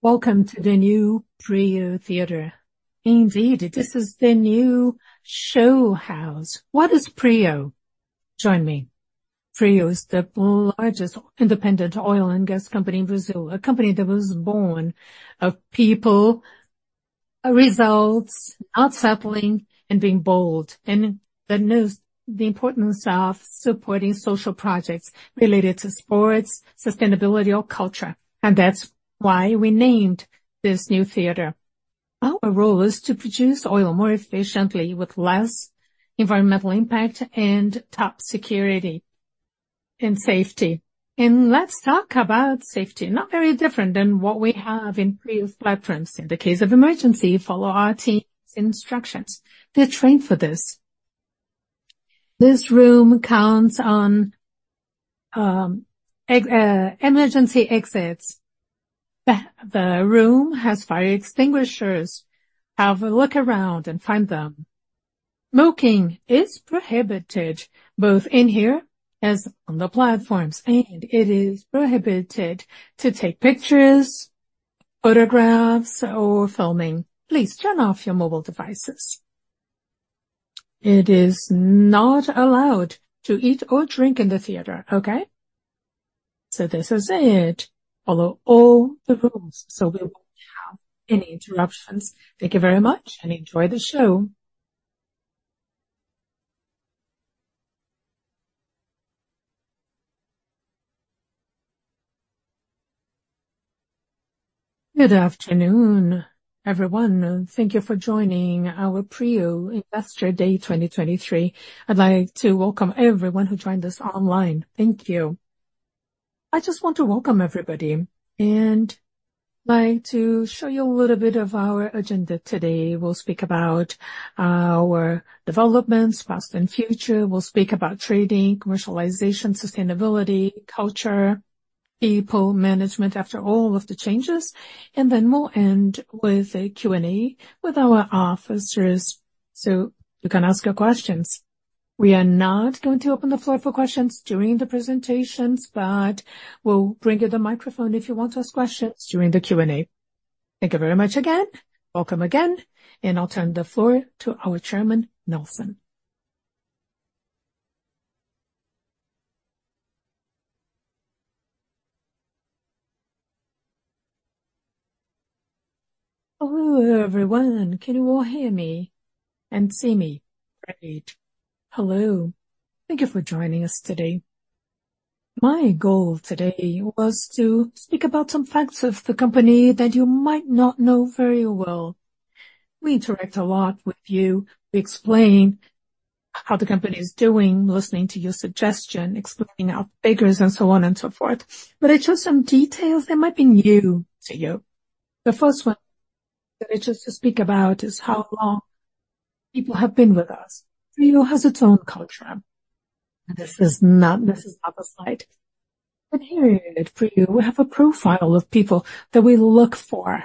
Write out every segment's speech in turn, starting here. Welcome to the new PRIO Theater. Indeed, this is the new show house. What is PRIO? Join me. PRIO is the largest independent oil and gas company in Brazil. A company that was born of people, results, outsmarting and being bold, and it knows the importance of supporting social projects related to sports, sustainability, or culture. And that's why we named this new theater. Our role is to produce oil more efficiently with less environmental impact and top security and safety. And let's talk about safety. Not very different than what we have in PRIO's platforms. In the case of emergency, follow our team's instructions. They're trained for this. This room counts on emergency exits. The room has fire extinguishers. Have a look around and find them. Smoking is prohibited, both in here as on the platforms, and it is prohibited to take pictures, photographs, or filming. Please turn off your mobile devices. It is not allowed to eat or drink in the theater. Okay? So this is it. Follow all the rules so we won't have any interruptions. Thank you very much, and enjoy the show. Good afternoon, everyone. Thank you for joining our PRIO Investor Day 2023. I'd like to welcome everyone who joined us online. Thank you. I just want to welcome everybody and like to show you a little bit of our agenda today. We'll speak about our developments, past and future. We'll speak about trading, commercialization, sustainability, culture, people, management, after all of the changes, and then we'll end with a Q&A with our officers, so you can ask your questions. We are not going to open the floor for questions during the presentations, but we'll bring you the microphone if you want to ask questions during the Q&A. Thank you very much again. Welcome again, and I'll turn the floor to our Chairman, Nelson. Hello, everyone. Can you all hear me and see me? Great. Hello. Thank you for joining us today. My goal today was to speak about some facts of the company that you might not know very well. We interact a lot with you. We explain how the company is doing, listening to your suggestion, explaining our figures and so on and so forth. But I chose some details that might be new to you. The first one that I chose to speak about is how long people have been with us. PRIO has its own culture. This is not, this is not a slide, but here it for you. We have a profile of people that we look for,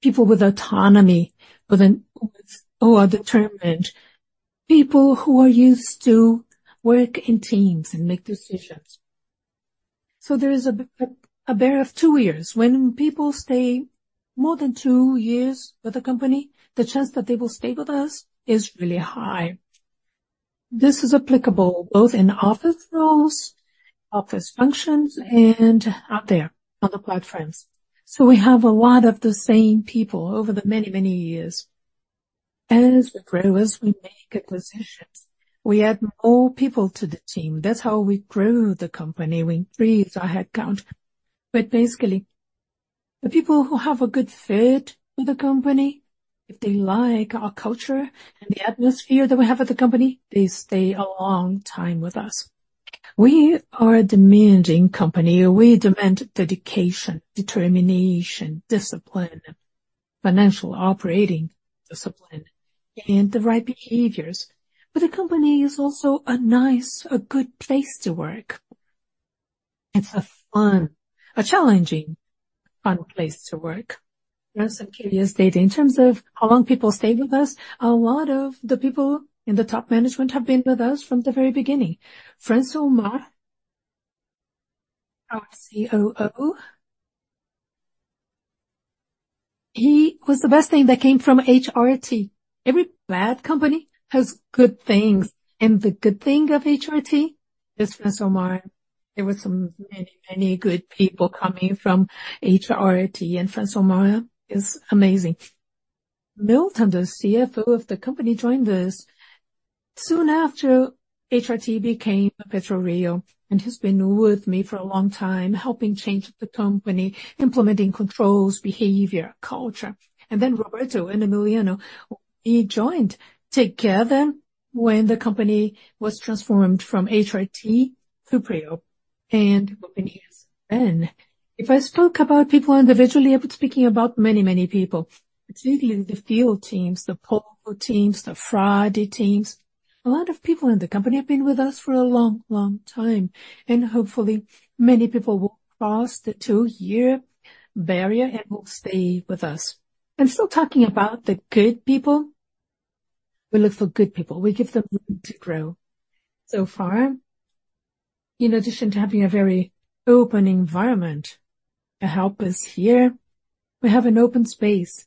people with autonomy, with an. who are determined, people who are used to work in teams and make decisions. So there is a barrier of two years. When people stay more than two years with the company, the chance that they will stay with us is really high. This is applicable both in office roles, office functions, and out there on the platforms. So we have a lot of the same people over the many, many years. As we grow, as we make acquisitions, we add more people to the team. That's how we grow the company. We increase our headcount. But basically, the people who have a good fit with the company, if they like our culture and the atmosphere that we have at the company, they stay a long time with us. We are a demanding company. We demand dedication, determination, discipline, financial operating discipline, and the right behaviors. But the company is also a nice, a good place to work. It's a fun, a challenging, fun place to work. There are some curious Dated in terms of how long people stay with us. A lot of the people in the top management have been with us from the very beginning. Francilmar Fernandes, our COO, he was the best thing that came from HRT. Every bad company has good things, and the good thing of HRT is Francilmar Fernandes. There were some many, many good people coming from HRT, and Francilmar Fernandes is amazing. Milton, the CFO of the company, joined us soon after HRT became PetroRio, and he's been with me for a long time, helping change the company, implementing controls, behavior, culture. Then Roberto and Emiliano, who joined together when the company was transformed from HRT to PRIO and over the years then. If I spoke about people individually, I would be speaking about many, many people, particularly the field teams, the Polvo teams, the Frade teams. A lot of people in the company have been with us for a long, long time, and hopefully, many people will cross the two-year barrier and will stay with us. Still talking about the good people, we look for good people. We give them room to grow. So far, in addition to having a very open environment to help us here, we have an open space.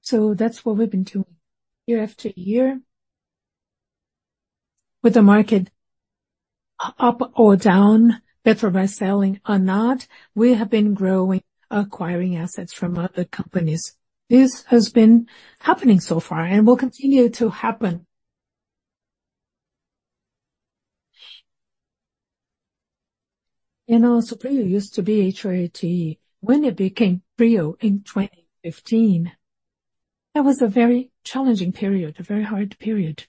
So that's what we've been doing year after year. With the market up or down, better by selling or not, we have been growing, acquiring assets from other companies. This has been happening so far and will continue to happen. You know, PetroRio used to be HRT. When it became PRIO in 2015, that was a very challenging period, a very hard period.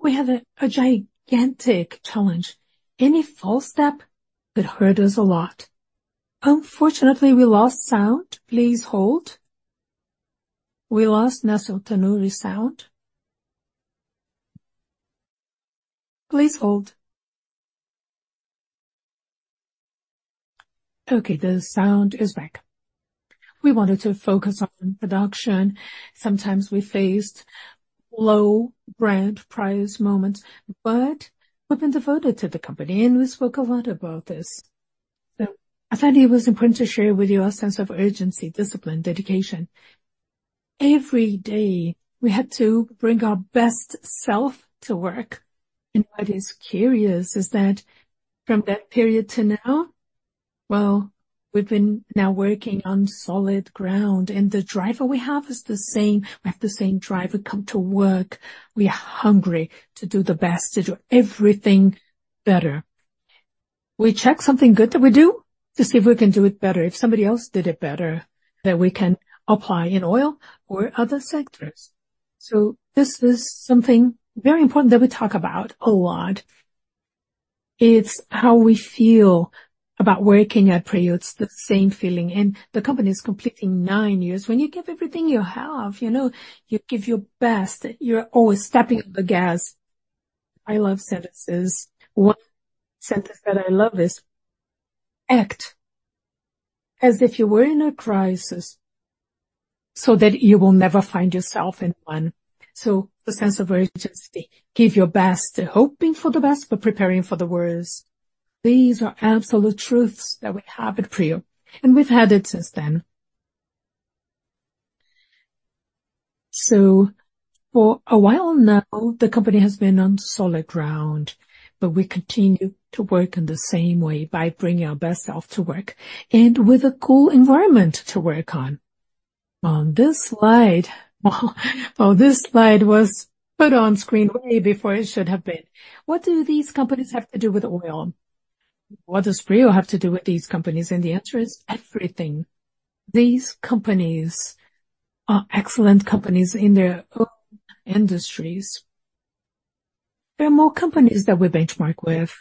We had a gigantic challenge. Any false step could hurt us a lot. Unfortunately, we lost sound. Please hold. We lost Nelson Tanure sound. Please hold. Okay, the sound is back. We wanted to focus on production. Sometimes we faced low Brent price moments, but we've been devoted to the company, and we spoke a lot about this. So I thought it was important to share with you our sense of urgency, discipline, dedication. Every day, we had to bring our best self to work. What is curious is that from that period to now, well, we've been now working on solid ground, and the driver we have is the same. We have the same driver come to work. We are hungry to do the best, to do everything better. We check something good that we do to see if we can do it better, if somebody else did it better, that we can apply in oil or other sectors. So this is something very important that we talk about a lot. It's how we feel about working at PRIO. It's the same feeling, and the company is completing nine years. When you give everything you have, you know, you give your best, you're always stepping on the gas. I love sentences. One sentence that I love is: Act as if you were in a crisis so that you will never find yourself in one. So the sense of urgency, give your best, hoping for the best, but preparing for the worst. These are absolute truths that we have at PRIO, and we've had it since then. So for a while now, the company has been on solid ground, but we continue to work in the same way by bringing our best self to work and with a cool environment to work on. On this slide, well, this slide was put on screen way before it should have been. What do these companies have to do with oil? What does PRIO have to do with these companies? And the answer is everything. These companies are excellent companies in their own industries. There are more companies that we benchmark with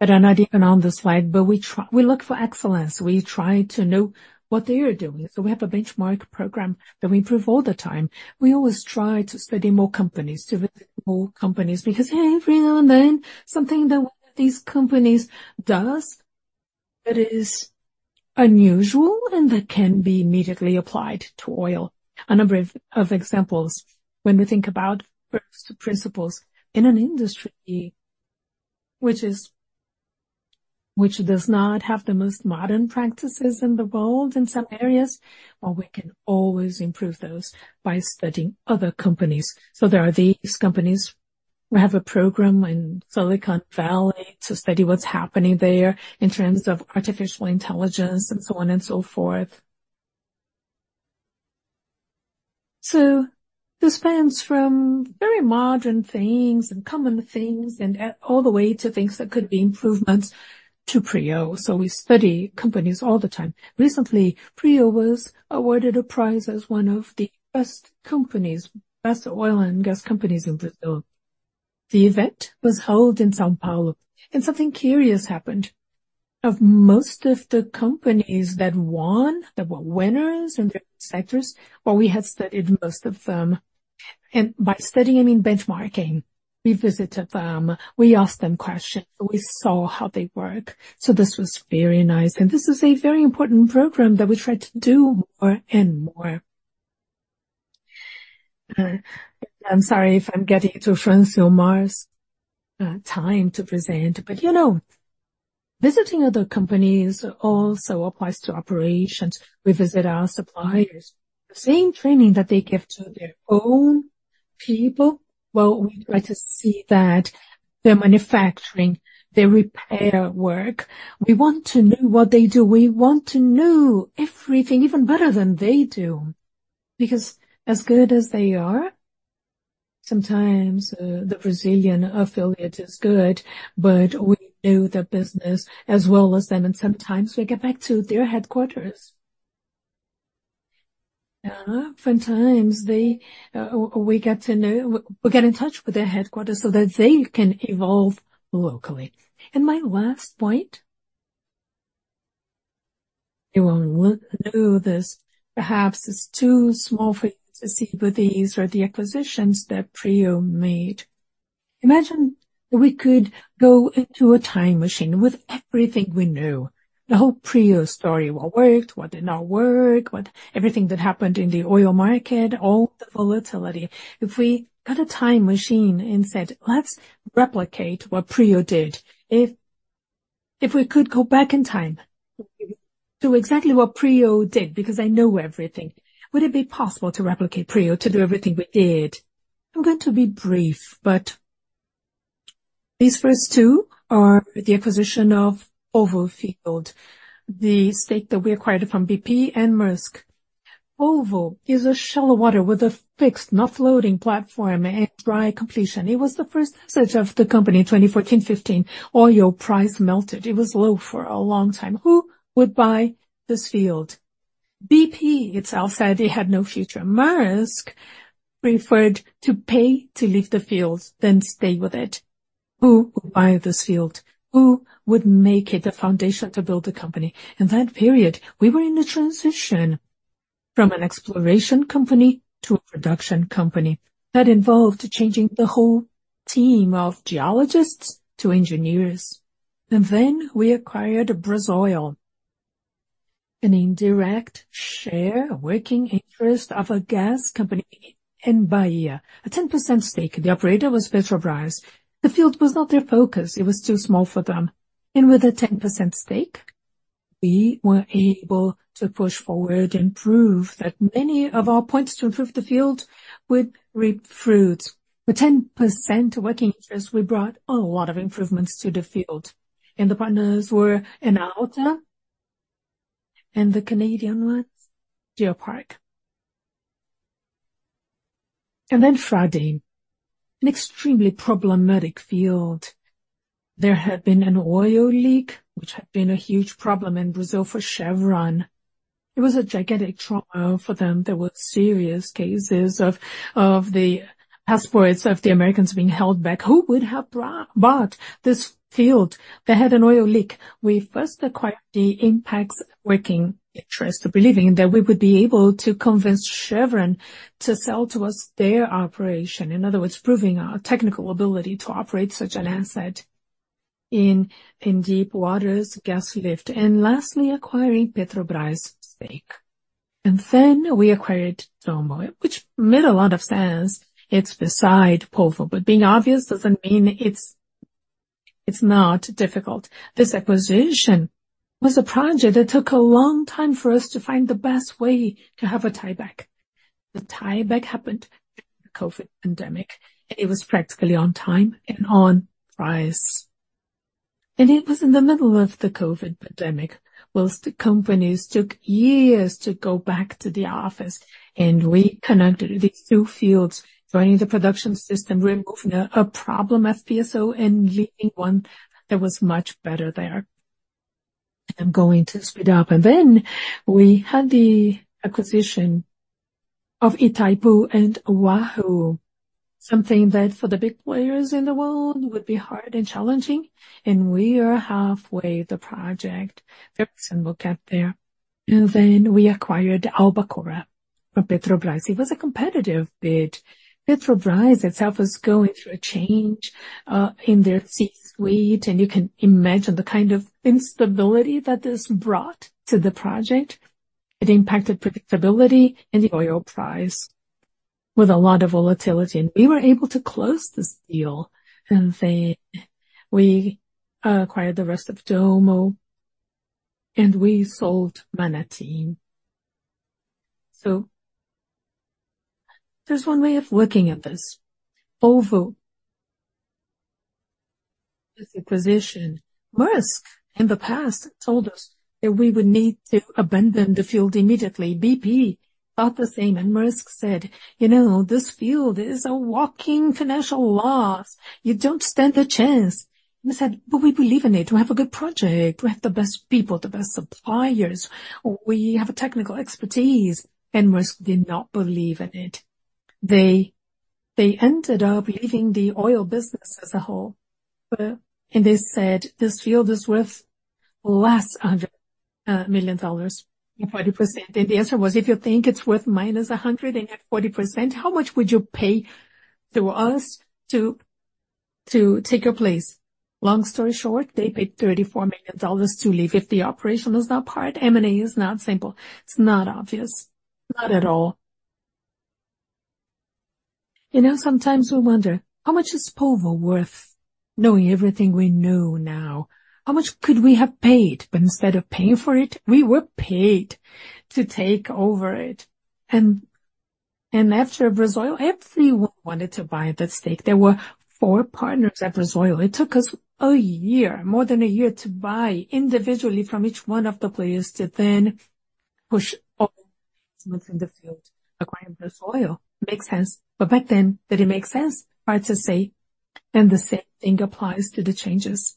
that are not even on this slide, but we try, we look for excellence. We try to know what they are doing. So we have a benchmark program that we improve all the time. We always try to study more companies, to visit more companies, because, hey, every now and then, something that one of these companies does that is unusual and that can be immediately applied to oil. A number of examples when we think about first principles in an industry which does not have the most modern practices in the world in some areas, well, we can always improve those by studying other companies. So there are these companies. We have a program in Silicon Valley to study what's happening there in terms of artificial intelligence and so on and so forth. So this spans from very modern things and common things and, all the way to things that could be improvements to PRIO. So we study companies all the time. Recently, PRIO was awarded a prize as one of the best companies, best oil and gas companies in the world. The event was held in São Paulo, and something curious happened. Of most of the companies that won, that were winners in different sectors, well, we had studied most of them. And by studying, I mean benchmarking. We visited them, we asked them questions, we saw how they work. So this was very nice, and this is a very important program that we try to do more and more. I'm sorry if I'm getting into Francilmar's time to present, but, you know, visiting other companies also applies to operations. We visit our suppliers. The same training that they give to their own people, well, we try to see that, their manufacturing, their repair work. We want to know what they do. We want to know everything even better than they do, because as good as they are, sometimes, the Brazilian affiliate is good, but we know their business as well as them, and sometimes we get back to their headquarters. Oftentimes, they, we get to know. We get in touch with their headquarters so that they can evolve locally. And my last point, you will know this. Perhaps it's too small for you to see, but these are the acquisitions that PRIO made. Imagine we could go into a time machine with everything we know, the whole PRIO story, what worked, what did not work, everything that happened in the oil market, all the volatility. If we got a time machine and said, "Let's replicate what PRIO did," if, if we could go back in time to exactly what PRIO did, because I know everything, would it be possible to replicate PRIO, to do everything we did? I'm going to be brief, but these first two are the acquisition of Polvo field, the stake that we acquired from BP and Maersk. Polvo is a shallow water with a fixed, not floating, platform and dry completion. It was the first asset of the company in 2014, 2015. Oil price melted. It was low for a long time. Who would buy this field? BP itself said it had no future. Maersk preferred to pay to leave the field than stay with it. Who would buy this field? Who would make it the foundation to build a company? In that period, we were in a transition from an exploration company to a production company. That involved changing the whole team of geologists to engineers. Then we acquired Brasoil, an indirect share, working interest of a gas company in Bahia, a 10% stake. The operator was Petrobras. The field was not their focus, it was too small for them. And with a 10% stake, we were able to push forward and prove that many of our points to improve the field would reap fruits. With 10% working interest, we brought a lot of improvements to the field, and the partners were Enauta and the Canadian one, GeoPark. Then Frade, an extremely problematic field. There had been an oil leak, which had been a huge problem in Brazil for Chevron. It was a gigantic trauma for them. There were serious cases of the passports of the Americans being held back. Who would have bought this field that had an oil leak? We first acquired the impaired working interest, believing that we would be able to convince Chevron to sell to us their operation. In other words, proving our technical ability to operate such an asset in deep waters, gas lift, and lastly, acquiring Petrobras' stake. And then we acquired Tamoio, which made a lot of sense. It's beside Polvo, but being obvious doesn't mean it's not difficult. This acquisition was a project that took a long time for us to find the best way to have a tieback. The tieback happened during the COVID pandemic, and it was practically on time and on price. And it was in the middle of the COVID pandemic. Most companies took years to go back to the office, and we connected these two fields, joining the production system, removing a problem at FPSO and leaving one that was much better there. I'm going to speed up. Then we had the acquisition of Itaipu and Wahoo, something that for the big players in the world would be hard and challenging, and we are halfway the project. Very soon we'll get there. Then we acquired Albacora from Petrobras. It was a competitive bid. Petrobras itself was going through a change in their C-suite, and you can imagine the kind of instability that this brought to the project. It impacted predictability and the oil price with a lot of volatility, and we were able to close this deal, and then we acquired the rest of Tamoio, and we sold Manati. So there's one way of looking at this. Polvo acquisition. Maersk, in the past, told us that we would need to abandon the field immediately. BP thought the same, and Maersk said, "You know, this field is a walking financial loss. You don't stand a chance." We said, "But we believe in it. We have a good project. We have the best people, the best suppliers. We have a technical expertise." Maersk did not believe in it. They ended up leaving the oil business as a whole, and they said, "This field is worth less $100 million at 40%." The answer was, "If you think it's worth minus $100 million at 40%, how much would you pay to us to take your place?" Long story short, they paid $34 million to leave. If the operation is not part, M&A is not simple. It's not obvious. Not at all. You know, sometimes we wonder, how much is Polvo worth, knowing everything we know now? How much could we have paid? But instead of paying for it, we were paid to take over it. And, and after Brasoil, everyone wanted to buy that stake. There were four partners at Brasoil. It took us a year, more than a year, to buy individually from each one of the players, to then pool all within the field. Acquiring Brasoil makes sense, but back then, did it make sense? Hard to say, and the same thing applies to the changes.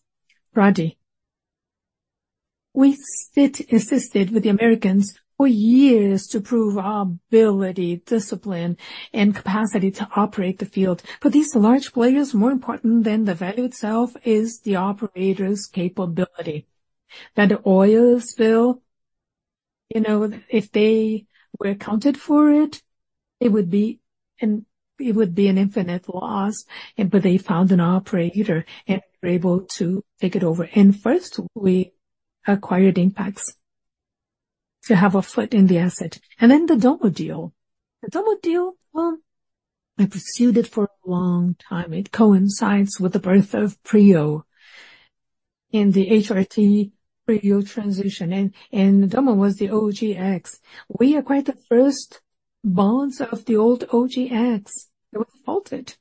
Frade. We insisted with the Americans for years to prove our ability, discipline, and capacity to operate the field. For these large players, more important than the value itself is the operator's capability. You know, if they were accounted for it, it would be an infinite loss. But they found an operator, and they were able to take it over. First, we acquired impacts to have a foot in the asset. Then the Dommo deal. The Dommo deal, well, I pursued it for a long time. It coincides with the birth of PRIO and the HRT PRIO transition, and Dommo was the OGX. We acquired the first bonds of the old OGX that were defaulted.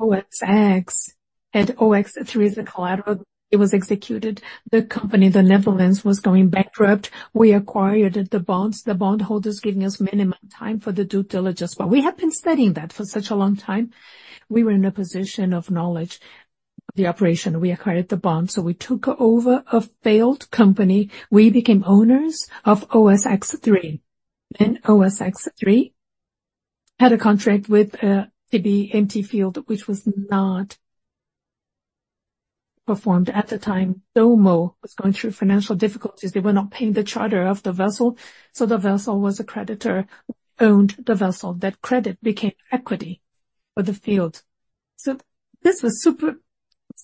OSX and OSX-3 is the collateral. It was executed. The company, the Netherlands, was going bankrupt. We acquired the bonds, the bondholders giving us minimum time for the due diligence, but we have been studying that for such a long time. We were in a position of knowledge, the operation. We acquired the bond, so we took over a failed company. We became owners of OSX-3, and OSX-3 had a contract with to Polvo field, which was not performed at the time. Dommo was going through financial difficulties. They were not paying the charter of the vessel, so the vessel was a creditor, owned the vessel. That credit became equity for the field. So this was super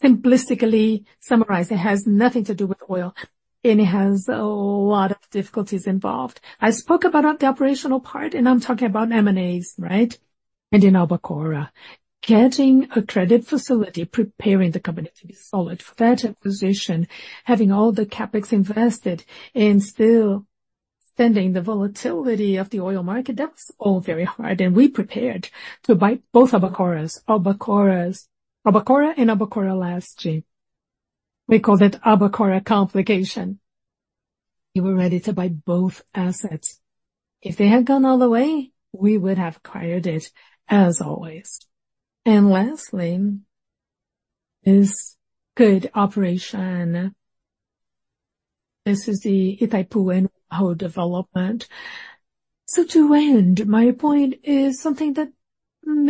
simplistically summarized. It has nothing to do with oil, and it has a lot of difficulties involved. I spoke about the operational part, and I'm talking about M&As, right? And in Albacora Leste. Getting a credit facility, preparing the company to be solid for that acquisition, having all the CapEx invested and still spending the volatility of the oil market, that was all very hard. And we prepared to buy both Albacoras. Albacoras—Albacora and Albacora Leste. We call that Albacora complication. We were ready to buy both assets. If they had gone all the way, we would have acquired it as always. And lastly, is good operation. This is the Itaipu and Wahoo development. So to end, my point is something that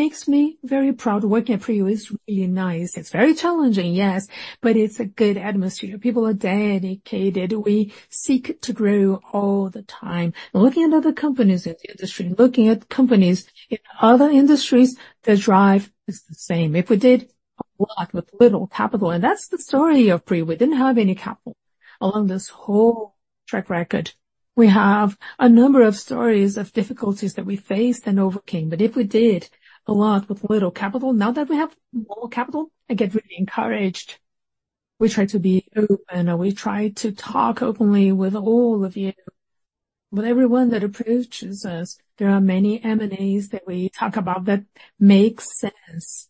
makes me very proud. Working at PRIO is really nice. It's very challenging, yes, but it's a good atmosphere. People are dedicated. We seek to grow all the time. Looking at other companies in the industry, looking at companies in other industries, the drive is the same. If we did a lot with little capital, and that's the story of PRIO. We didn't have any capital. Along this whole track record, we have a number of stories of difficulties that we faced and overcame, but if we did a lot with little capital, now that we have more capital, I get really encouraged. We try to be open, and we try to talk openly with all of you, with everyone that approaches us. There are many M&As that we talk about that make sense,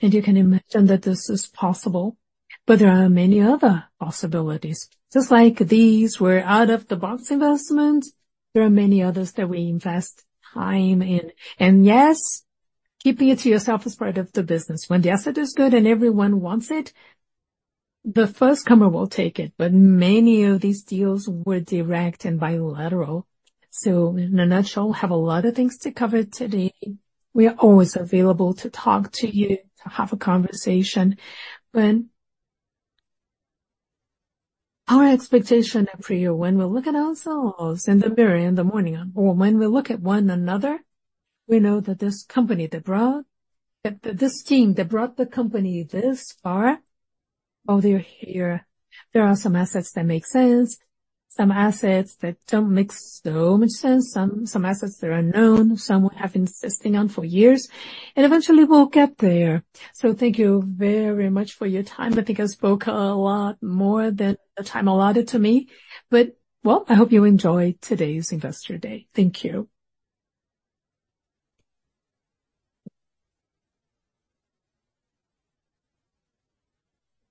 and you can imagine that this is possible, but there are many other possibilities. Just like these were out-of-the-box investments, there are many others that we invest time in. And yes, keeping it to yourself is part of the business. When the asset is good and everyone wants it, the first comer will take it, but many of these deals were direct and bilateral. So in a nutshell, have a lot of things to cover today. We are always available to talk to you, to have a conversation. When. Our expectation at PRIO, when we look at ourselves in the mirror, in the morning, or when we look at one another, we know that this company that brought-- that this team that brought the company this far, oh, they're here. There are some assets that make sense, some assets that don't make so much sense, some, some assets that are unknown, some we have been sitting on for years, and eventually we'll get there. So thank you very much for your time. I think I spoke a lot more than the time allotted to me, but well, I hope you enjoy today's Investor Day. Thank you.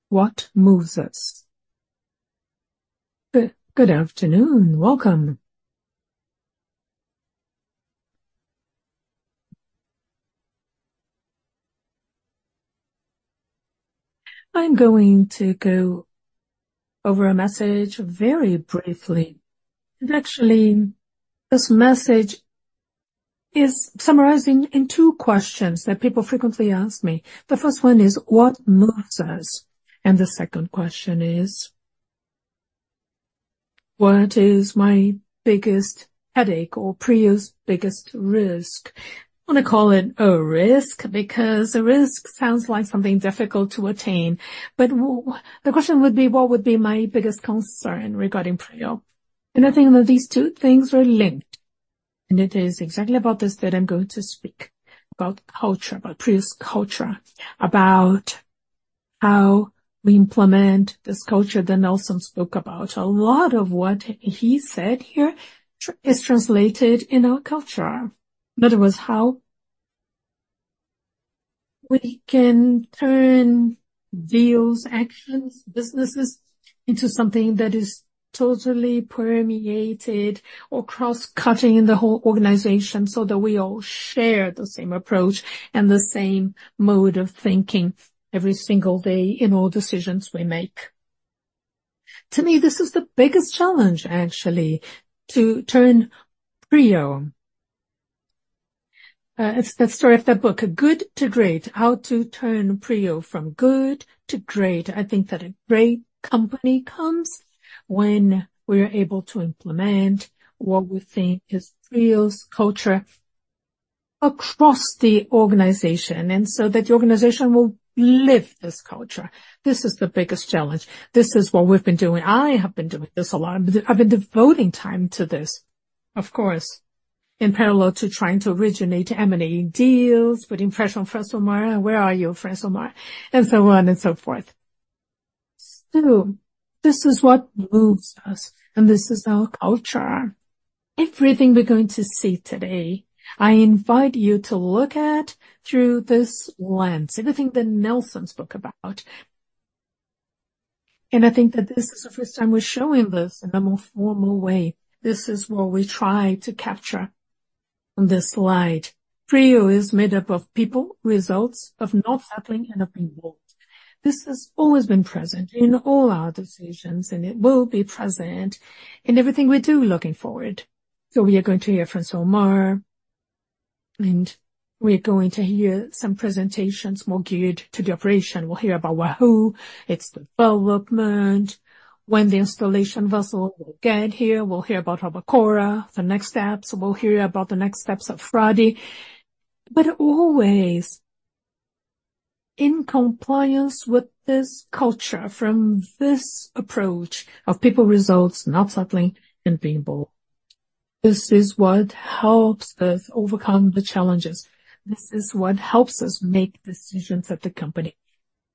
What moves us? Good afternoon. Welcome. I'm going to go over a message very briefly. And actually, this message is summarizing in two questions that people frequently ask me. The first one is: What moves us? The second question is: What is my biggest headache or PRIO's biggest risk? I want to call it a risk, because a risk sounds like something difficult to attain, but the question would be: What would be my biggest concern regarding PRIO? I think that these two things are linked, and it is exactly about this that I'm going to speak, about culture, about PRIO's culture, about how we implement this culture that Nelson spoke about. A lot of what he said here is translated in our culture. In other words, how we can turn deals, actions, businesses into something that is totally permeated or cross-cutting in the whole organization so that we all share the same approach and the same mode of thinking every single day in all decisions we make. To me, this is the biggest challenge, actually, to turn PRIO-. It's the story of that book, Good to Great: How to Turn PRIO from Good to Great. I think that a great company comes when we're able to implement what we think is PRIO's culture across the organization, and so that the organization will live this culture. This is the biggest challenge. This is what we've been doing. I have been doing this a lot. I've been devoting time to this, of course, in parallel to trying to originate, emanating deals, putting pressure on Francilmar, "Where are you, Francilmar?" And so on and so forth. So this is what moves us, and this is our culture. Everything we're going to see today, I invite you to look at through this lens, everything that Nelson spoke about. And I think that this is the first time we're showing this in a more formal way. This is what we try to capture on this slide. PRIO is made up of people, results, of not settling, and of being bold. This has always been present in all our decisions, and it will be present in everything we do looking forward. So we are going to hear from Francilmar Fernandes, and we're going to hear some presentations more geared to the operation. We'll hear about Wahoo, its development, when the installation vessel will get here. We'll hear about Albacora, the next steps. We'll hear about the next steps of Frade. But always in compliance with this culture, from this approach of people, results, not settling and being bold. This is what helps us overcome the challenges. This is what helps us make decisions at the company.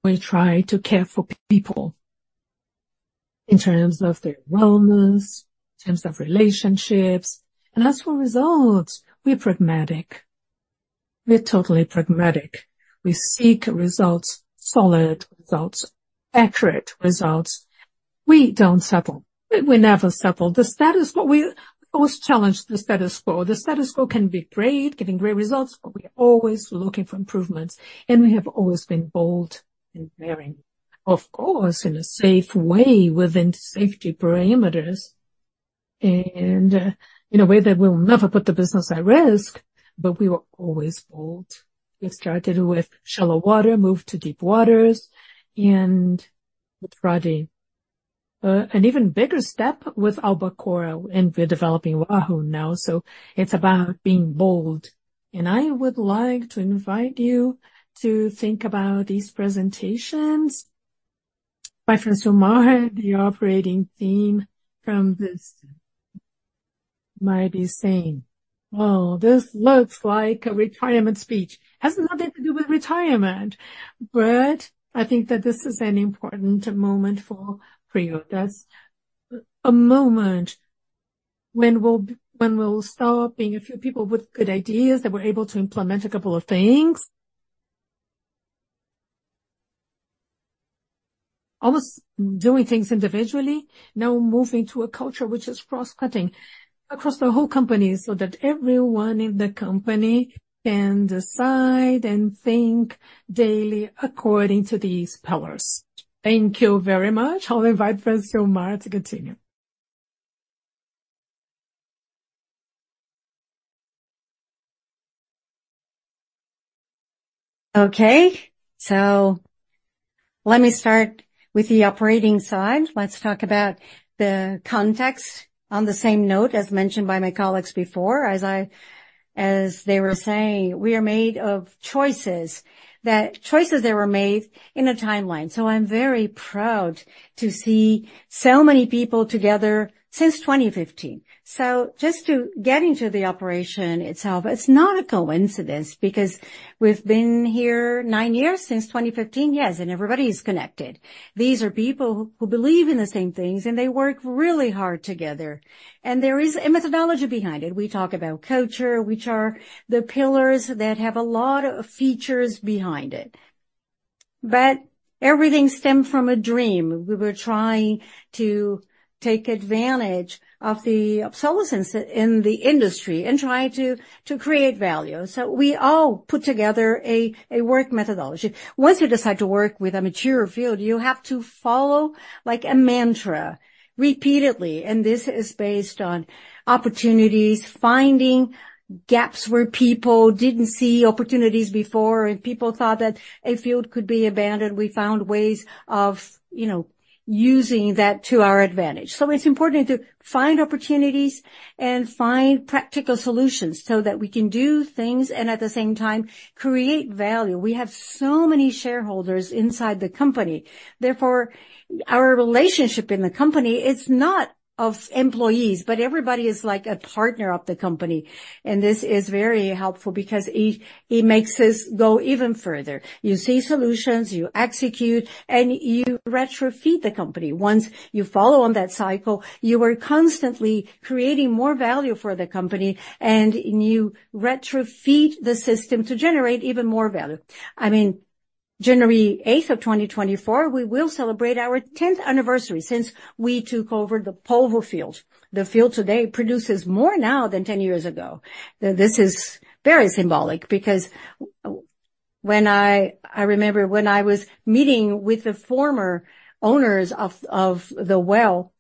We try to care for people in terms of their wellness, in terms of relationships, and as for results, we're pragmatic. We're totally pragmatic. We seek results, solid results, accurate results. We don't settle. We, we never settle. The status quo. We always challenge the status quo. The status quo can be great, giving great results, but we're always looking for improvements, and we have always been bold and daring. Of course, in a safe way, within safety parameters, and in a way that will never put the business at risk, but we were always bold. We started with shallow water, moved to deep waters, and with Frade, an even bigger step with Albacora, and we're developing Wahoo now. So it's about being bold. And I would like to invite you to think about these presentations by Francilmar Fernandes. The operating theme from this might be saying, "Well, this looks like a retirement speech." It has nothing to do with retirement, but I think that this is an important moment for PRIO. That's a moment when we'll stop being a few people with good ideas that were able to implement a couple of things. Almost doing things individually, now moving to a culture which is cross-cutting across the whole company, so that everyone in the company can decide and think daily according to these pillars. Thank you very much. I'll invite Francois Omar to continue. Okay, so let me start with the operating side. Let's talk about the context. On the same note, as mentioned by my colleagues before, as they were saying, we are made of choices that were made in a timeline. So I'm very proud to see so many people together since 2015. So just to get into the operation itself, it's not a coincidence, because we've been here 9 years, since 2015, yes, and everybody is connected. These are people who believe in the same things, and they work really hard together. And there is a methodology behind it. We talk about culture, which are the pillars that have a lot of features behind it. But everything stemmed from a dream. We were trying to take advantage of the obsolescence in the industry and try to create value. So we all put together a work methodology. Once you decide to work with a mature field, you have to follow like a mantra repeatedly, and this is based on opportunities, finding gaps where people didn't see opportunities before, and people thought that a field could be abandoned. We found ways of, you know, using that to our advantage. So it's important to find opportunities and find practical solutions so that we can do things and at the same time create value. We have so many shareholders inside the company, therefore, our relationship in the company is not of employees, but everybody is like a partner of the company. And this is very helpful because it, it makes us go even further. You see solutions, you execute, and you retrofeed the company. Once you follow on that cycle, you are constantly creating more value for the company, and you retrofeed the system to generate even more value. I mean, January 8, 2024, we will celebrate our 10th anniversary since we took over the Polvo field. The field today produces more now than 10 years ago. This is very symbolic because. When I remember when I was meeting with the former owners of the well,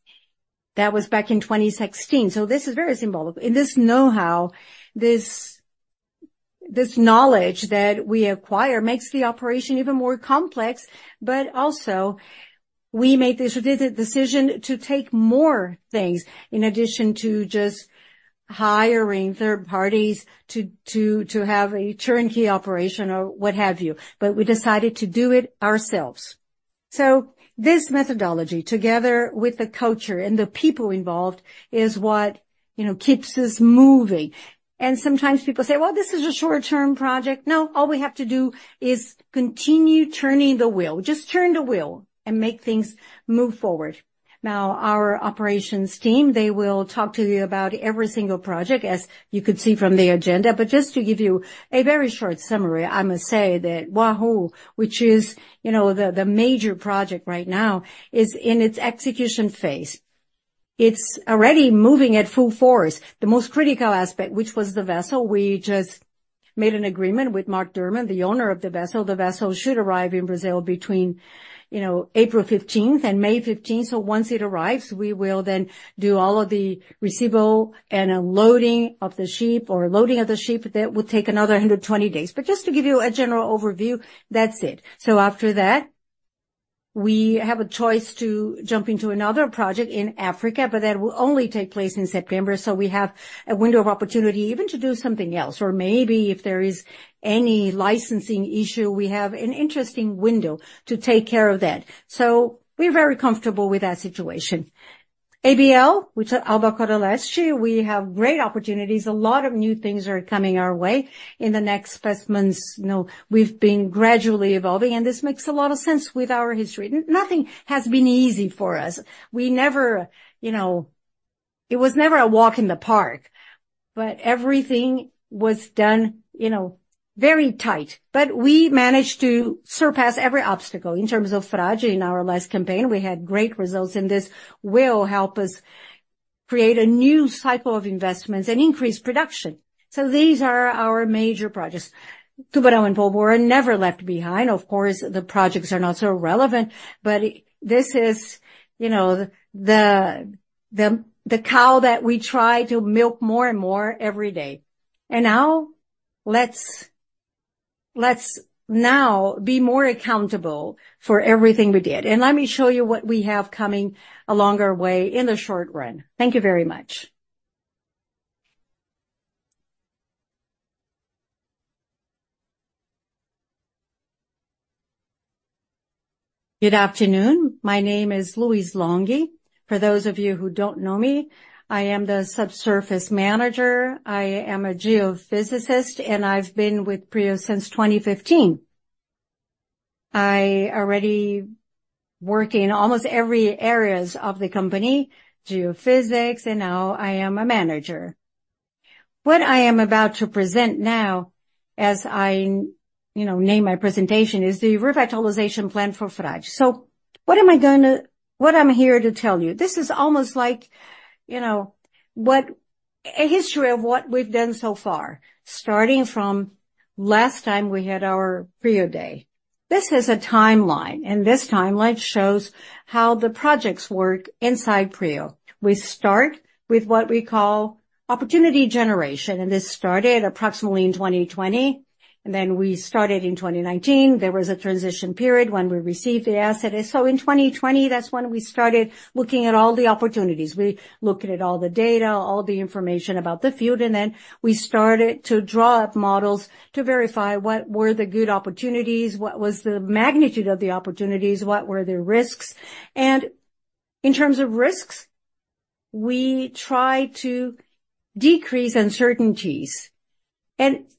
that was back in 2016. So this is very symbolic, and this know-how, this knowledge that we acquire makes the operation even more complex, but also we made this decision to take more things in addition to just hiring third parties to have a turnkey operation or what have you. But we decided to do it ourselves. So this methodology, together with the culture and the people involved, is what, you know, keeps us moving. And sometimes people say, "Well, this is a short-term project." No, all we have to do is continue turning the wheel. Just turn the wheel and make things move forward. Now, our operations team, they will talk to you about every single project, as you could see from the agenda. But just to give you a very short summary, I must say that Wahoo, which is, you know, the, the major project right now, is in its execution phase. It's already moving at full force. The most critical aspect, which was the vessel, we just made an agreement with McDermott, the owner of the vessel. The vessel should arrive in Brazil between, you know, April 15th and May 15th. So once it arrives, we will then do all of the receivable and unloading of the ship or loading of the ship. That will take another 120 days. But just to give you a general overview, that's it. So after that, we have a choice to jump into another project in Africa, but that will only take place in September, so we have a window of opportunity even to do something else. Or maybe if there is any licensing issue, we have an interesting window to take care of that. So we're very comfortable with that situation. ABL, which is Albacora Leste, we have great opportunities. A lot of new things are coming our way in the next best months. You know, we've been gradually evolving, and this makes a lot of sense with our history. Nothing has been easy for us. We never. You know, it was never a walk in the park, but everything was done, you know, very tight. But we managed to surpass every obstacle in terms of Frade. In our last campaign, we had great results, and this will help us create a new cycle of investments and increase production. So these are our major projects. Tubarão and Polvo are never left behind. Of course, the projects are not so relevant, but this is, you know, the cow that we try to milk more and more every day. And now, let's now be more accountable for everything we did. And let me show you what we have coming along our way in the short run. Thank you very much. Good afternoon. My name is Luiz Longhi. For those of you who don't know me, I am the subsurface manager. I am a geophysicist, and I've been with PRIO since 2015. I already working in almost every areas of the company, geophysics, and now I am a manager. What I am about to present now, as I, you know, name my presentation, is the Revitalization plan for Frade. So what I'm here to tell you? This is almost like, you know, a history of what we've done so far, starting from last time we had our PRIO day. This is a timeline, and this timeline shows how the projects work inside PRIO. We start with what we call opportunity generation, and this started approximately in 2020, and then we started in 2019. There was a transition period when we received the asset. So in 2020, that's when we started looking at all the opportunities. We looked at all the data, all the information about the field, and then we started to draw up models to verify what were the good opportunities, what was the magnitude of the opportunities, what were the risks? In terms of risks, we tried to decrease uncertainties.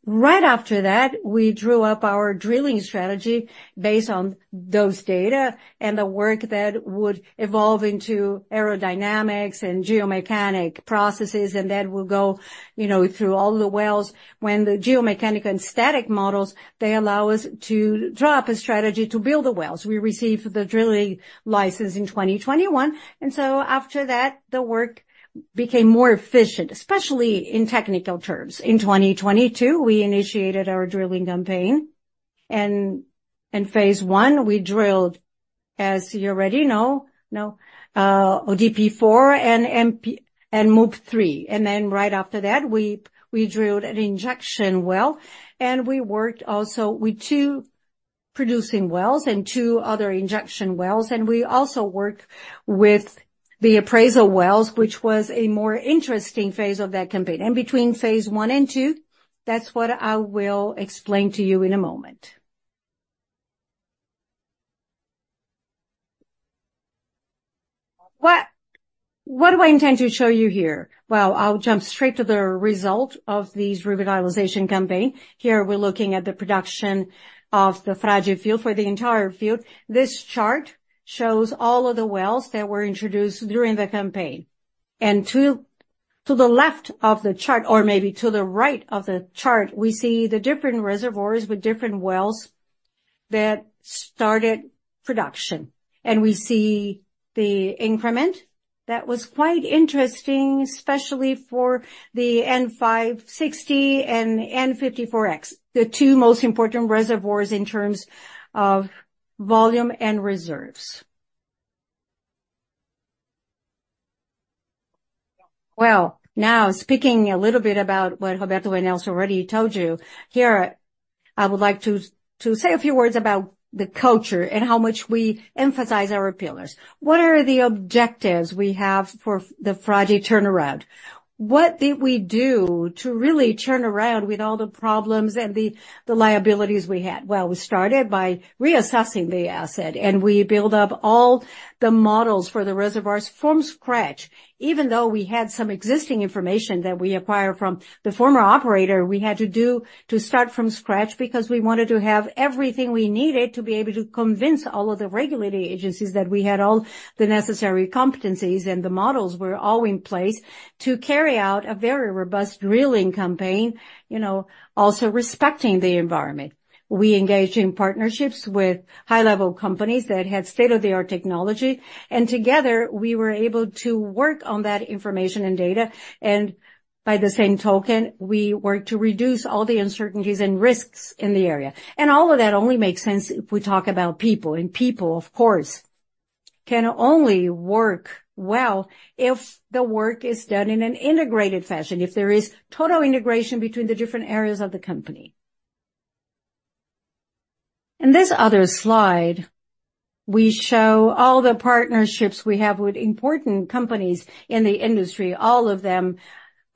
Right after that, we drew up our drilling strategy based on those data and the work that would evolve into aerodynamics and geomechanic processes, and that will go, you know, through all the wells. When the geomechanical and static models, they allow us to draw up a strategy to build the wells. We received the drilling license in 2021, and so after that, the work became more efficient, especially in technical terms. In 2022, we initiated our drilling campaign, and in phase one, we drilled, as you already know, now, ODP-4 and MUP-3A. And then right after that, we drilled an injection well, and we worked also with two producing wells and two other injection wells. And we also worked with the appraisal wells, which was a more interesting phase of that campaign. And between phase one and two, that's what I will explain to you in a moment. What do I intend to show you here? Well, I'll jump straight to the result of this revitalization campaign. Here we're looking at the production of the Frade field for the entire field. This chart shows all of the wells that were introduced during the campaign. And to the left of the chart, or maybe to the right of the chart, we see the different reservoirs with different wells that started production, and we see the increment. That was quite interesting, especially for the N560 and N54X, the two most important reservoirs in terms of volume and reserves. Well, now, speaking a little bit about what Roberto and Nelson already told you, here, I would like to say a few words about the culture and how much we emphasize our pillars. What are the objectives we have for the project turnaround? What did we do to really turn around with all the problems and the liabilities we had? Well, we started by reassessing the asset, and we build up all the models for the reservoirs from scratch. Even though we had some existing information that we acquired from the former operator, we had to start from scratch because we wanted to have everything we needed to be able to convince all of the regulatory agencies that we had all the necessary competencies, and the models were all in place to carry out a very robust drilling campaign, you know, also respecting the environment. We engaged in partnerships with high-level companies that had state-of-the-art technology, and together, we were able to work on that information and data, and by the same token, we worked to reduce all the uncertainties and risks in the area. All of that only makes sense if we talk about people, and people, of course, can only work well if the work is done in an integrated fashion, if there is total integration between the different areas of the company. In this other slide, we show all the partnerships we have with important companies in the industry. All of them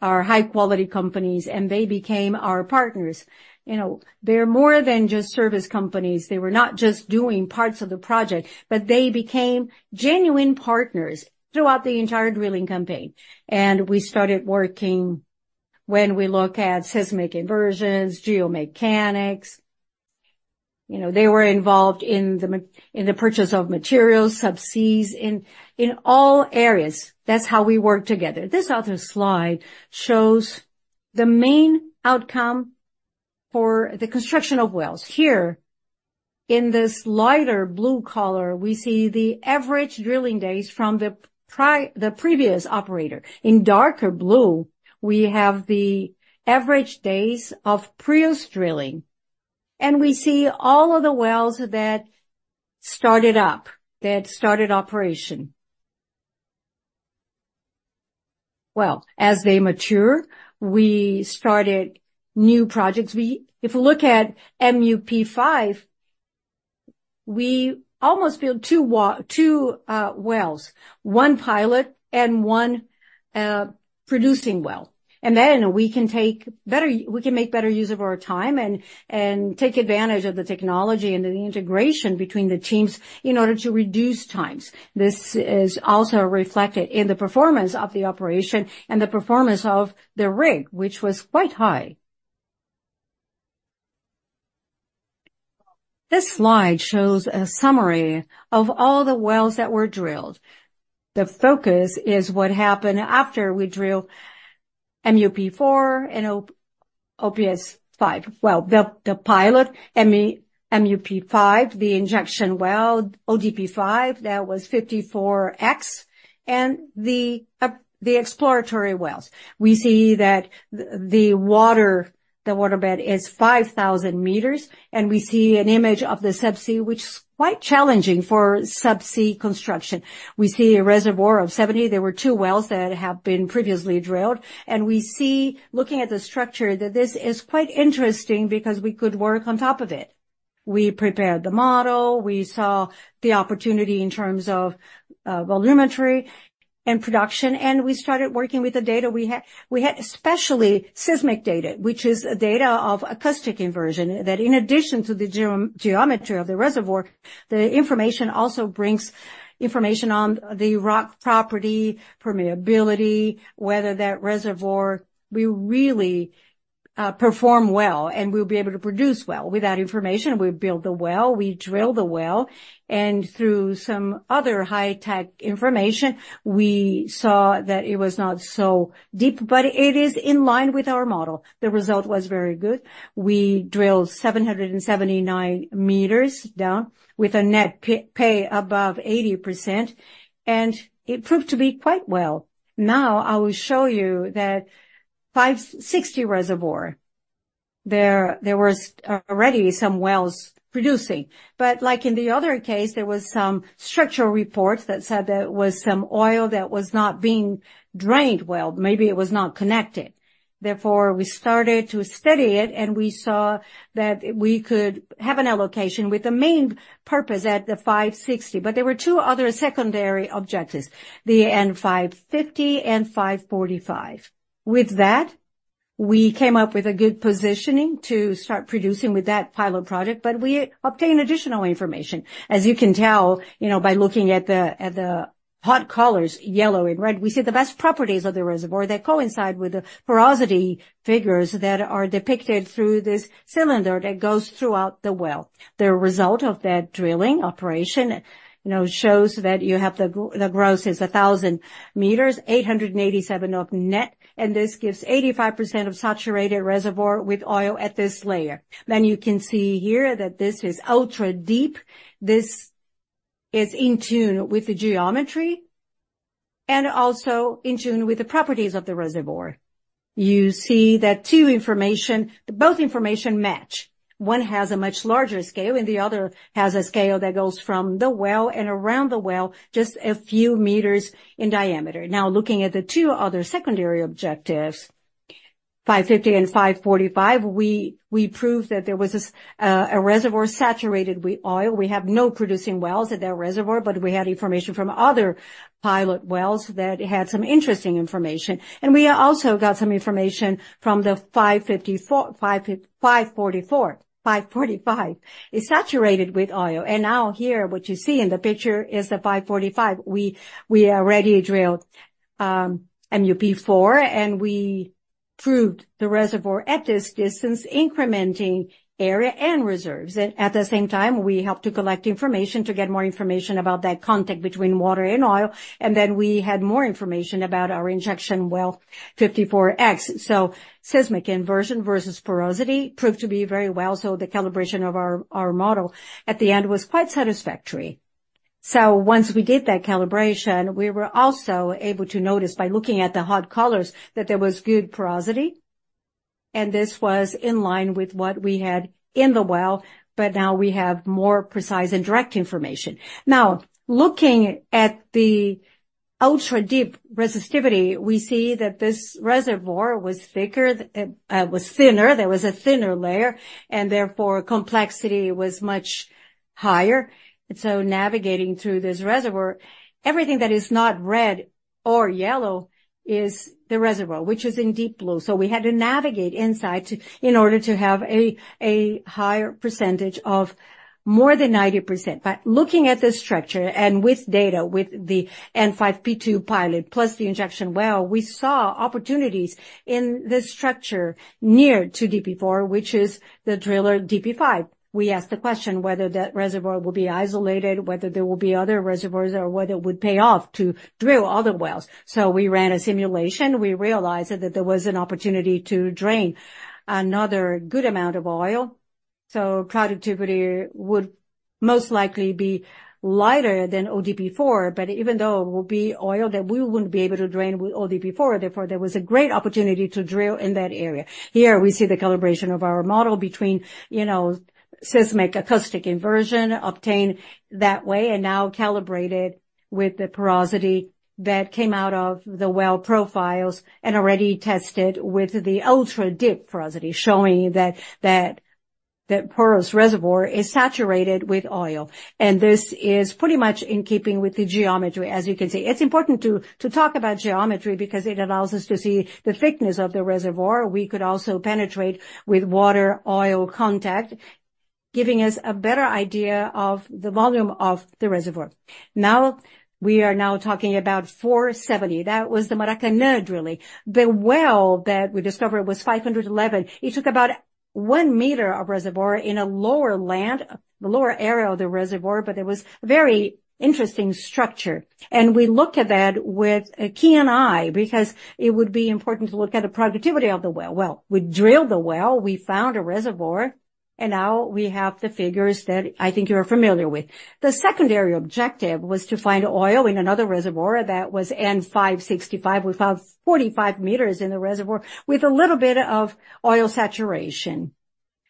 are high-quality companies, and they became our partners. You know, they're more than just service companies. They were not just doing parts of the project, but they became genuine partners throughout the entire drilling campaign. And we started working when we look at seismic inversions, geomechanics. You know, they were involved in the purchase of materials, subsea, in all areas. That's how we work together. This other slide shows the main outcome for the construction of wells. Here, in this lighter blue color, we see the average drilling days from the previous operator. In darker blue, we have the average days of PRIO's drilling, and we see all of the wells that started up, that started operation. Well, as they mature, we started new projects. We. If you look at MUP 5, we almost built two two, wells, one pilot and one, producing well. And then we can take better we can make better use of our time and, and take advantage of the technology and the integration between the teams in order to reduce times. This is also reflected in the performance of the operation and the performance of the rig, which was quite high. This slide shows a summary of all the wells that were drilled. The focus is what happened after we drilled MUP 4 and ODP-5. Well, the pilot MUP 5, the injection well, ODP 5, that was 54X, and the exploratory wells. We see that the well depth is 5,000 meters, and we see an image of the subsea, which is quite challenging for subsea construction. We see a reservoir of 70. There were two wells that have been previously drilled, and we see, looking at the structure, that this is quite interesting because we could work on top of it. We prepared the model, we saw the opportunity in terms of volumetry and production, and we started working with the data we had. We had, especially seismic data, which is a data of acoustic inversion, that in addition to the geometry of the reservoir, the information also brings information on the rock property, permeability, whether that reservoir will really perform well, and will be able to produce well. With that information, we build the well, we drill the well, and through some other high-tech information, we saw that it was not so deep, but it is in line with our model. The result was very good. We drilled 779 meters down with a net pay above 80%, and it proved to be quite well. Now, I will show you that 560 reservoir. There, there was already some wells producing, but like in the other case, there was some structural reports that said there was some oil that was not being drained well. Maybe it was not connected. Therefore, we started to study it, and we saw that we could have an allocation with the main purpose at the 560, but there were two other secondary objectives, the N 550 and 545. With that, we came up with a good positioning to start producing with that pilot project, but we obtained additional information. As you can tell, you know, by looking at the hot colors, yellow and red, we see the best properties of the reservoir that coincide with the porosity figures that are depicted through this cylinder that goes throughout the well. The result of that drilling operation, you know, shows that you have the gross is 1,000 meters, 887 of net, and this gives 85% of saturated reservoir with oil at this layer. Then you can see here that this is ultra-deep. This is in tune with the geometry and also in tune with the properties of the reservoir. You see that two information, both information match. One has a much larger scale, and the other has a scale that goes from the well and around the well, just a few meters in diameter. Now, looking at the two other secondary objectives, 550 and 545, we, we proved that there was a, a reservoir saturated with oil. We have no producing wells at that reservoir, but we had information from other pilot wells that had some interesting information. And we also got some information from the 554, 544, 545. It's saturated with oil. And now here, what you see in the picture is the 545. We, we already drilled, MUP4, and we proved the reservoir at this distance, incrementing area and reserves. At the same time, we helped to collect information to get more information about that contact between water and oil, and then we had more information about our injection well, 54X. So seismic inversion versus porosity proved to be very well, so the calibration of our model at the end was quite satisfactory. So once we did that calibration, we were also able to notice, by looking at the hot colors, that there was good porosity, and this was in line with what we had in the well, but now we have more precise and direct information. Now, looking at the ultra-deep resistivity, we see that this reservoir was thicker, was thinner, there was a thinner layer, and therefore, complexity was much higher. So navigating through this reservoir, everything that is not red or yellow is the reservoir, which is in deep blue. So we had to navigate inside to, in order to have a, a higher percentage of more than 90%. But looking at the structure and with data, with the N5P2 pilot, plus the injection well, we saw opportunities in this structure near to DP4, which is the driller DP5. We asked the question whether that reservoir will be isolated, whether there will be other reservoirs, or whether it would pay off to drill other wells. So we ran a simulation. We realized that there was an opportunity to drain another good amount of oil, so productivity would most likely be lighter than ODP 4, but even though it will be oil, that we wouldn't be able to drain with ODP 4, therefore, there was a great opportunity to drill in that area. Here we see the calibration of our model between, you know, seismic acoustic inversion, obtained that way and now calibrated with the porosity that came out of the well profiles and already tested with the ultra-deep porosity, showing that porous reservoir is saturated with oil. And this is pretty much in keeping with the geometry, as you can see. It's important to talk about geometry because it allows us to see the thickness of the reservoir. We could also penetrate with water, oil contact, giving us a better idea of the volume of the reservoir. Now, we are now talking about 470. That was the Maracanã drilling. The well that we discovered was 511. It took about 1 meter of reservoir in a lower land, the lower area of the reservoir, but it was very interesting structure. We looked at that with a keen eye because it would be important to look at the productivity of the well. Well, we drilled the well, we found a reservoir, and now we have the figures that I think you're familiar with. The secondary objective was to find oil in another reservoir that was N-565. We found 45 meters in the reservoir with a little bit of oil saturation.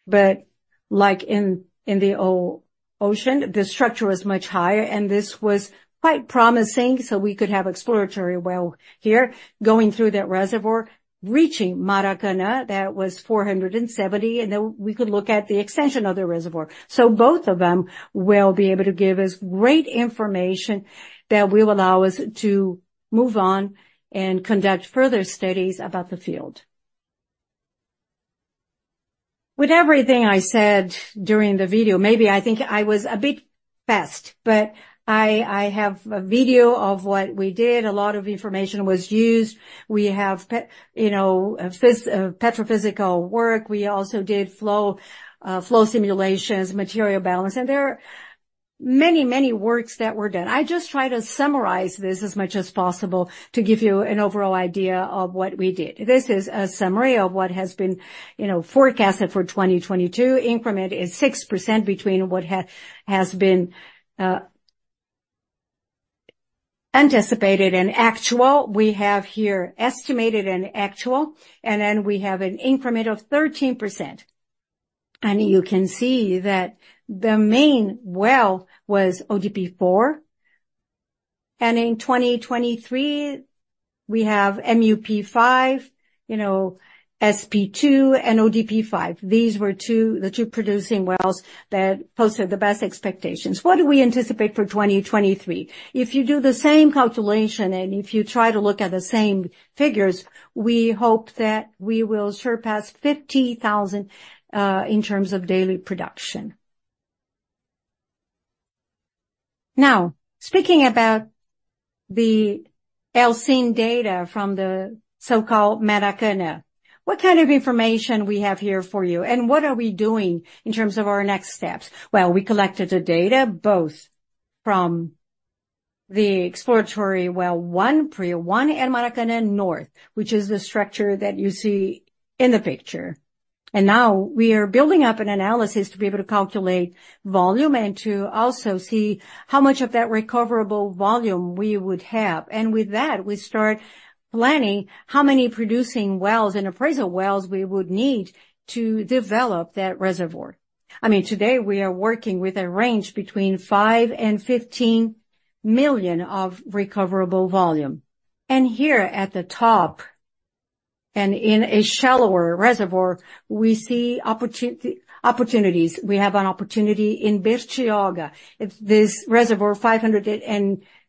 But like in the ocean, the structure was much higher and this was quite promising, so we could have exploratory well here going through that reservoir, reaching Maracanã. That was 470, and then we could look at the extension of the reservoir. So both of them will be able to give us great information that will allow us to move on and conduct further studies about the field. With everything I said during the video, maybe I think I was a bit fast, but I have a video of what we did. A lot of information was used. We have petrophysical work. We also did flow simulations, material balance, and there are many, many works that were done. I just tried to summarize this as much as possible to give you an overall idea of what we did. This is a summary of what has been, you know, forecasted for 2022. Increment is 6% between what has been anticipated and actual. We have here estimated and actual, and then we have an increment of 13%. And you can see that the main well was ODP 4, and in 2023, we have MUP 5, you know, N5P2, and ODP 5. These were the two producing wells that posted the best expectations. What do we anticipate for 2023? If you do the same calculation and if you try to look at the same figures, we hope that we will surpass 50,000 in terms of daily production. Now, speaking about the seismic data from the so-called Maracanã, what kind of information we have here for you, and what are we doing in terms of our next steps? Well, we collected the data, both from the exploratory well 1, PRIO 1, and Maracanã North, which is the structure that you see in the picture. Now we are building up an analysis to be able to calculate volume and to also see how much of that recoverable volume we would have. With that, we start planning how many producing wells and appraisal wells we would need to develop that reservoir. I mean, today, we are working with a range between 5 and 15 million of recoverable volume. And here at the top, and in a shallower reservoir, we see opportunities. We have an opportunity in Bertioga. It's this reservoir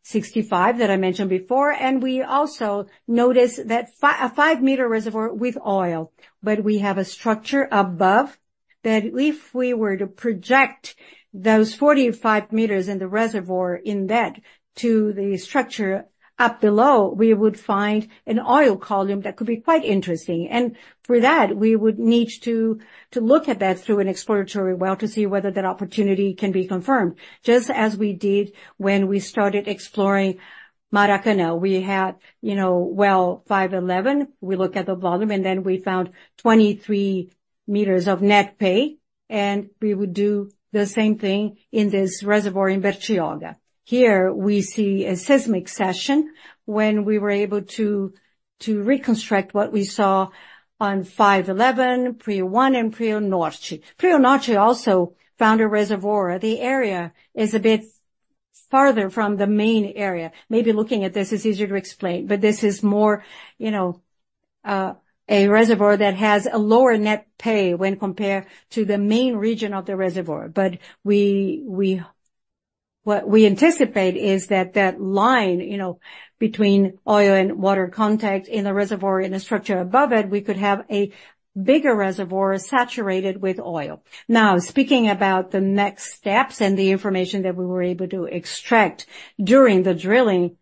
565 that I mentioned before, and we also noticed that a 5-meter reservoir with oil. But we have a structure above that if we were to project those 45 meters in the reservoir in that to the structure up below, we would find an oil column that could be quite interesting. And for that, we would need to, to look at that through an exploratory well to see whether that opportunity can be confirmed, just as we did when we started exploring Maracanã. We had, you know, well, 5-11. We look at the volume, and then we found 23 meters of net pay, and we would do the same thing in this reservoir in Bertioga. Here we see a seismic section when we were able to reconstruct what we saw on 5-11, PRIO-1, and PRIO Norte. PRIO Norte also found a reservoir. The area is a bit farther from the main area. Maybe looking at this is easier to explain, but this is more, you know, a reservoir that has a lower net pay when compared to the main region of the reservoir. What we anticipate is that line, you know, between oil and water contact in the reservoir, in the structure above it, we could have a bigger reservoir saturated with oil. Now, speaking about the next steps and the information that we were able to extract during the drilling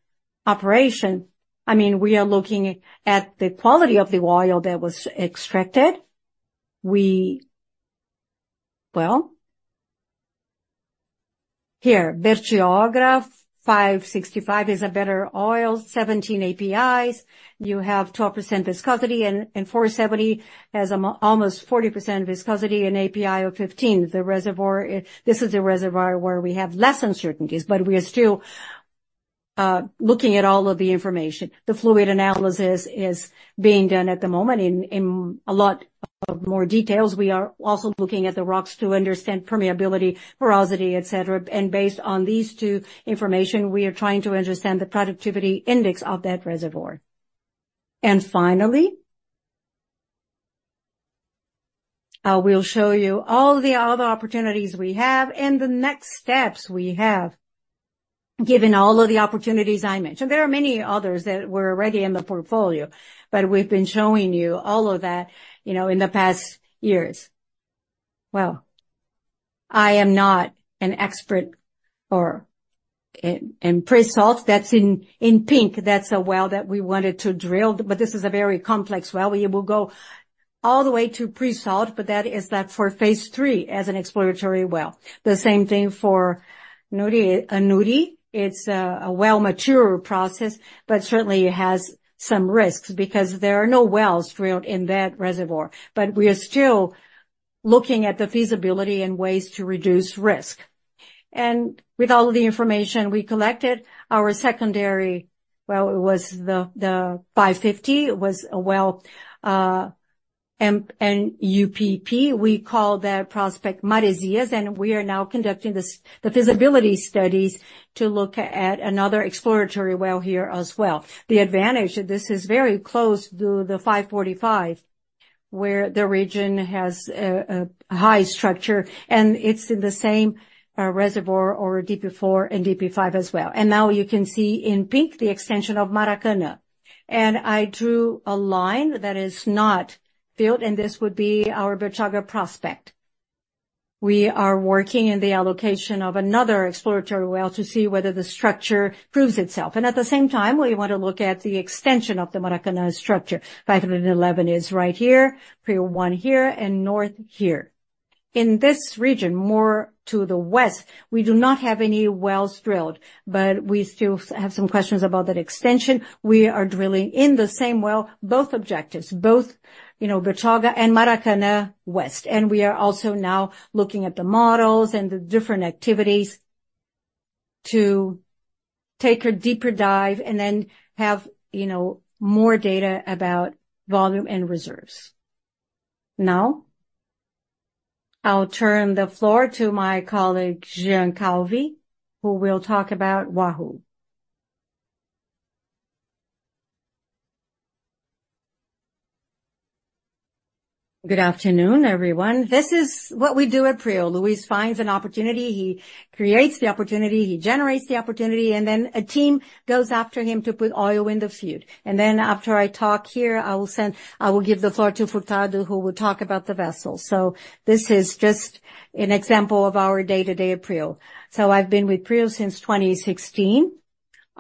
operation, I mean, we are looking at the quality of the oil that was extracted. Well, here, Bertioga 565, is a better oil, 17 API. You have 12% viscosity, and four seventy has almost 40% viscosity and API of 15. The reservoir, this is a reservoir where we have less uncertainties, but we are still looking at all of the information. The fluid analysis is being done at the moment in a lot more details. We are also looking at the rocks to understand permeability, porosity, et cetera. And based on these two information, we are trying to understand the productivity index of that reservoir. Finally, I will show you all the other opportunities we have and the next steps we have, given all of the opportunities I mentioned. There are many others that were already in the portfolio, but we've been showing you all of that, you know, in the past years. Well, I am not an expert in pre-salt, that's in pink. That's a well that we wanted to drill, but this is a very complex well. We will go all the way to pre-salt, but that is that for phase three as an exploratory well. The same thing for Nuri. It's a well mature process, but certainly it has some risks because there are no wells drilled in that reservoir. But we are still looking at the feasibility and ways to reduce risk. With all the information we collected, our secondary well, it was the 550, it was a well, and UPP. We call that Prospect Maresias, and we are now conducting the feasibility studies to look at another exploratory well here as well. The advantage of this is very close to the 545, where the region has a high structure, and it's in the same reservoir or DP 4 and DP 5 as well. Now you can see in pink the extension of Maracanã. I drew a line that is not filled, and this would be our Bertioga prospect. We are working in the allocation of another exploratory well to see whether the structure proves itself. At the same time, we want to look at the extension of the Maracanã structure. 511 is right here, PRIO one here, and North here. In this region, more to the west, we do not have any wells drilled, but we still have some questions about that extension. We are drilling in the same well, both objectives, both, you know, Bertioga and Maracanã West. We are also now looking at the models and the different activities to take a deeper dive and then have, you know, more data about volume and reserves. Now, I'll turn the floor to my colleague, Jean Calvi, who will talk about Wahoo. Good afternoon, everyone. This is what we do at PRIO. Luiz finds an opportunity, he creates the opportunity, he generates the opportunity, and then a team goes after him to put oil in the field. Then after I talk here, I will give the floor to Furtado, who will talk about the vessels. This is just an example of our day-to-day at PRIO. I've been with PRIO since 2016.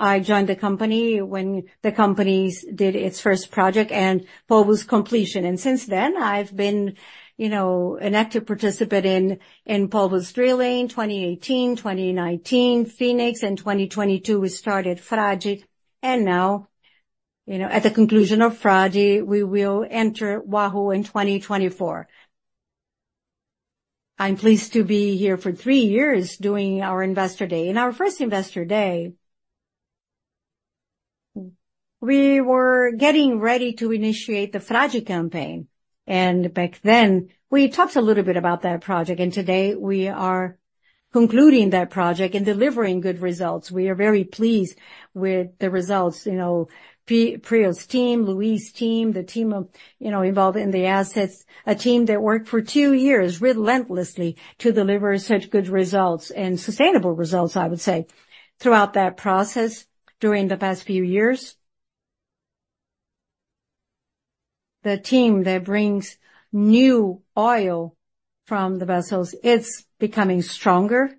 I joined the company when the company did its first project and was completion. Since then, I've been, you know, an active participant in Polvo drilling, 2018, 2019, Phoenix, in 2022, we started Frade, and now-. You know, at the conclusion of Frade, we will enter Wahoo in 2024. I'm pleased to be here for three years doing our investor day. In our first investor day, we were getting ready to initiate the Frade campaign, and back then, we talked a little bit about that project, and today we are concluding that project and delivering good results. We are very pleased with the results. You know, PRIO's team, Luiz's team, the team of, you know, involved in the assets, a team that worked for two years relentlessly to deliver such good results and sustainable results, I would say. Throughout that process, during the past few years, the team that brings new oil from the vessels, it's becoming stronger.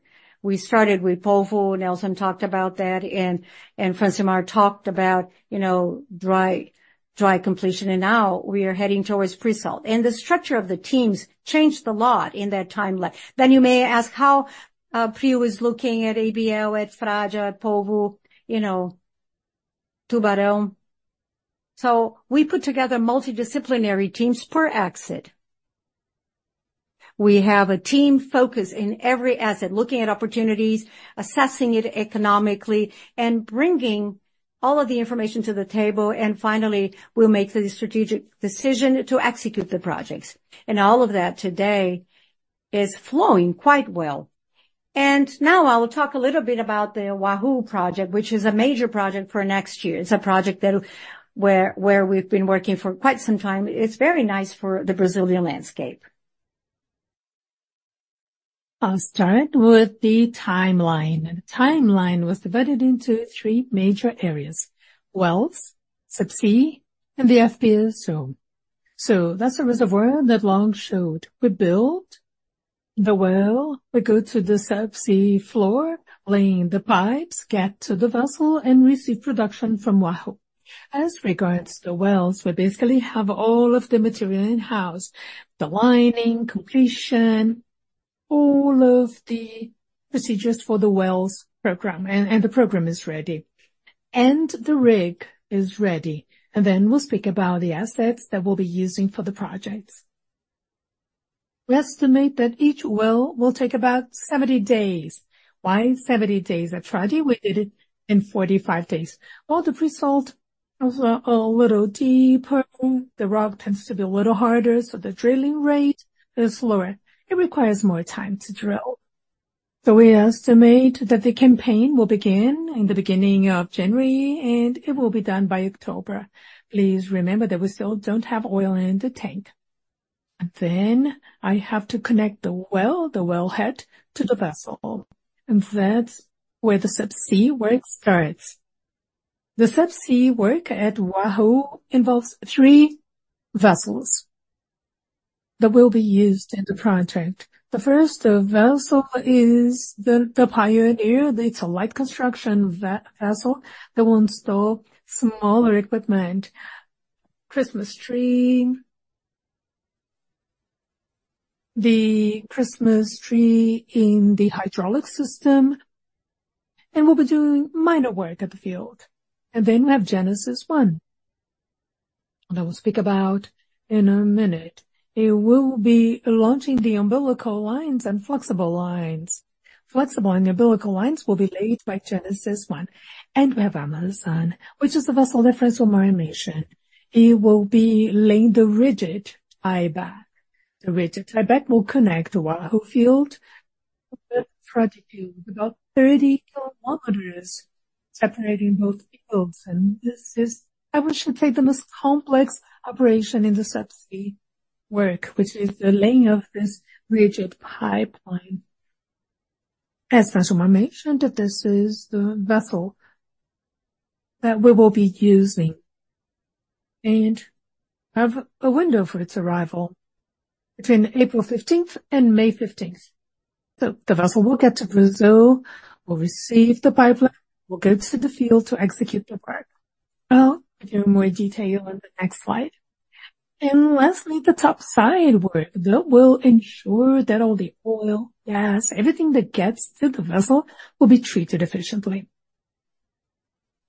We started with Polvo, Nelson talked about that, and Francilmar talked about, you know, dry completion, and now we are heading towards pre-salt. The structure of the teams changed a lot in that timeline. Then you may ask how PRIO was looking at ABL, at Frade, at Polvo, you know, Tubarão. So we put together multidisciplinary teams per asset. We have a team focused in every asset, looking at opportunities, assessing it economically, and bringing all of the information to the table, and finally, we'll make the strategic decision to execute the projects. And all of that today is flowing quite well. And now I will talk a little bit about the Wahoo project, which is a major project for next year. It's a project that—where we've been working for quite some time. It's very nice for the Brazilian landscape. I'll start with the timeline. The timeline was divided into three major areas: wells, subsea, and the FPSO. So that's a reservoir that long showed. We build the well, we go to the subsea floor, laying the pipes, get to the vessel, and receive production from Wahoo. As regards to the wells, we basically have all of the material in-house, the lining, completion, all of the procedures for the wells program, and the program is ready, and the rig is ready. And then we'll speak about the assets that we'll be using for the projects. We estimate that each well will take about 70 days. Why 70 days? At Frade, we did it in 45 days. Well, the Pre-salt is a little deeper, the rock tends to be a little harder, so the drilling rate is slower. It requires more time to drill. So we estimate that the campaign will begin in the beginning of January, and it will be done by October. Please remember that we still don't have oil in the tank. Then I have to connect the well, the wellhead to the vessel, and that's where the subsea work starts. The subsea work at Wahoo involves three vessels that will be used in the project. The first vessel is the Pioneer. It's a light construction vessel that will install smaller equipment, Christmas tree. The Christmas tree in the hydraulic system, and we'll be doing minor work at the field. Then we have Genesis One, that we'll speak about in a minute. It will be launching the umbilical lines and flexible lines. Flexible and umbilical lines will be laid by Genesis One. And we have Amazon, which is the vessel that Francilmar mentioned. It will be laying the rigid tieback. The rigid tieback will connect Wahoo field with Frade field, about 30 kilometers separating both fields, and this is, I would say, the most complex operation in the subsea work, which is the laying of this rigid pipeline. As Francilmar mentioned, that this is the vessel that we will be using, and have a window for its arrival between April 15 and May 15. So the vessel will get to Brazil, will receive the pipeline, will go to the field to execute the work. Well, I'll give more detail on the next slide. And lastly, the topside work that will ensure that all the oil, gas, everything that gets to the vessel, will be treated efficiently.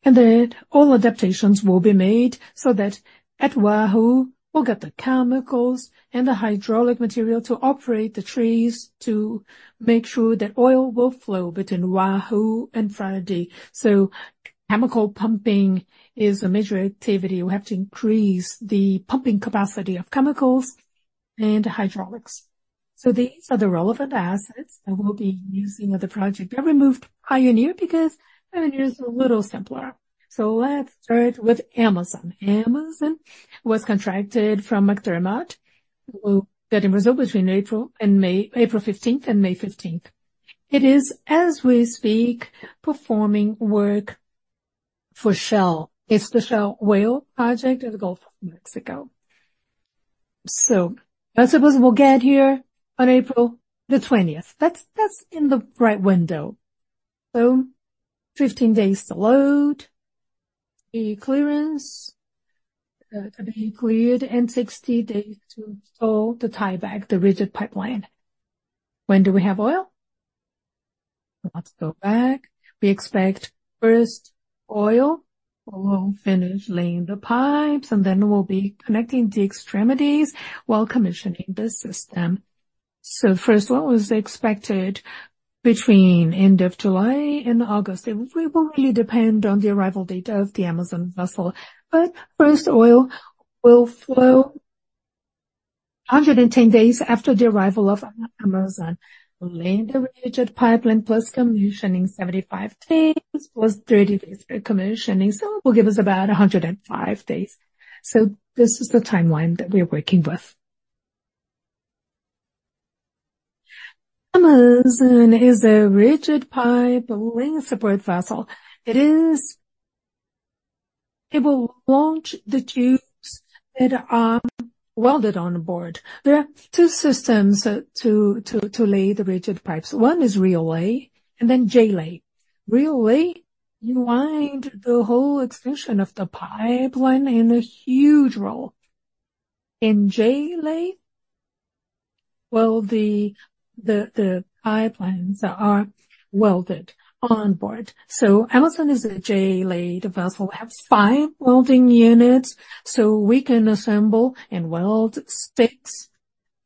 And then all adaptations will be made so that at Wahoo, we'll get the chemicals and the hydraulic material to operate the trees, to make sure that oil will flow between Wahoo and Frade. So chemical pumping is a major activity. We have to increase the pumping capacity of chemicals and hydraulics. So these are the relevant assets that we'll be using with the project. I removed Pioneer because Pioneer is a little simpler. So let's start with Amazon. Amazon was contracted from McDermott, who will get in Brazil between April and May, April 15 and May 15. It is, as we speak, performing work for Shell. It's the Shell Whale project at the Gulf of Mexico. So I suppose we'll get here on April 20. That's in the right window. So 15 days to load, the clearance, to be cleared, and 60 days to install the tieback, the rigid pipeline. When do we have oil?. Let's go back. We expect first oil. We'll finish laying the pipes, and then we'll be connecting the extremities while commissioning the system. So first one was expected between end of July and August. It will really depend on the arrival date of the Amazon vessel, but first oil will flow 110 days after the arrival of Amazon. Laying the rigid pipeline, plus commissioning 75 days, plus 30 days for commissioning, so it will give us about 105 days. So this is the timeline that we are working with. Amazon is a rigid pipe laying support vessel. It is. It will launch the tubes that are welded on board. There are two systems to lay the rigid pipes. One is Reel lay, and then J-lay. Reel lay, you wind the whole extension of the pipeline in a huge roll. In J-lay, the pipelines are welded on board. So Amazon is a J-lay. The vessel has five welding units, so we can assemble and weld six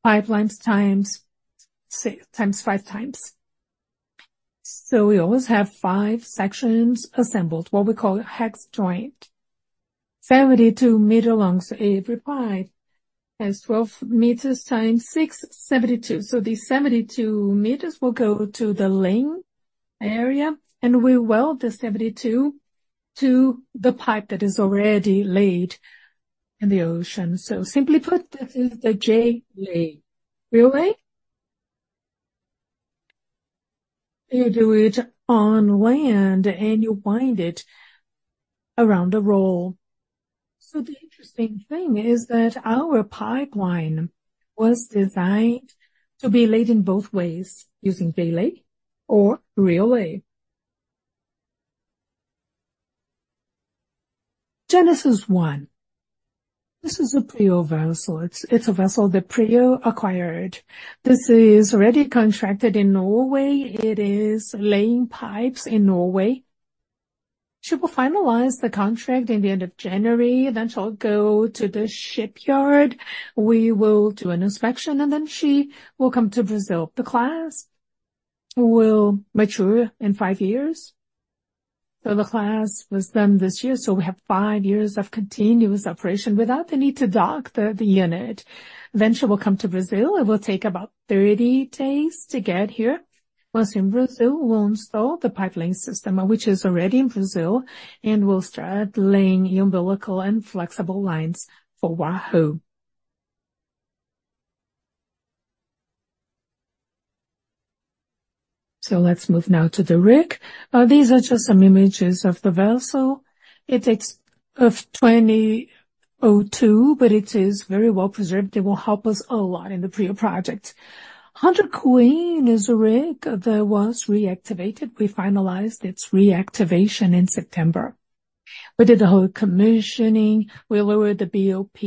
pipelines times six—times five times. So we always have five sections assembled, what we call a hex joint. 72-meter long, so every pipe has 12 meters times six, 72. So these 72 meters will go to the laying area, and we weld the 72 to the pipe that is already laid in the ocean. So simply put, this is the J-lay. Reel lay, you do it on land, and you wind it around a roll. So the interesting thing is that our pipeline was designed to be laid in both ways, using J-lay or Reel lay. Genesis One, this is a pre-owned vessel. It's a vessel that PRIO acquired. This is already contracted in Norway. It is laying pipes in Norway. She will finalize the contract in the end of January, then she'll go to the shipyard. We will do an inspection, and then she will come to Brazil. The class will mature in 5 years. So the class was done this year, so we have 5 years of continuous operation without the need to dock the unit. Then she will come to Brazil. It will take about 30 days to get here. Once in Brazil, we'll install the pipelaying system, which is already in Brazil, and we'll start laying umbilical and flexible lines for Wahoo. So let's move now to the rig. These are just some images of the vessel. It dates to 2002, but it is very well preserved. It will help us a lot in the PRIO project. Hunter Queen is a rig that was reactivated. We finalized its reactivation in September. We did the whole commissioning. We lowered the BOP.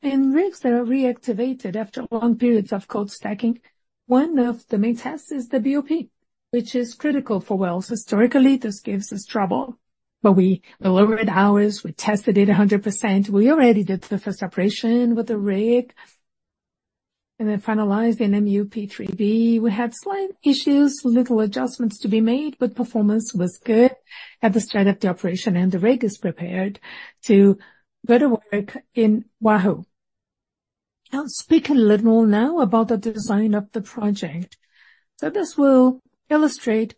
In rigs that are reactivated after long periods of cold stacking, one of the main tests is the BOP, which is critical for wells. Historically, this gives us trouble, but we lowered ours. We tested it 100%. We already did the first operation with the rig and then finalized the MUP 3B. We had slight issues, little adjustments to be made, but performance was good at the start of the operation, and the rig is prepared to go to work in Wahoo. I'll speak a little now about the design of the project. So this will illustrate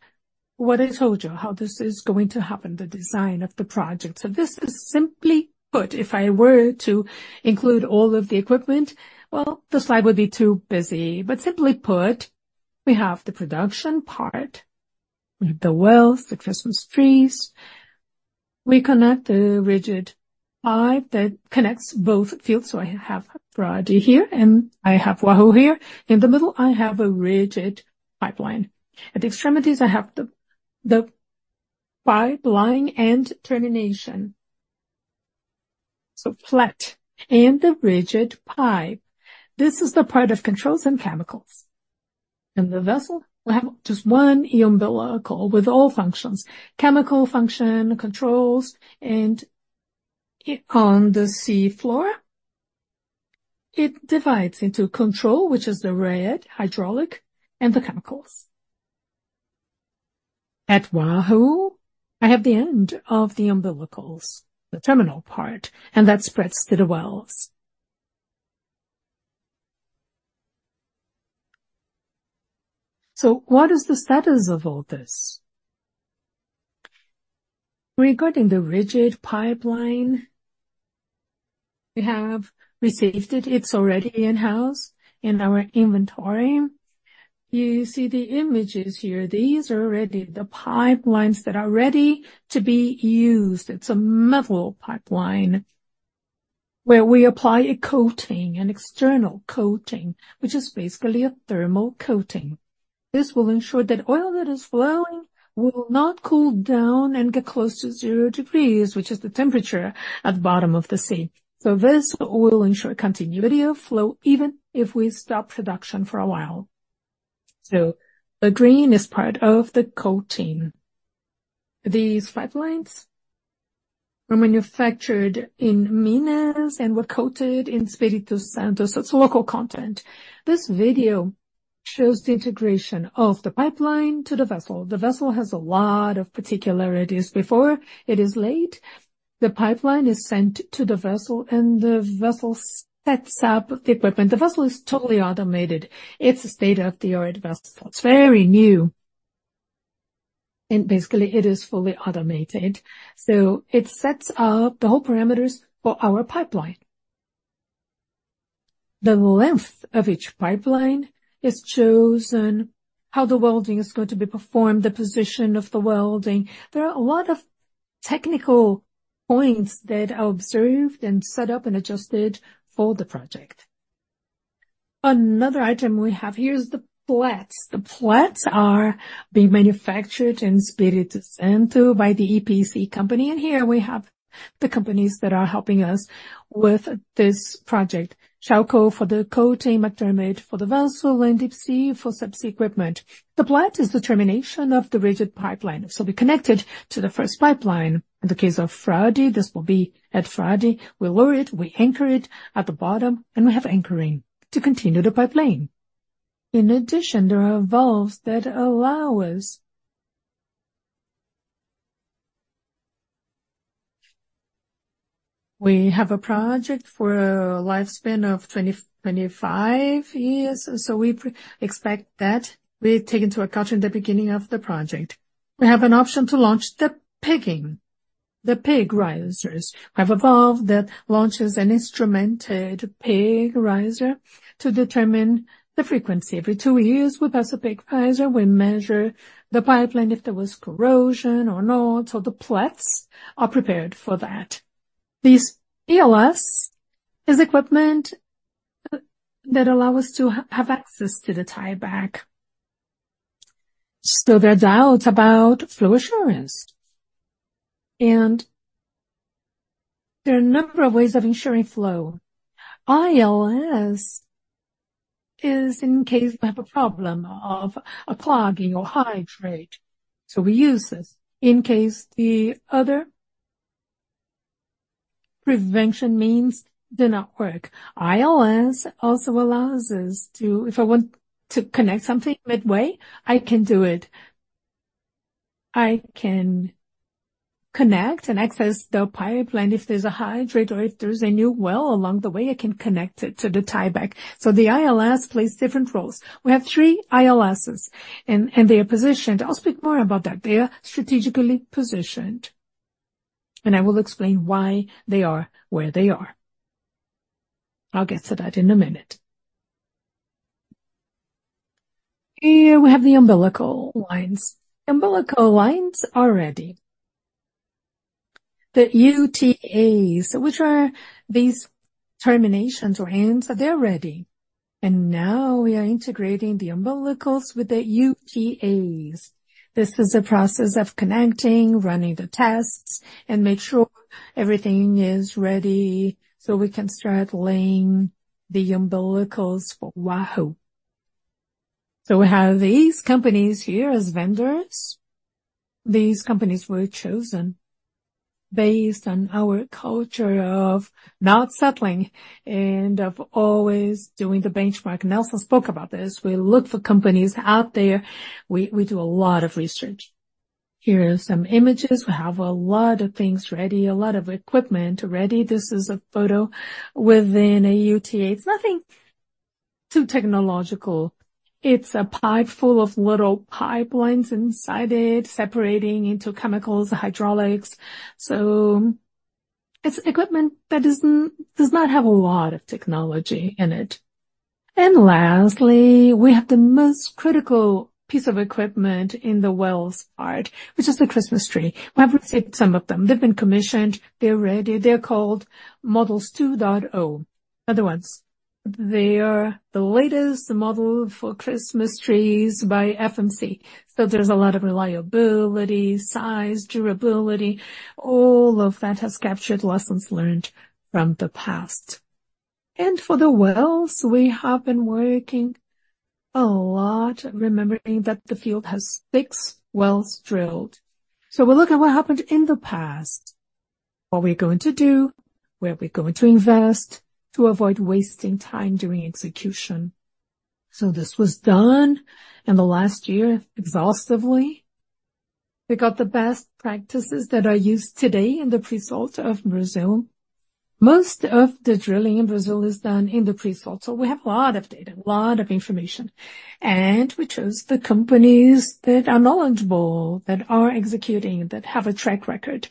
what I told you, how this is going to happen, the design of the project. So this is simply put, if I were to include all of the equipment, well, the slide would be too busy. But simply put, we have the production part, we have the wells, the Christmas trees. We connect the rigid pipe that connects both fields. So I have Bravo here, and I have Wahoo here. In the middle, I have a rigid pipeline. At the extremities, I have the pipeline and termination. So PLET and the rigid pipe. This is the part of controls and chemicals. In the vessel, we have just one umbilical with all functions, chemical function, controls, and on the sea floor, it divides into control, which is the red, hydraulic and the chemicals. At Wahoo, I have the end of the umbilicals, the terminal part, and that spreads to the wells. So what is the status of all this? Regarding the rigid pipeline, we have received it. It's already in-house in our inventory. You see the images here. These are already the pipelines that are ready to be used. It's a metal pipeline, where we apply a coating, an external coating, which is basically a thermal coating. This will ensure that oil that is flowing will not cool down and get close to zero degrees, which is the temperature at the bottom of the sea. So this will ensure continuity of flow, even if we stop production for a while. So the green is part of the coating. These pipelines were manufactured in Minas and were coated in Espírito Santo, so it's local content. This video shows the integration of the pipeline to the vessel. The vessel has a lot of particularities. Before it is laid, the pipeline is sent to the vessel, and the vessel sets up the equipment. The vessel is totally automated. It's a state-of-the-art vessel. It's very new, and basically, it is fully automated. So it sets up the whole parameters for our pipeline. The length of each pipeline is chosen, how the welding is going to be performed, the position of the welding. There are a lot of technical points that are observed and set up and adjusted for the project. Another item we have here is the PLETs. The PLETs are being manufactured in Espírito Santo by the EPC company, and here we have the companies that are helping us with this project. Shawcor for the coating, McDermott for the vessel, and DeepSea for subsea equipment. The plet is the termination of the rigid pipeline, so we connect it to the first pipeline. In the case of Frade, this will be at Frade. We lower it, we anchor it at the bottom, and we have anchoring to continue the pipeline. In addition, there are valves that allow us. We have a project for a lifespan of 20-25 years, so we expect that we take into account in the beginning of the project. We have an option to launch the pigging, the pig risers. We have a valve that launches an instrumented pig riser to determine the frequency. Every two years, we pass a pig riser, we measure the pipeline, if there was corrosion or not, so the PLETs are prepared for that. This ILS is equipment that allow us to have access to the tieback. Still, there are doubts about flow assurance, and there are a number of ways of ensuring flow. ILS is in case we have a problem of a clogging or hydrate. So we use this in case the other prevention means do not work. ILS also allows us to, if I want to connect something midway, I can do it. I can connect and access the pipeline. If there's a hydrate or if there's a new well along the way, I can connect it to the tieback. So the ILS plays different roles. We have three ILSs, and they are positioned. I'll speak more about that. They are strategically positioned, and I will explain why they are where they are. I'll get to that in a minute. Here we have the umbilical lines. Umbilical lines are ready. The UTAs, which are these terminations or ends, they're ready, and now we are integrating the umbilicals with the UTAs. This is a process of connecting, running the tests, and make sure everything is ready so we can start laying the umbilicals for Wahoo. So we have these companies here as vendors. These companies were chosen based on our culture of not settling and of always doing the benchmark. Nelson spoke about this. We look for companies out there. We, we do a lot of research. Here are some images. We have a lot of things ready, a lot of equipment ready. This is a photo within a UTA. It's nothing too technological. It's a pipe full of little pipelines inside it, separating into chemicals, hydraulics. So it's equipment that doesn't, does not have a lot of technology in it. Lastly, we have the most critical piece of equipment in the wells part, which is the Christmas tree. We have received some of them. They've been commissioned, they're ready. They're called models 2.0, other ones. They are the latest model for Christmas trees by FMC. So there's a lot of reliability, size, durability, all of that has captured lessons learned from the past. For the wells, we have been working a lot, remembering that the field has 6 wells drilled. So we look at what happened in the past, what we're going to do, where we're going to invest to avoid wasting time during execution. This was done in the last year, exhaustively. We got the best practices that are used today in the Pre-salt of Brazil. Most of the drilling in Brazil is done in the pre-salt, so we have a lot of data, a lot of information, and we chose the companies that are knowledgeable, that are executing, that have a track record.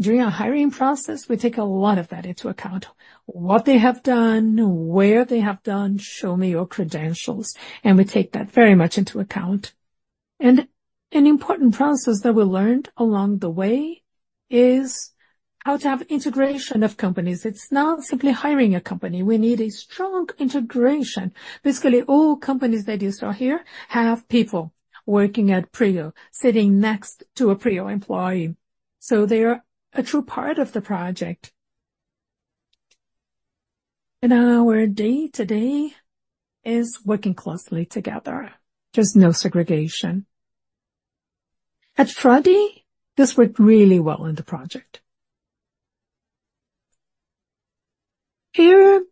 During our hiring process, we take a lot of that into account. What they have done, where they have done, show me your credentials, and we take that very much into account. And an important process that we learned along the way is how to have integration of companies. It's not simply hiring a company. We need a strong integration. Basically, all companies that you saw here have people working at PRIO, sitting next to a PRIO employee. So they are a true part of the project. and our day-to-day is working closely together. There's no segregation. At Frade, this worked really well in the project. Here are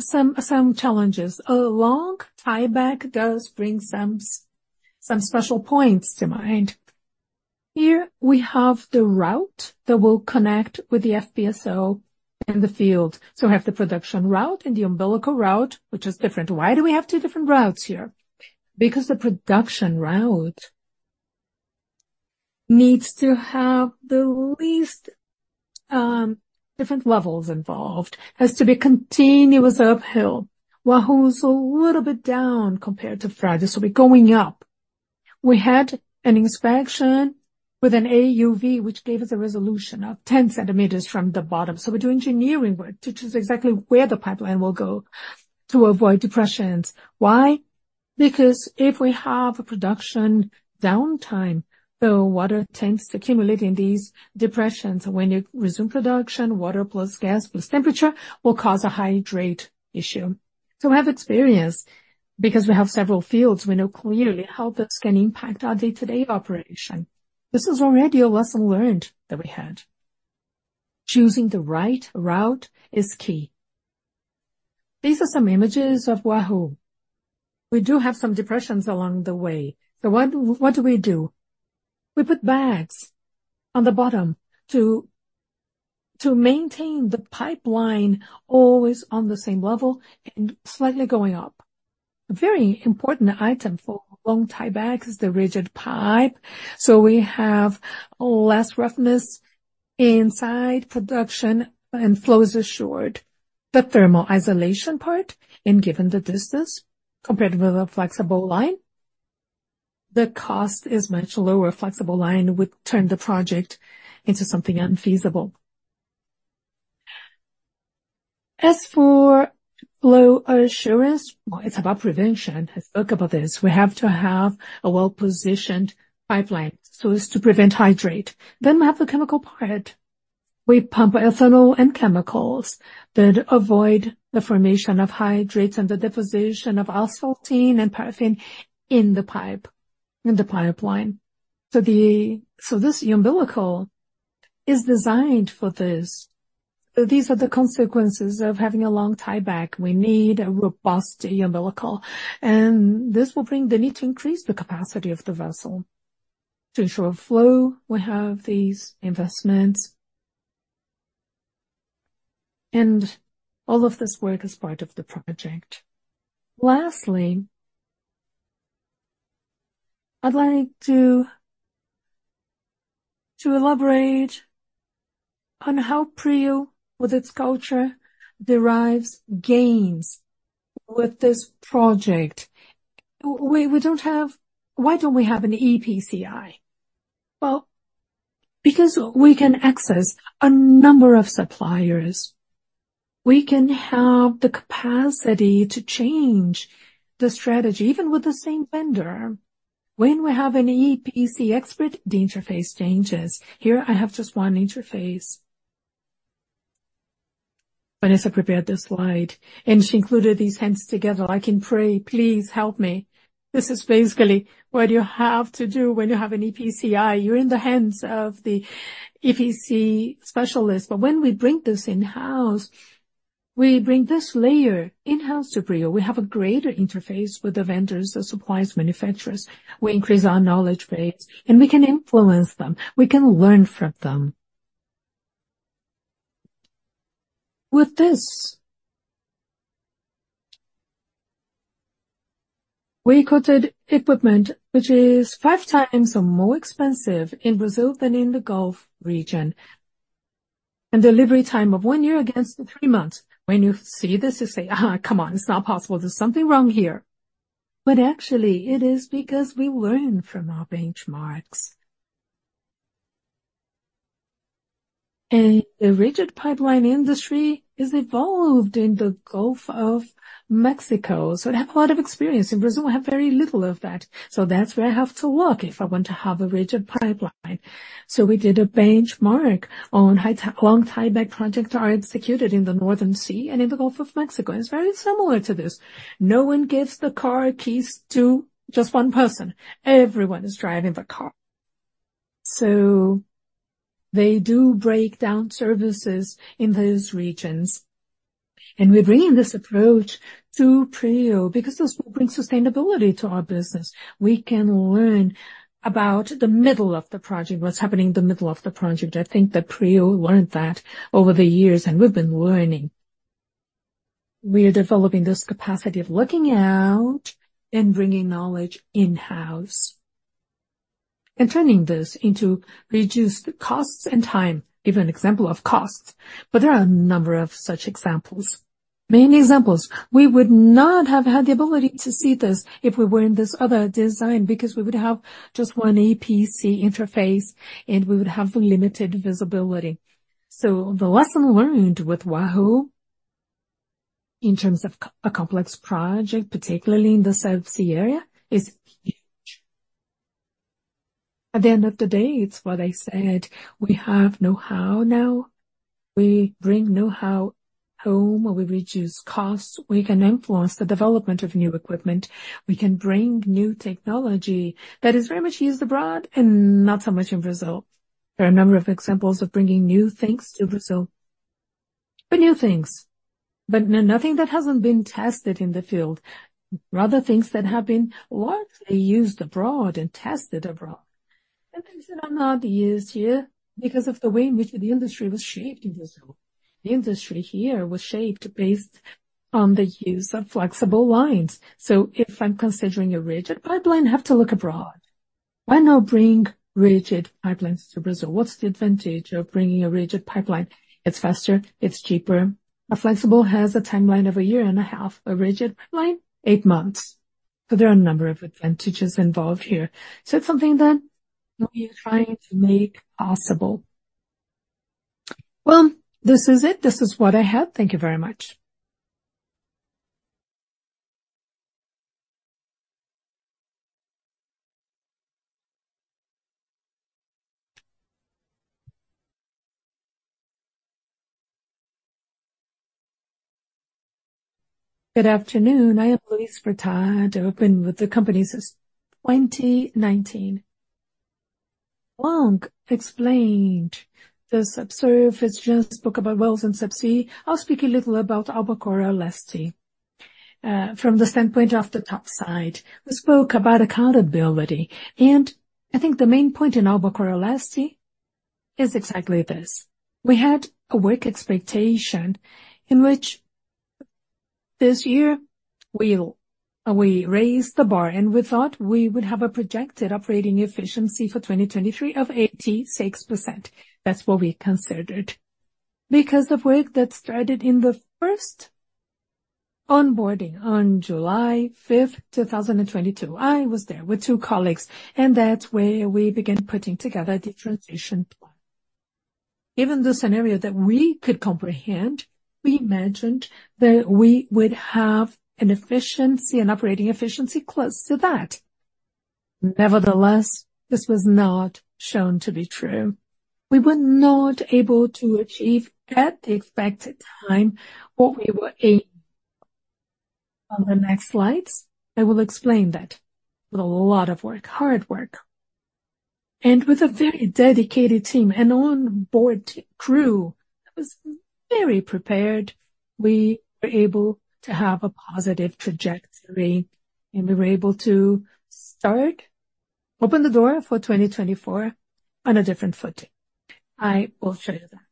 some challenges. A long tieback does bring some special points to mind. Here we have the route that will connect with the FPSO in the field. So we have the production route and the umbilical route, which is different. Why do we have two different routes here? Because the production route needs to have the least different levels involved, has to be continuous uphill. Wahoo is a little bit down compared to Frade, so we're going up. We had an inspection with an AUV, which gave us a resolution of 10 centimeters from the bottom. So we do engineering work to choose exactly where the pipeline will go to avoid depressions. Why? Because if we have a production downtime, the water tends to accumulate in these depressions. When you resume production, water plus gas, plus temperature will cause a hydrate issue. So we have experience, because we have several fields, we know clearly how this can impact our day-to-day operation. This is already a lesson learned that we had. Choosing the right route is key. These are some images of Wahoo. We do have some depressions along the way. So what, what do we do? We put bags on the bottom to, to maintain the pipeline always on the same level and slightly going up. A very important item for long tiebacks is the rigid pipe. So we have less roughness inside production and flow is assured. The thermal isolation part, and given the distance compared with a flexible line, the cost is much lower. A flexible line would turn the project into something unfeasible. As for flow assurance, well, it's about prevention. I spoke about this. We have to have a well-positioned pipeline so as to prevent hydrate. Then we have the chemical part. We pump ethanol and chemicals that avoid the formation of hydrates and the deposition of asphaltene and paraffin in the pipe, in the pipeline. So this umbilical is designed for this. These are the consequences of having a long tieback. We need a robust umbilical, and this will bring the need to increase the capacity of the vessel. To ensure flow, we have these investments. And all of this work is part of the project. Lastly, I'd like to elaborate on how PRIO, with its culture, derives gains with this project. We don't have. Why don't we have an EPCI? Well, because we can access a number of suppliers, we can have the capacity to change the strategy, even with the same vendor. When we have an EPC expert, the interface changes. Here I have just one interface. Vanessa prepared this slide, and she included these hands together. I can pray, please help me. This is basically what you have to do when you have an EPCI. You're in the hands of the EPC specialist. But when we bring this in-house, we bring this layer in-house to PRIO. We have a greater interface with the vendors, the suppliers, manufacturers. We increase our knowledge base, and we can influence them. We can learn from them. With this, we quoted equipment which is 5 times or more expensive in Brazil than in the Gulf region, and delivery time of 1 year against the 3 months. When you see this, you say, "Come on, it's not possible. There's something wrong here." But actually, it is because we learn from our benchmarks. And the rigid pipeline industry is evolved in the Gulf of Mexico, so they have a lot of experience. In Brazil, we have very little of that. That's where I have to work if I want to have a rigid pipeline. We did a benchmark on high tech, long tieback projects that are executed in the North Sea and in the Gulf of Mexico, and it's very similar to this. No one gives the car keys to just one person. Everyone is driving the car. They do break down services in those regions, and we're bringing this approach to PRIO because this will bring sustainability to our business. We can learn about the middle of the project, what's happening in the middle of the project. I think that PRIO learned that over the years, and we've been learning. We are developing this capacity of looking out and bringing knowledge in-house and turning this into reduced costs and time. Give an example of costs, but there are a number of such examples, many examples. We would not have had the ability to see this if we were in this other design, because we would have just one EPC interface, and we would have limited visibility. So the lesson learned with Wahoo, in terms of a complex project, particularly in the South Sea area, is. At the end of the day, it's what I said, we have know-how now. We bring know-how home, or we reduce costs. We can influence the development of new equipment. We can bring new technology that is very much used abroad and not so much in Brazil. There are a number of examples of bringing new things to Brazil. But new things, but nothing that hasn't been tested in the field. Rather, things that have been largely used abroad and tested abroad, and things that are not used here because of the way in which the industry was shaped in Brazil. The industry here was shaped based on the use of flexible lines. So if I'm considering a rigid pipeline, I have to look abroad. Why not bring rigid pipelines to Brazil? What's the advantage of bringing a rigid pipeline? It's faster, it's cheaper. A flexible has a timeline of a year and a half, a rigid pipeline, 8 months. So there are a number of advantages involved here. So it's something that we're trying to make possible. Well, this is it. This is what I have. Thank you very much. Good afternoon. I am Luiz Longhi, joined the company since 2019. Luiz Longhi explained the subsurface, just spoke about wells and subsea. I'll speak a little about Albacora Leste from the standpoint of the top side. We spoke about accountability, and I think the main point in Albacora Leste is exactly this. We had a work expectation in which this year we raised the bar, and we thought we would have a projected operating efficiency for 2023 of 86%. That's what we considered. Because of work that started in the first onboarding on July 5, 2022, I was there with two colleagues, and that's where we began putting together the transition plan. Given the scenario that we could comprehend, we imagined that we would have an efficiency, an operating efficiency close to that. Nevertheless, this was not shown to be true. We were not able to achieve at the expected time what we were aiming. On the next slides, I will explain that with a lot of work, hard work, and with a very dedicated team and on board crew that was very prepared, we were able to have a positive trajectory, and we were able to start, open the door for 2024 on a different footing. I will show you that.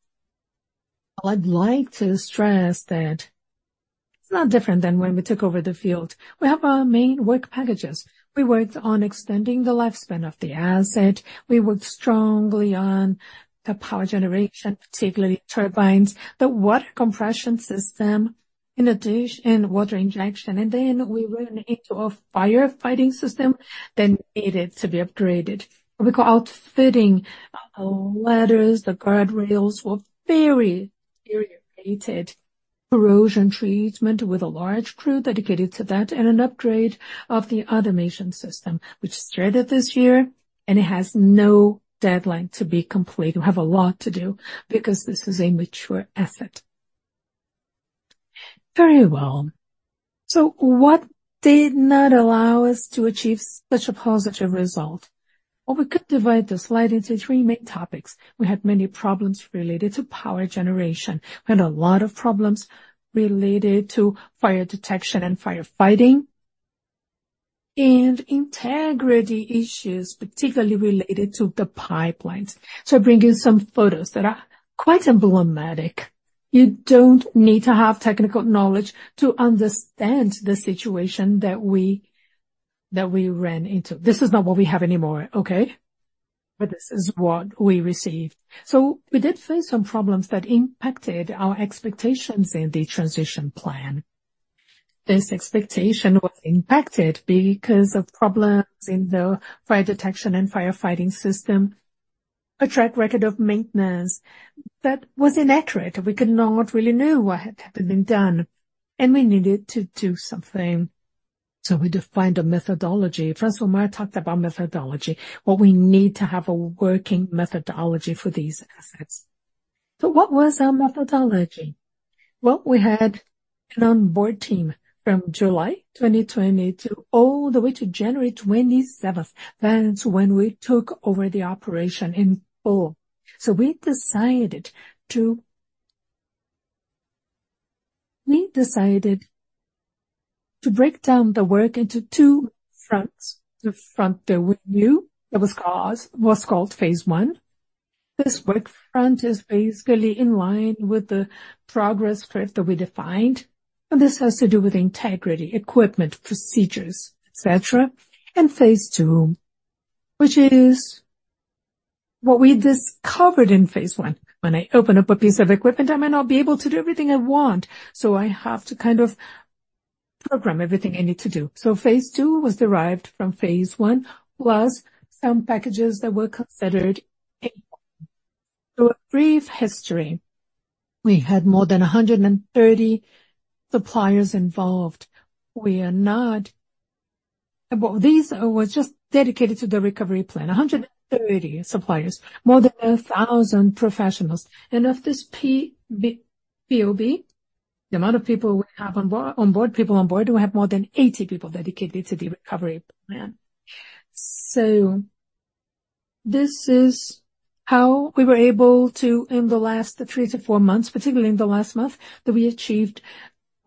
I'd like to stress that it's not different than when we took over the field. We have our main work packages. We worked on extending the lifespan of the asset. We worked strongly on the power generation, particularly turbines, the water compression system, in addition, and water injection. And then we ran into a firefighting system that needed to be upgraded. We call outfitting, ladders, the guardrails were very, very rated. Corrosion treatment with a large crew dedicated to that and an upgrade of the automation system, which started this year, and it has no deadline to be complete. We have a lot to do because this is a mature asset. Very well. So what did not allow us to achieve such a positive result? Well, we could divide the slide into three main topics. We had many problems related to power generation. We had a lot of problems related to fire detection and firefighting, and integrity issues, particularly related to the pipelines. So I bring you some photos that are quite emblematic. You don't need to have technical knowledge to understand the situation that we ran into. This is not what we have anymore, okay? But this is what we received. So we did face some problems that impacted our expectations in the transition plan. This expectation was impacted because of problems in the fire detection and firefighting system, a track record of maintenance that was inaccurate. We could not really know what had been done, and we needed to do something. So we defined a methodology. First, Omar talked about methodology, what we need to have a working methodology for these assets. So what was our methodology? Well, we had an onboard team from July 2022, all the way to January 27th. That's when we took over the operation in full. So we decided to. We decided to break down the work into two fronts. The front that we knew that was cause, was called phase one. This work front is basically in line with the progress curve that we defined, and this has to do with integrity, equipment, procedures, et cetera. Phase two, which is what we discovered in phase one. When I open up a piece of equipment, I may not be able to do everything I want, so I have to kind of program everything I need to do. Phase two was derived from phase one, plus some packages that were considered A. So a brief history. We had more than 130 suppliers involved. Well, this was just dedicated to the recovery plan. 130 suppliers, more than 1,000 professionals. And of this POB, the amount of people we have on board, on board, people on board, we have more than 80 people dedicated to the recovery plan. So this is how we were able to, in the last 3-4 months, particularly in the last month, that we achieved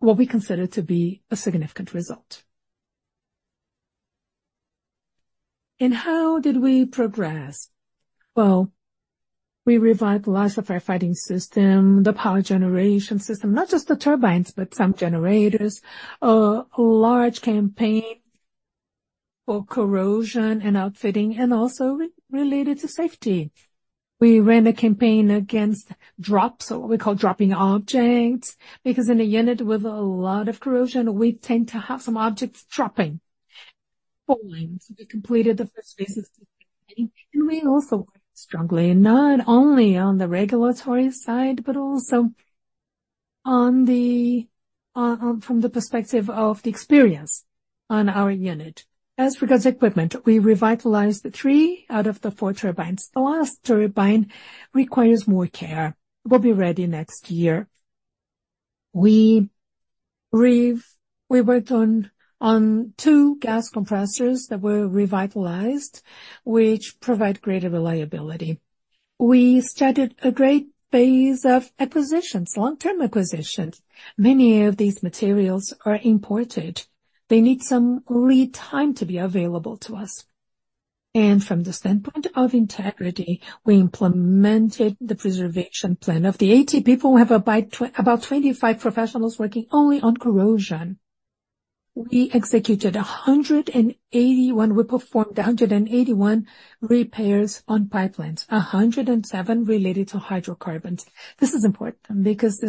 what we consider to be a significant result. And how did we progress? Well, we revitalized the firefighting system, the power generation system, not just the turbines, but some generators. A large campaign for corrosion and outfitting and also related to safety. We ran a campaign against drops, or what we call dropping objects, because in a unit with a lot of corrosion, we tend to have some objects dropping, falling. So we completed the first phase of and we also worked strongly, not only on the regulatory side, but also on the, from the perspective of the experience on our unit. As regards equipment, we revitalized the three out of the four turbines. The last turbine requires more care. We'll be ready next year. We worked on, on two gas compressors that were revitalized, which provide greater reliability. We started a great phase of acquisitions, long-term acquisitions. Many of these materials are imported. They need some lead time to be available to us. And from the standpoint of integrity, we implemented the preservation plan. Of the 80 people, we have about 25 professionals working only on corrosion. We executed 181. We performed 181 repairs on pipelines, 107 related to hydrocarbons. This is important because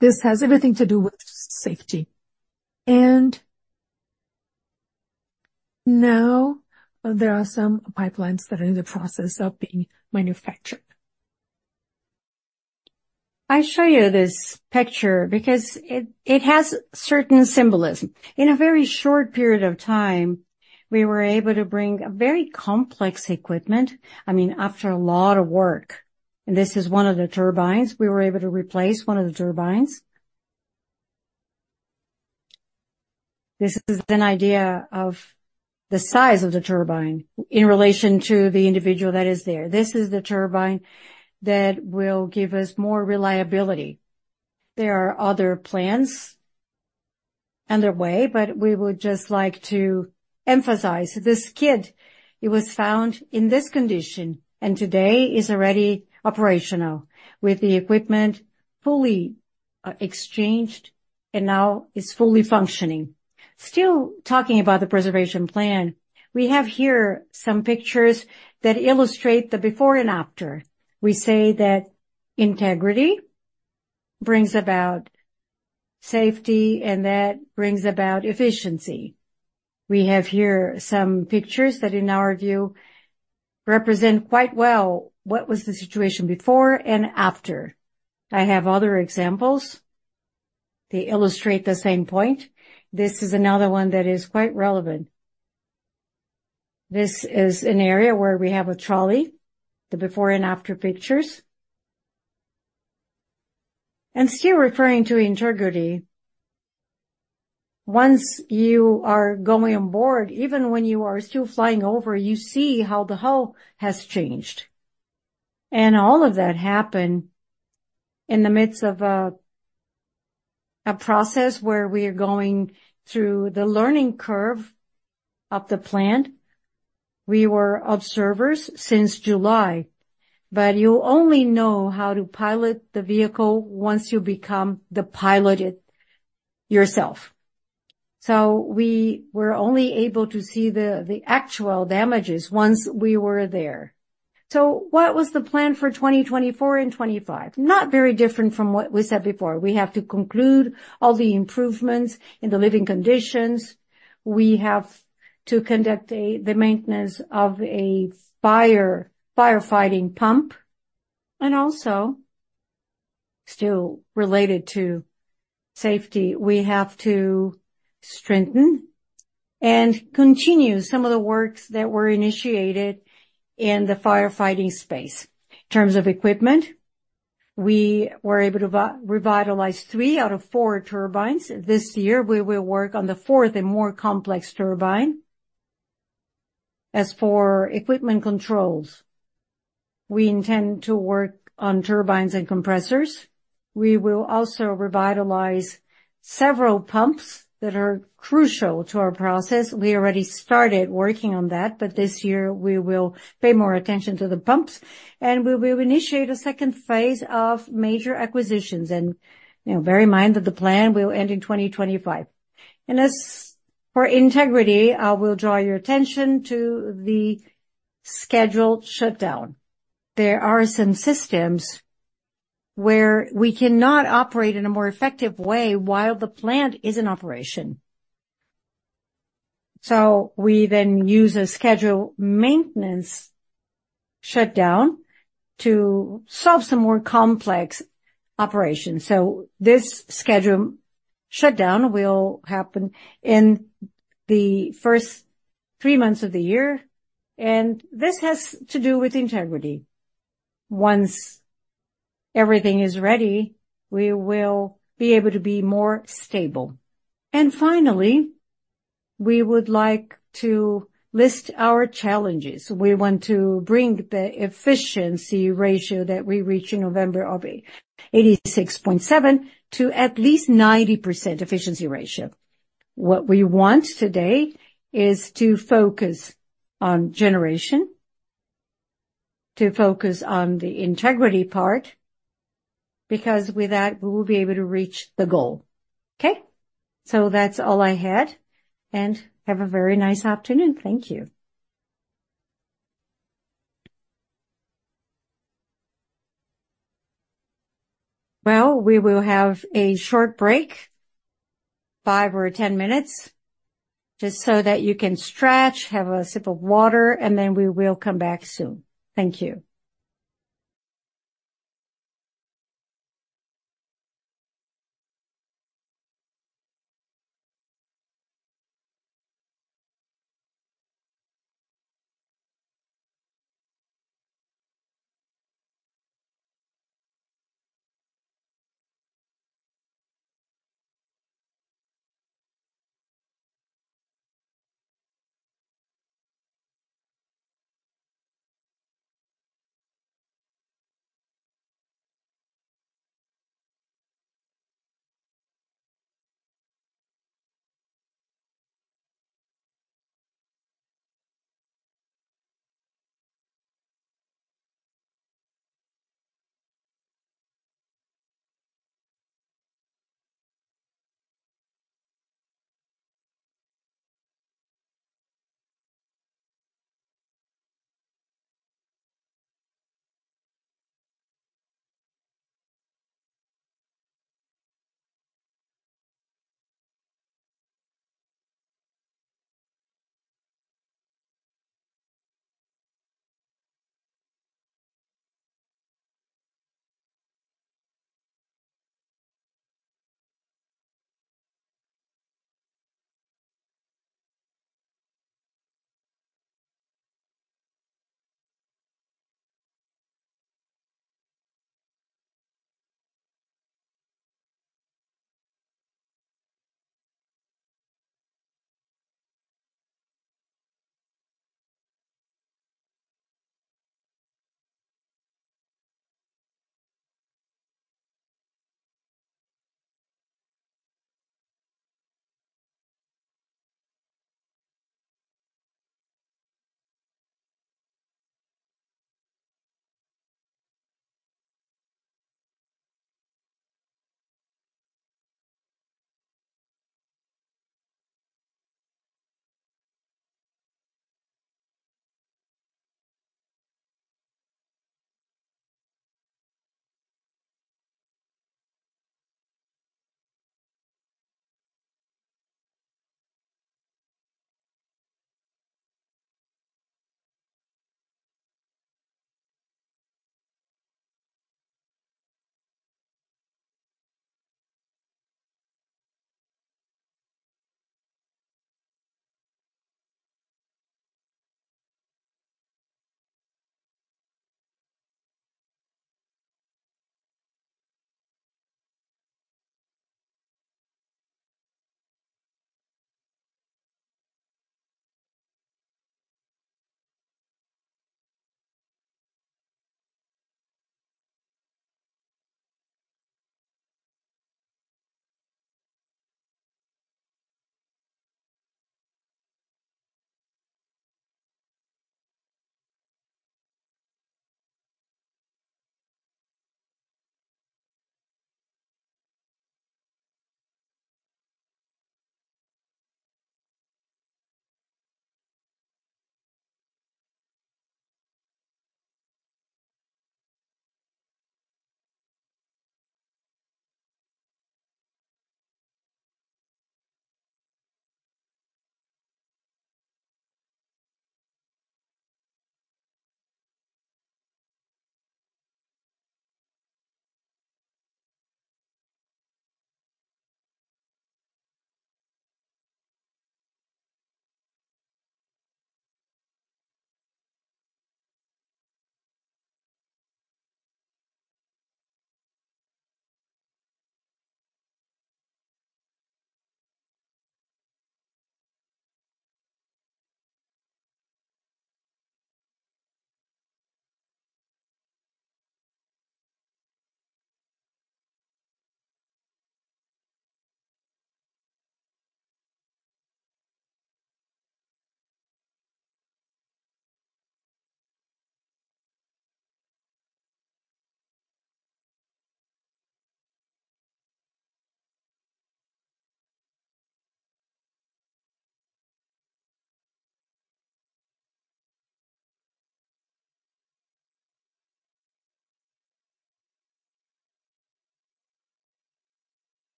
this has everything to do with safety. Now there are some pipelines that are in the process of being manufactured. I show you this picture because it has certain symbolism. In a very short period of time, we were able to bring a very complex equipment. I mean, after a lot of work, and this is one of the turbines. We were able to replace one of the turbines. This is an idea of the size of the turbine in relation to the individual that is there. This is the turbine that will give us more reliability. There are other plans underway, but we would just like to emphasize, this kit, it was found in this condition, and today is already operational, with the equipment fully exchanged and now is fully functioning. Still talking about the preservation plan, we have here some pictures that illustrate the before and after. We say that integrity brings about safety, and that brings about efficiency. We have here some pictures that, in our view, represent quite well what was the situation before and after. I have other examples. They illustrate the same point. This is another one that is quite relevant. This is an area where we have a trolley, the before and after pictures. And still referring to integrity, once you are going on board, even when you are still flying over, you see how the hull has changed. All of that happened in the midst of a process where we are going through the learning curve of the plant. We were observers since July, but you only know how to pilot the vehicle once you become the pilot yourself. We were only able to see the actual damages once we were there. What was the plan for 2024 and 2025? Not very different from what we said before. We have to conclude all the improvements in the living conditions. We have to conduct the maintenance of a firefighting pump, and also, still related to safety, we have to strengthen and continue some of the works that were initiated in the firefighting space. In terms of equipment, we were able to revitalize three out of four turbines. This year, we will work on the fourth and more complex turbine. As for equipment controls, we intend to work on turbines and compressors. We will also revitalize several pumps that are crucial to our process. We already started working on that, but this year we will pay more attention to the pumps, and we will initiate a second phase of major acquisitions. You know, bear in mind that the plan will end in 2025. As for integrity, I will draw your attention to the scheduled shutdown. There are some systems where we cannot operate in a more effective way while the plant is in operation. So we then use a scheduled maintenance shutdown to solve some more complex operations. So this scheduled shutdown will happen in the first three months of the year, and this has to do with integrity. Once everything is ready, we will be able to be more stable. And finally, we would like to list our challenges. We want to bring the efficiency ratio that we reached in November of 86.7 to at least 90% efficiency ratio. What we want today is to focus on generation, to focus on the integrity part, because with that, we will be able to reach the goal. Okay? So that's all I had, and have a very nice afternoon. Thank you. Well, we will have a short break, 5 or 10 minutes, just so that you can stretch, have a sip of water, and then we will come back soon. Thank you.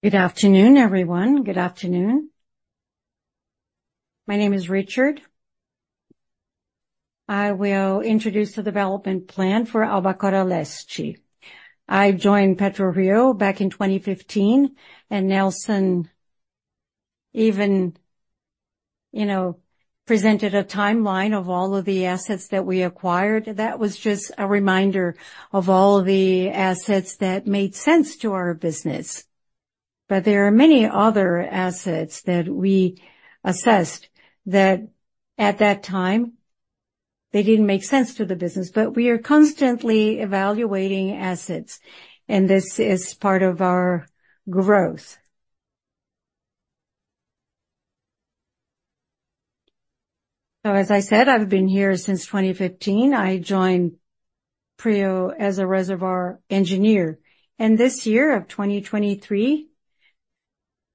Good afternoon, everyone. Good afternoon. My name is Richard. I will introduce the development plan for Albacora Leste. I joined PetroRio back in 2015, and Nelson even, you know, presented a timeline of all of the assets that we acquired. That was just a reminder of all the assets that made sense to our business. But there are many other assets that we assessed that at that time, they didn't make sense to the business. But we are constantly evaluating assets, and this is part of our growth. So as I said, I've been here since 2015. I joined PRIO as a reservoir engineer, and this year of 2023,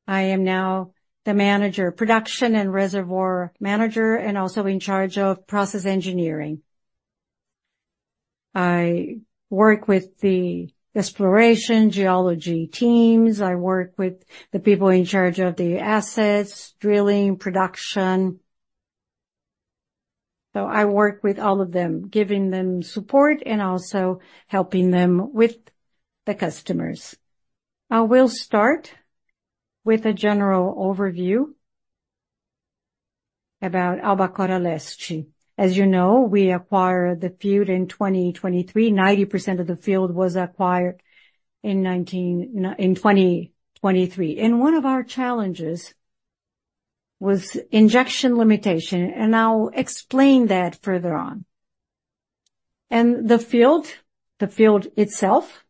I am now the manager, production and reservoir manager, and also in charge of process engineering. I work with the exploration geology teams. I work with the people in charge of the assets, drilling, production. So I work with all of them, giving them support and also helping them with the customers. I will start with a general overview about Albacora Leste. As you know, we acquired the field in 2023. 90% of the field was acquired in 2019. In 2023, and one of our challenges was injection limitation, and I'll explain that further on. And the field, the field itself,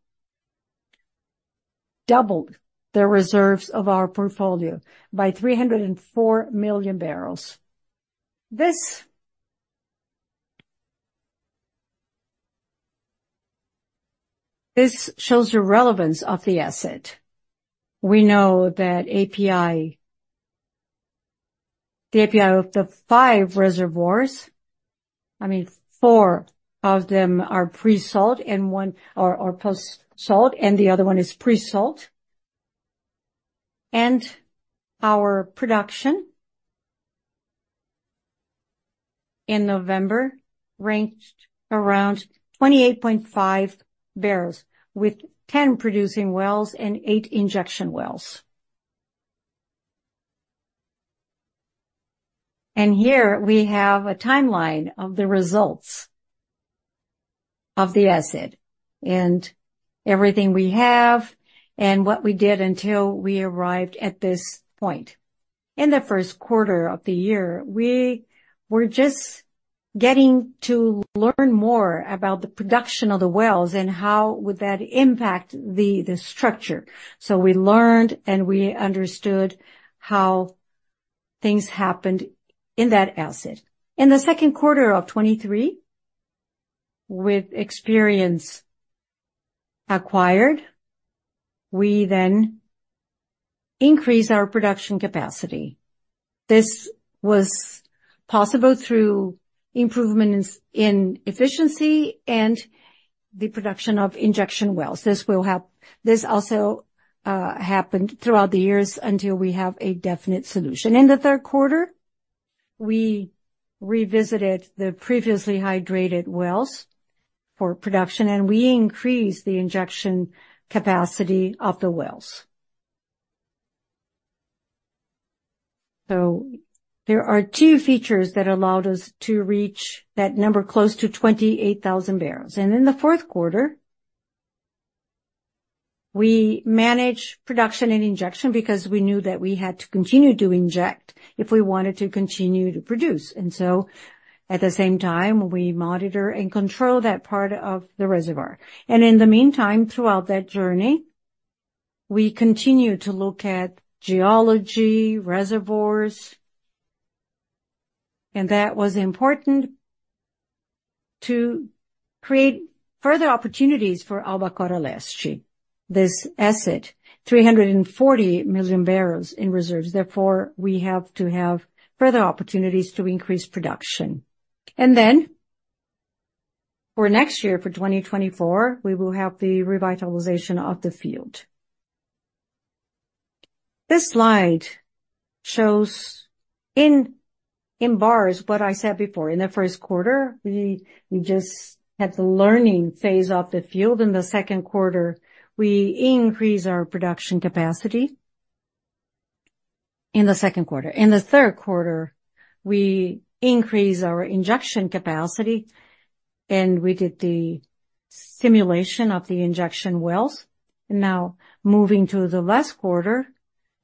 doubled the reserves of our portfolio by 304 million barrels. This, this shows the relevance of the asset. We know that API, the API of the 5 reservoirs, I mean, 4 of them are pre-salt and 1 are, are post-salt, and the other 1 is pre-salt. And our production. In November, ranged around 28.5 barrels, with 10 producing wells and 8 injection wells. And here we have a timeline of the results. of the asset, and everything we have and what we did until we arrived at this point. In the first quarter of the year, we were just getting to learn more about the production of the wells and how would that impact the structure. So we learned and we understood how things happened in that asset. In the second quarter of 2023, with experience acquired, we then increased our production capacity. This was possible through improvements in efficiency and the production of injection wells. This also happened throughout the years until we have a definite solution. In the third quarter, we revisited the previously hydrated wells for production, and we increased the injection capacity of the wells. So there are two features that allowed us to reach that number, close to 28,000 barrels. And in the fourth quarter, we managed production and injection because we knew that we had to continue to inject if we wanted to continue to produce. And so, at the same time, we monitor and control that part of the reservoir. And in the meantime, throughout that journey, we continued to look at geology, reservoirs, and that was important to create further opportunities for Albacora Leste, this asset, 340 million barrels in reserves. Therefore, we have to have further opportunities to increase production. And then for next year, for 2024, we will have the revitalization of the field. This slide shows in bars what I said before. In the first quarter, we just had the learning phase of the field. In the second quarter, we increased our production capacity. In the second quarter. In the third quarter, we increased our injection capacity, and we did the stimulation of the injection wells. Now, moving to the last quarter,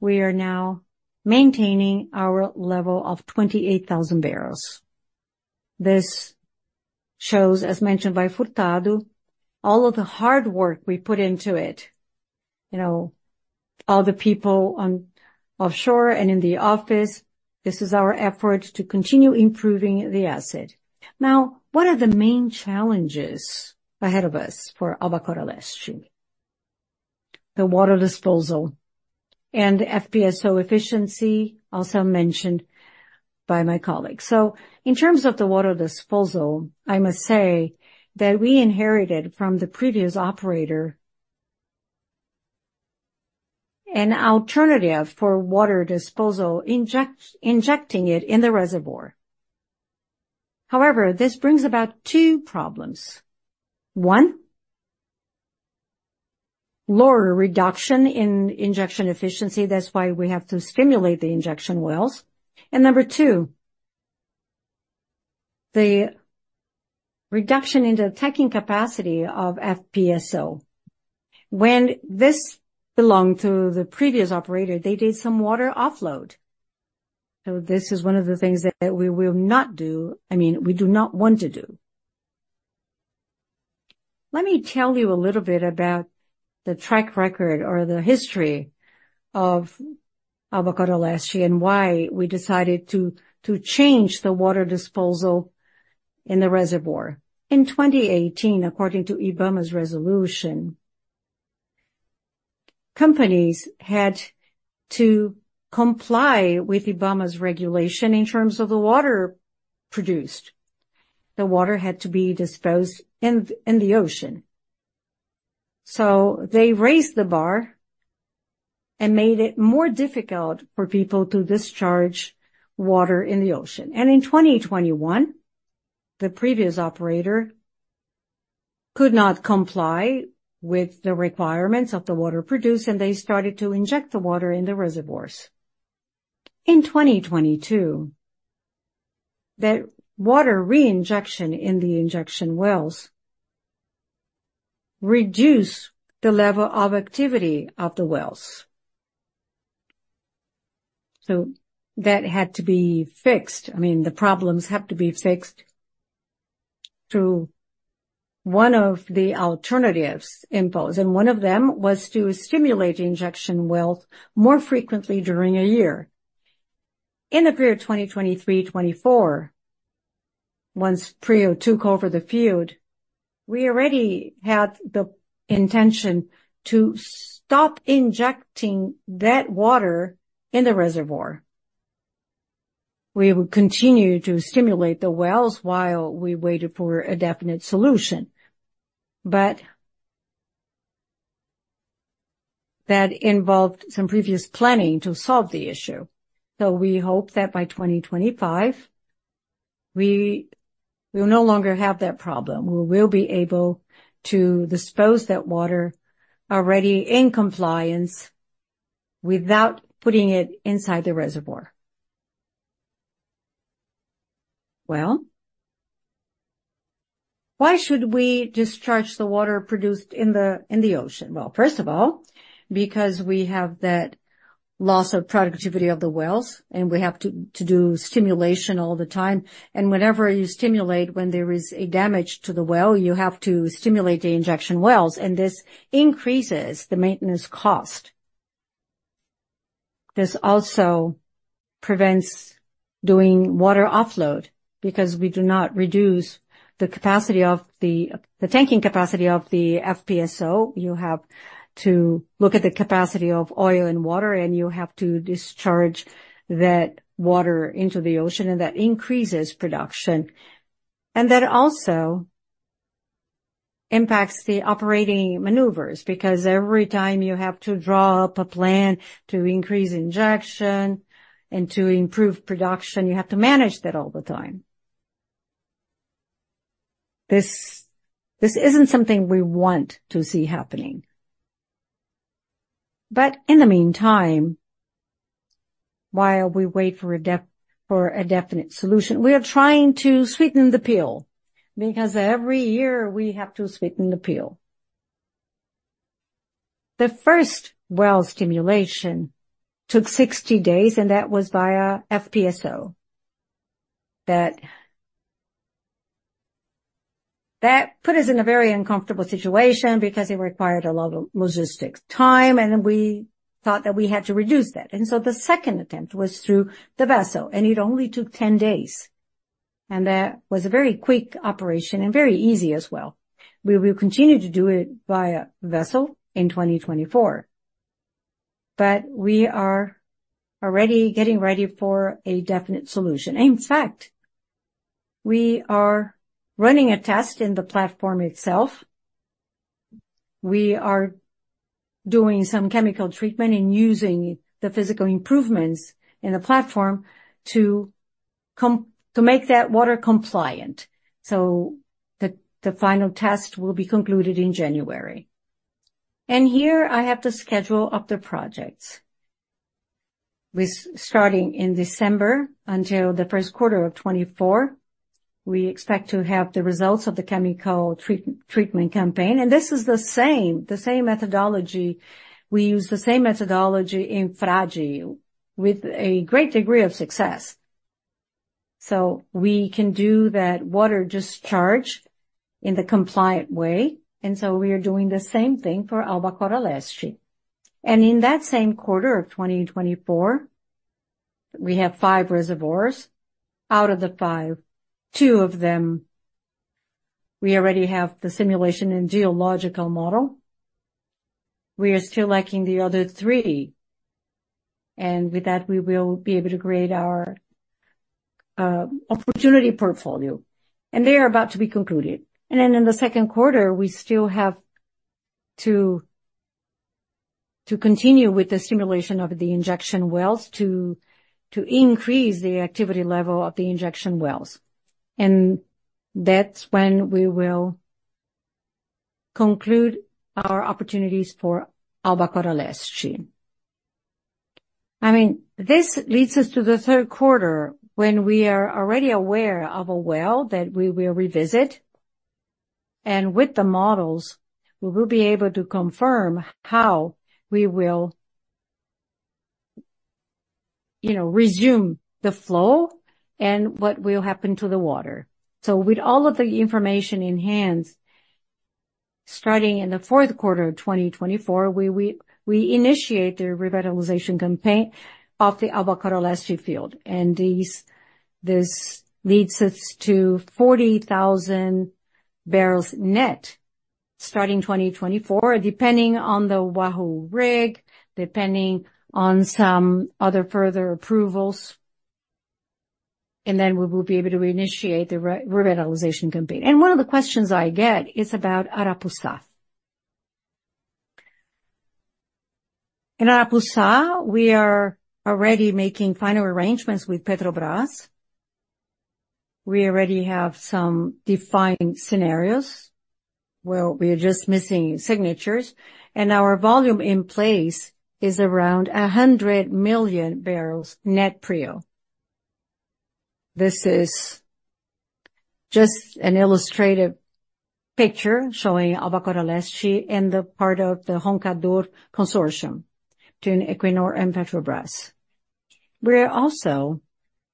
we are now maintaining our level of 28,000 barrels. This shows, as mentioned by Furtado, all of the hard work we put into it, you know, all the people on offshore and in the office, this is our effort to continue improving the asset. Now, what are the main challenges ahead of us for Albacora Leste? The water disposal and FPSO efficiency, also mentioned by my colleague. So in terms of the water disposal, I must say that we inherited from the previous operator an alternative for water disposal, injecting it in the reservoir. However, this brings about two problems. One, lower reduction in injection efficiency. That's why we have to stimulate the injection wells. And number two, the reduction in the taking capacity of FPSO. When this belonged to the previous operator, they did some water offload. So this is one of the things that we will not do, I mean, we do not want to do. Let me tell you a little bit about the track record or the history of Albacora Leste and why we decided to change the water disposal in the reservoir. In 2018, according to IBAMA's resolution, companies had to comply with IBAMA's regulation in terms of the water produced. The water had to be disposed in the ocean. So they raised the bar and made it more difficult for people to discharge water in the ocean. In 2021, the previous operator could not comply with the requirements of the water produced, and they started to inject the water in the reservoirs. In 2022, the water reinjection in the injection wells reduced the level of activity of the wells. So that had to be fixed. I mean, the problems have to be fixed through one of the alternatives imposed, and one of them was to stimulate the injection wells more frequently during a year. In the period 2023-2024, once PRIO took over the field, we already had the intention to stop injecting that water in the reservoir. We would continue to stimulate the wells while we waited for a definite solution, but. That involved some previous planning to solve the issue. So we hope that by 2025, we will no longer have that problem. We will be able to dispose that water already in compliance without putting it inside the reservoir. Well, why should we discharge the water produced in the, in the ocean? Well, first of all, because we have that loss of productivity of the wells, and we have to, to do stimulation all the time. Whenever you stimulate, when there is damage to the well, you have to stimulate the injection wells, and this increases the maintenance cost. This also prevents doing water offload, because we do not reduce the capacity of the, the tanking capacity of the FPSO. You have to look at the capacity of oil and water, and you have to discharge that water into the ocean, and that increases production. And that also impacts the operating maneuvers, because every time you have to draw up a plan to increase injection and to improve production, you have to manage that all the time. This, this isn't something we want to see happening. But in the meantime, while we wait for a definitive solution, we are trying to sweeten the pill, because every year we have to sweeten the pill. The first well stimulation took 60 days, and that was via FPSO. That, that put us in a very uncomfortable situation because it required a lot of logistics time, and we thought that we had to reduce that. And so the second attempt was through the vessel, and it only took 10 days. And that was a very quick operation and very easy as well. We will continue to do it via vessel in 2024, but we are already getting ready for a definite solution. In fact, we are running a test in the platform itself. We are doing some chemical treatment and using the physical improvements in the platform to make that water compliant. So the final test will be concluded in January. And here I have the schedule of the projects. With starting in December until the first quarter of 2024, we expect to have the results of the chemical treatment campaign. This is the same, the same methodology. We use the same methodology in Frade with a great degree of success. So we can do that water discharge in the compliant way, and so we are doing the same thing for Albacora Leste. In that same quarter of 2024, we have five reservoirs. Out of the five, two of them, we already have the simulation and geological model. We are still lacking the other three, and with that, we will be able to create our opportunity portfolio. And they are about to be concluded. Then in the second quarter, we still have to continue with the simulation of the injection wells, to increase the activity level of the injection wells. That's when we will conclude our opportunities for Albacora Leste. I mean, this leads us to the third quarter, when we are already aware of a well that we will revisit, and with the models, we will be able to confirm how we will, you know, resume the flow and what will happen to the water. So with all of the information in hand, starting in the fourth quarter of 2024, we initiate the revitalization campaign of the Albacora Leste field, and this leads us to 40,000 barrels net, starting 2024, depending on the Wahoo rig, depending on some other further approvals, and then we will be able to initiate the revitalization campaign. One of the questions I get is about Arapuça. In Arapuça, we are already making final arrangements with Petrobras. We already have some defined scenarios where we are just missing signatures, and our volume in place is around 100 million barrels net PRIO. This is just an illustrative picture showing Albacora Leste and the part of the Roncador Consortium between Equinor and Petrobras. We are also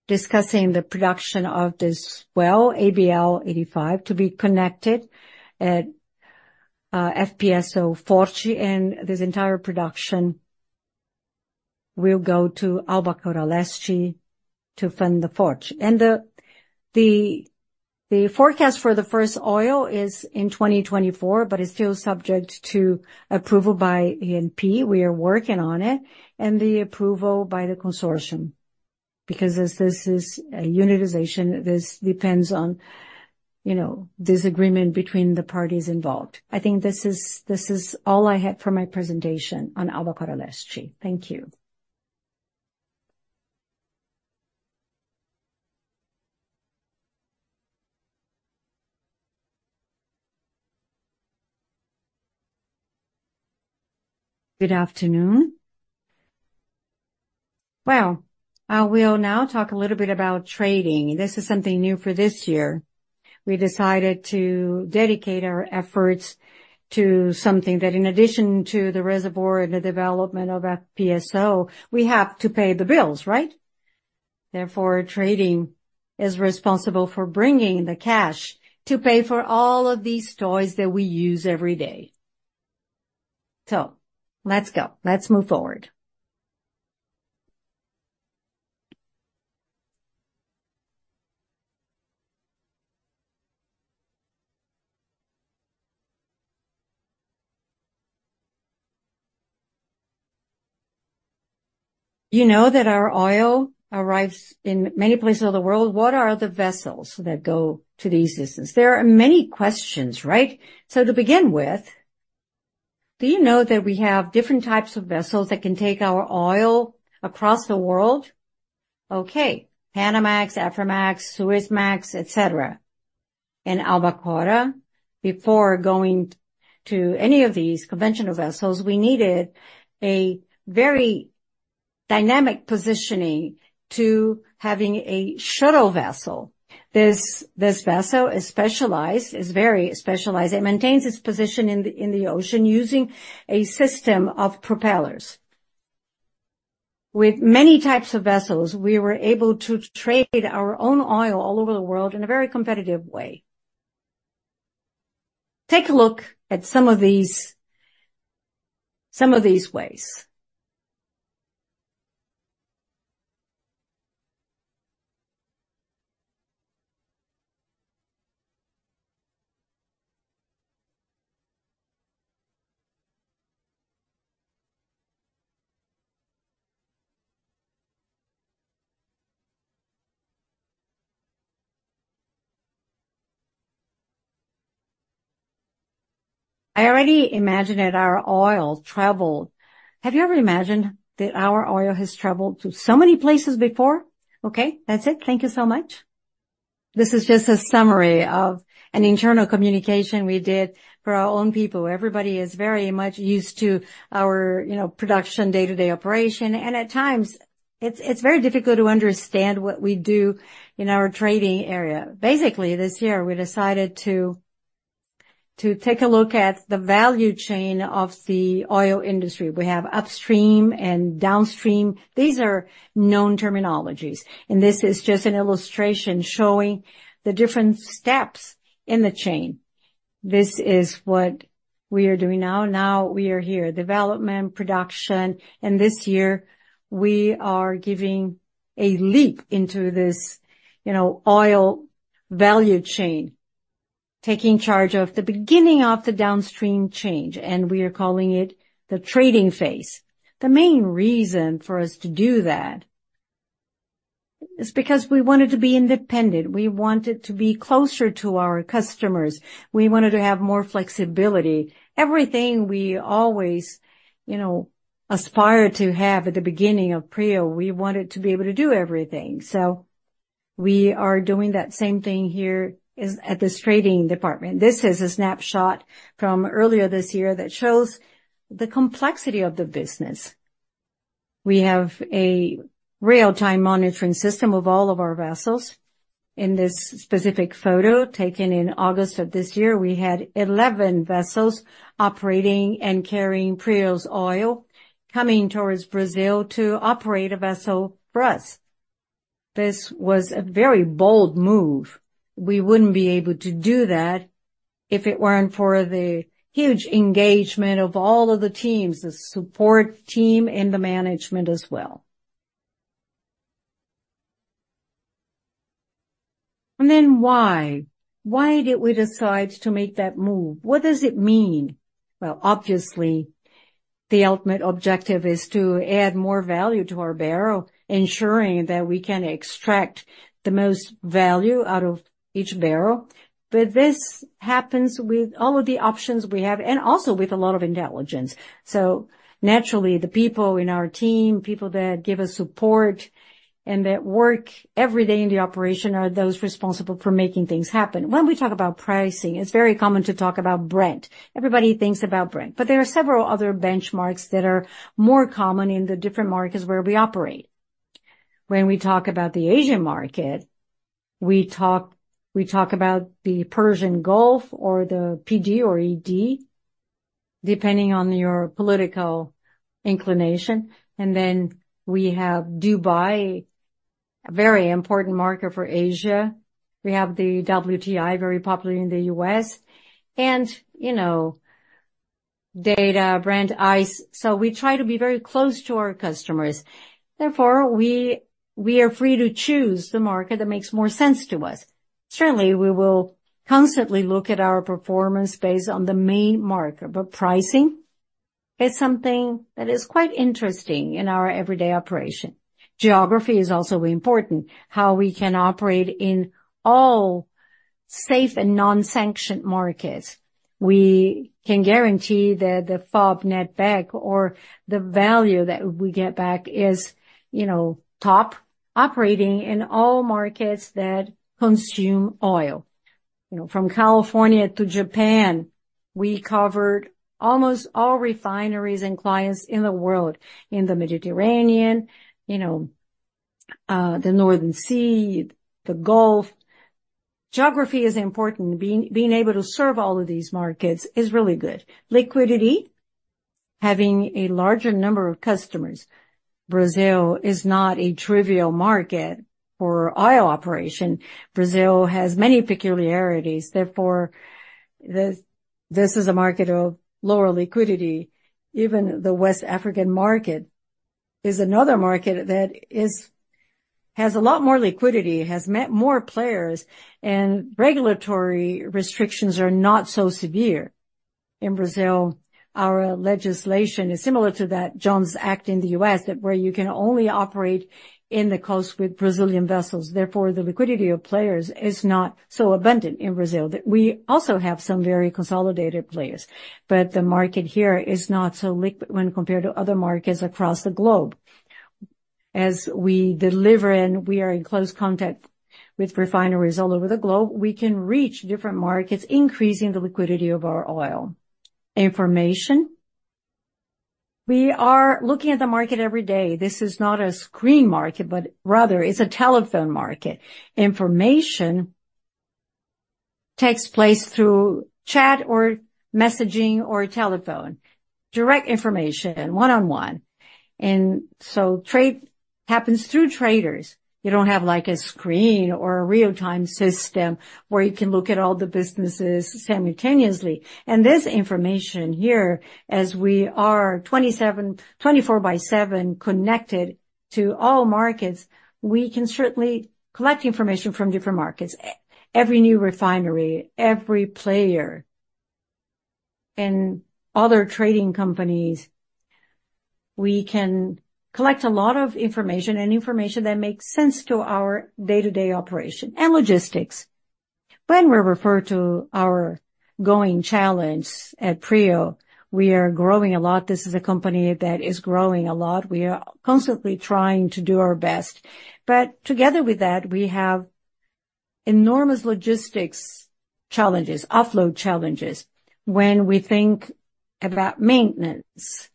discussing the production of this well, ABL-85, to be connected at FPSO Frade, and this entire production will go to Albacora Leste to fund the Frade. And the forecast for the first oil is in 2024, but it's still subject to approval by ANP. We are working on it and the approval by the consortium, because as this is a unitization, this depends on, you know, this agreement between the parties involved. I think this is all I have for my presentation on Albacora Leste. Thank you. Good afternoon. Well, we'll now talk a little bit about trading. This is something new for this year. We decided to dedicate our efforts to something that, in addition to the reservoir and the development of FPSO, we have to pay the bills, right? Therefore, trading is responsible for bringing the cash to pay for all of these toys that we use every day. So let's go. Let's move forward. You know that our oil arrives in many places of the world. What are the vessels that go to these places? There are many questions, right? So to begin with, do you know that we have different types of vessels that can take our oil across the world? Okay. Panamax, Aframax, Suezmax, et cetera. In Albacora, before going to any of these conventional vessels, we needed a very dynamic positioning to having a shuttle vessel. This vessel is very specialized. It maintains its position in the ocean using a system of propellers. With many types of vessels, we were able to trade our own oil all over the world in a very competitive way. Take a look at some of these ways. I already imagined that our oil traveled. Have you ever imagined that our oil has traveled to so many places before? Okay, that's it. Thank you so much. This is just a summary of an internal communication we did for our own people. Everybody is very much used to our, you know, production, day-to-day operation, and at times, it's very difficult to understand what we do in our trading area. Basically, this year, we decided to take a look at the value chain of the oil industry. We have upstream and downstream. These are known terminologies, and this is just an illustration showing the different steps in the chain. This is what we are doing now. Now we are here, development, production, and this year, we are giving a leap into this, you know, oil value chain, taking charge of the beginning of the downstream change, and we are calling it the trading phase. The main reason for us to do that is because we wanted to be independent. We wanted to be closer to our customers. We wanted to have more flexibility. Everything we always, you know, aspire to have at the beginning of PRIO, we wanted to be able to do everything. So we are doing that same thing here is at this trading department. This is a snapshot from earlier this year that shows the complexity of the business. We have a real-time monitoring system of all of our vessels. In this specific photo, taken in August of this year, we had 11 vessels operating and carrying PRIO's oil, coming towards Brazil to operate a vessel for us. This was a very bold move. We wouldn't be able to do that if it weren't for the huge engagement of all of the teams, the support team and the management as well. And then why? Why did we decide to make that move? What does it mean? Well, obviously, the ultimate objective is to add more value to our barrel, ensuring that we can extract the most value out of each barrel. But this happens with all of the options we have, and also with a lot of intelligence. So naturally, the people in our team, people that give us support and that work every day in the operation, are those responsible for making things happen. When we talk about pricing, it's very common to talk about Brent. Everybody thinks about Brent, but there are several other benchmarks that are more common in the different markets where we operate. When we talk about the Asian market, we talk about the Persian Gulf or the PG or AG, depending on your political inclination. And then we have Dubai, a very important market for Asia. We have the WTI, very popular in the US, and, you know, data, Brent Ice. So we try to be very close to our customers. Therefore, we are free to choose the market that makes more sense to us. Certainly, we will constantly look at our performance based on the main market, but pricing is something that is quite interesting in our everyday operation. Geography is also important, how we can operate in all safe and non-sanctioned markets. We can guarantee that the FOB net back or the value that we get back is, you know, top operating in all markets that consume oil. You know, from California to Japan, we covered almost all refineries and clients in the world, in the Mediterranean, you know, the North Sea, the Gulf. Geography is important. Being able to serve all of these markets is really good. Liquidity, having a larger number of customers. Brazil is not a trivial market for oil operation. Brazil has many peculiarities, therefore, this is a market of lower liquidity. Even the West African market is another market that has a lot more liquidity, has many more players, and regulatory restrictions are not so severe. In Brazil, our legislation is similar to the Jones Act in the US, where you can only operate on the coast with Brazilian vessels. Therefore, the liquidity of players is not so abundant in Brazil. We also have some very consolidated players, but the market here is not so liquid when compared to other markets across the globe. As we deliver and we are in close contact with refineries all over the globe, we can reach different markets, increasing the liquidity of our oil. Information. We are looking at the market every day. This is not a screen market, but rather it's a telephone market. Information takes place through chat or messaging or telephone, direct information, one-on-one. Trade happens through traders. You don't have like a screen or a real-time system where you can look at all the businesses simultaneously. This information here, as we are 24/7 connected to all markets, we can certainly collect information from different markets. Every new refinery, every player, and other trading companies, we can collect a lot of information and information that makes sense to our day-to-day operation. And logistics. When we refer to our growing challenge at PRIO, we are growing a lot. This is a company that is growing a lot. We are constantly trying to do our best. But together with that, we have enormous logistics challenges, offload challenges. When we think about maintenance,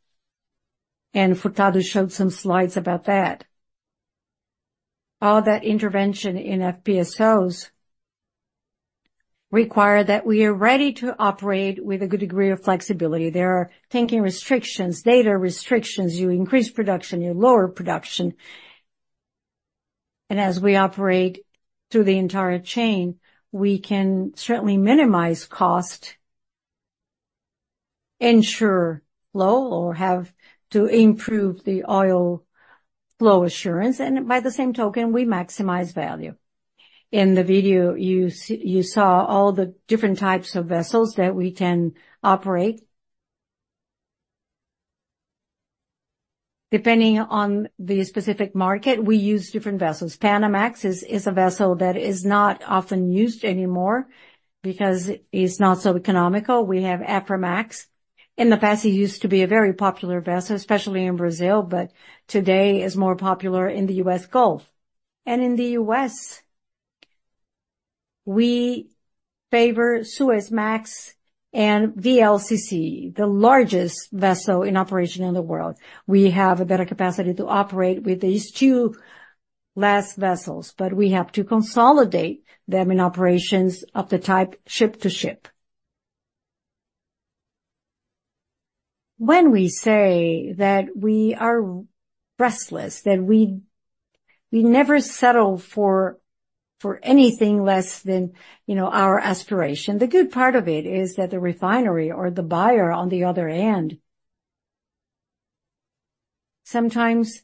and Furtado showed some slides about that, all that intervention in FPSOs require that we are ready to operate with a good degree of flexibility. There are thinking restrictions, data restrictions. You increase production, you lower production. And as we operate through the entire chain, we can certainly minimize cost, ensure flow, or have to improve the oil flow assurance, and by the same token, we maximize value. In the video, you saw all the different types of vessels that we can operate. Depending on the specific market, we use different vessels. Panamax is a vessel that is not often used anymore because it's not so economical. We have Aframax. In the past, it used to be a very popular vessel, especially in Brazil, but today is more popular in the U.S. Gulf. And in the U.S., we favor Suezmax and VLCC, the largest vessel in operation in the world. We have a better capacity to operate with these two last vessels, but we have to consolidate them in operations of the type ship-to-ship. When we say that we are restless, that we never settle for anything less than, you know, our aspiration. The good part of it is that the refinery or the buyer on the other end sometimes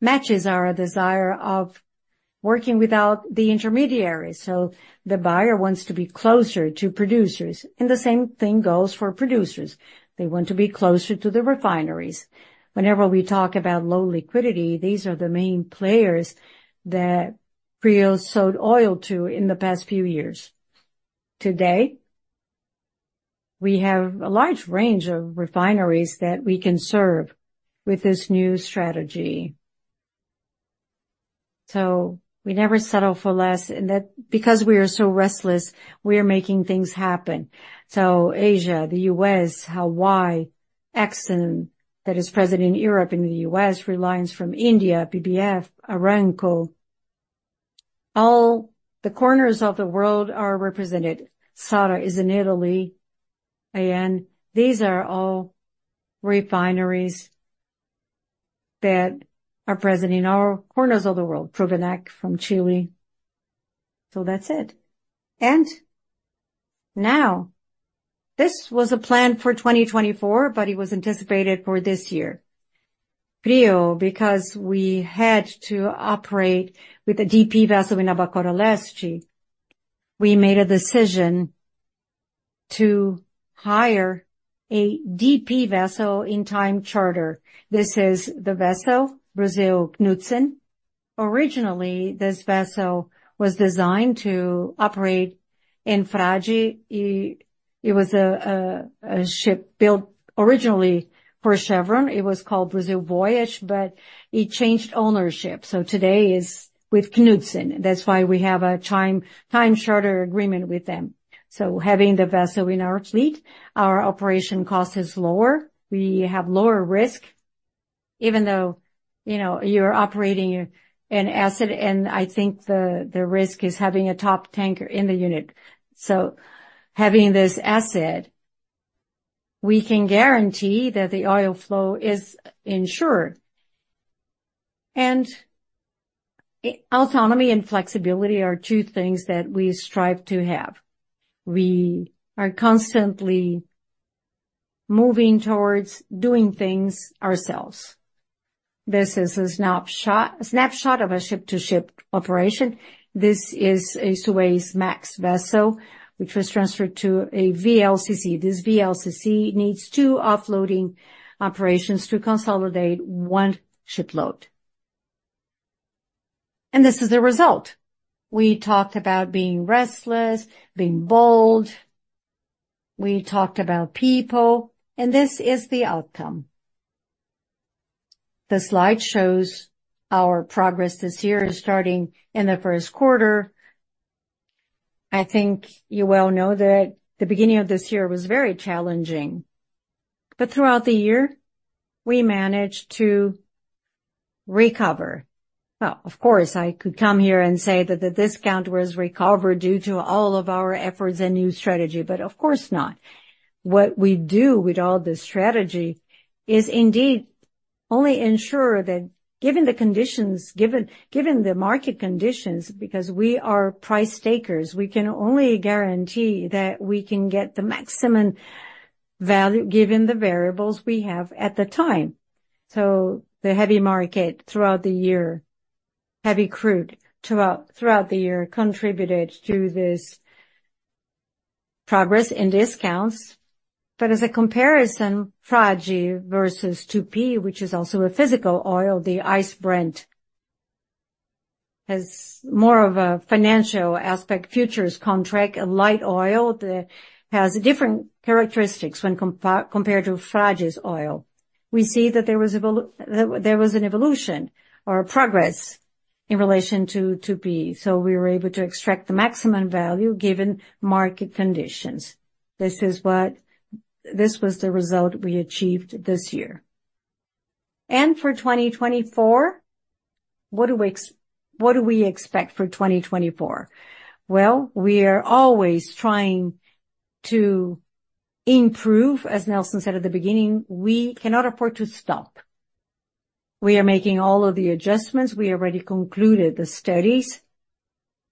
matches our desire of working without the intermediary. So the buyer wants to be closer to producers, and the same thing goes for producers. They want to be closer to the refineries. Whenever we talk about low liquidity, these are the main players that PRIO sold oil to in the past few years. Today, we have a large range of refineries that we can serve with this new strategy. So we never settle for less, and that because we are so restless, we are making things happen. So Asia, the US, Hawaii, Exxon, that is present in Europe and the US, Reliance from India, BP, Aramco, all the corners of the world are represented. Saras is in Italy, and these are all refineries that are present in all corners of the world. Progenac from Chile. So that's it. And now, this was a plan for 2024, but it was anticipated for this year. PRIO, because we had to operate with a DP vessel in Albacora Leste, we made a decision to hire a DP vessel in time charter. This is the vessel, Brasil Knutsen. Originally, this vessel was designed to operate in Frade. It was a ship built originally for Chevron. It was called Brasil Voyage, but it changed ownership, so today is with Knutsen. That's why we have a time charter agreement with them. So having the vessel in our fleet, our operation cost is lower. We have lower risk, even though, you know, you're operating an asset, and I think the risk is having a top tanker in the unit. So having this asset, we can guarantee that the oil flow is insured. And autonomy and flexibility are two things that we strive to have. We are constantly moving towards doing things ourselves. This is a snapshot of a ship-to-ship operation. This is a Suezmax vessel, which was transferred to a VLCC. This VLCC needs two offloading operations to consolidate one shipload. And this is the result. We talked about being restless, being bold. We talked about people, and this is the outcome. The slide shows our progress this year, starting in the first quarter. I think you well know that the beginning of this year was very challenging, but throughout the year, we managed to recover. Well, of course, I could come here and say that the discount was recovered due to all of our efforts and new strategy, but of course not. What we do with all this strategy is indeed only ensure that given the conditions, given the market conditions, because we are price takers, we can only guarantee that we can get the maximum value, given the variables we have at the time. So the heavy market throughout the year, heavy crude throughout the year, contributed to this progress in discounts. But as a comparison, Frade versus 2P, which is also a physical oil, the Ice Brent, has more of a financial aspect, futures contract, a light oil that has different characteristics when compared to Frade's oil. We see that there was an evolution or a progress in relation to 2P, so we were able to extract the maximum value given market conditions. This was the result we achieved this year. For 2024, what do we what do we expect for 2024? Well, we are always trying to improve. As Nelson said at the beginning, we cannot afford to stop. We are making all of the adjustments. We already concluded the studies.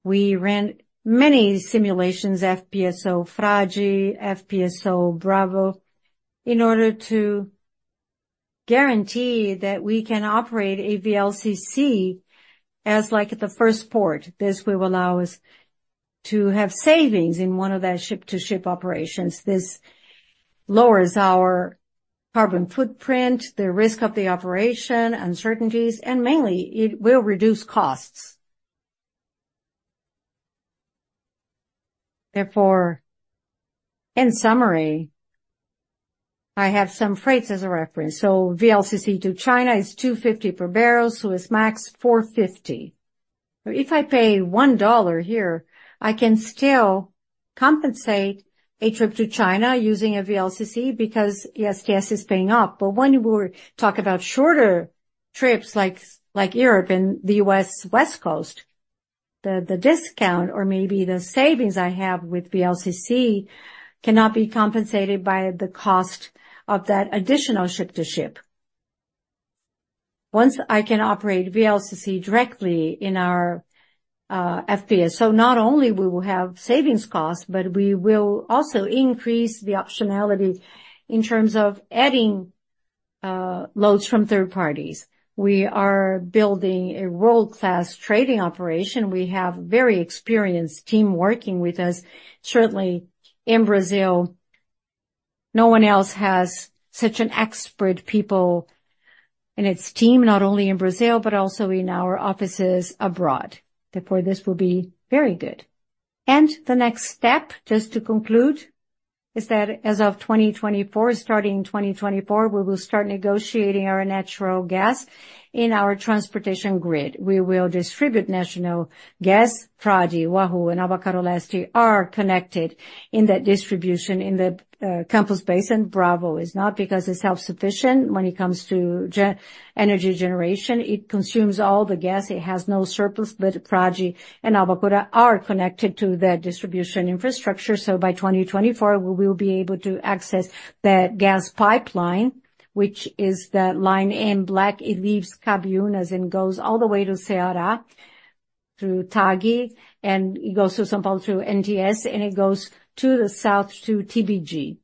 We ran many simulations, FPSO Frade, FPSO Bravo, in order to guarantee that we can operate a VLCC as like the first port. This will allow us to have savings in one of their ship-to-ship operations. This lowers our carbon footprint, the risk of the operation, uncertainties, and mainly, it will reduce costs. Therefore, in summary, I have some freights as a reference. So VLCC to China is $250 per barrel, Suezmax, $450. If I pay $1 here, I can still compensate a trip to China using a VLCC because, yes, gas is paying up. But when we talk about shorter trips like Europe and the US West Coast, the discount or maybe the savings I have with VLCC cannot be compensated by the cost of that additional ship-to-ship. Once I can operate VLCC directly in our FPS, so not only we will have savings costs, but we will also increase the optionality in terms of adding loads from third parties. We are building a world-class trading operation. We have very experienced team working with us. Certainly, in Brazil, no one else has such an expert people in its team, not only in Brazil, but also in our offices abroad. Therefore, this will be very good. And the next step, just to conclude, is that as of 2024, starting in 2024, we will start negotiating our natural gas in our transportation grid. We will distribute natural gas, Frade, Wahoo and Albacora Leste are connected in that distribution in the Campos Basin. Bravo is not, because it's self-sufficient when it comes to energy generation. It consumes all the gas, it has no surplus, but Frade and Albacora are connected to the distribution infrastructure. So by 2024, we will be able to access that gas pipeline, which is that line in black. It leaves Cabiunas and goes all the way to Ceará, through TAG, and it goes to São Paulo, through NTS, and it goes to the south to TBG,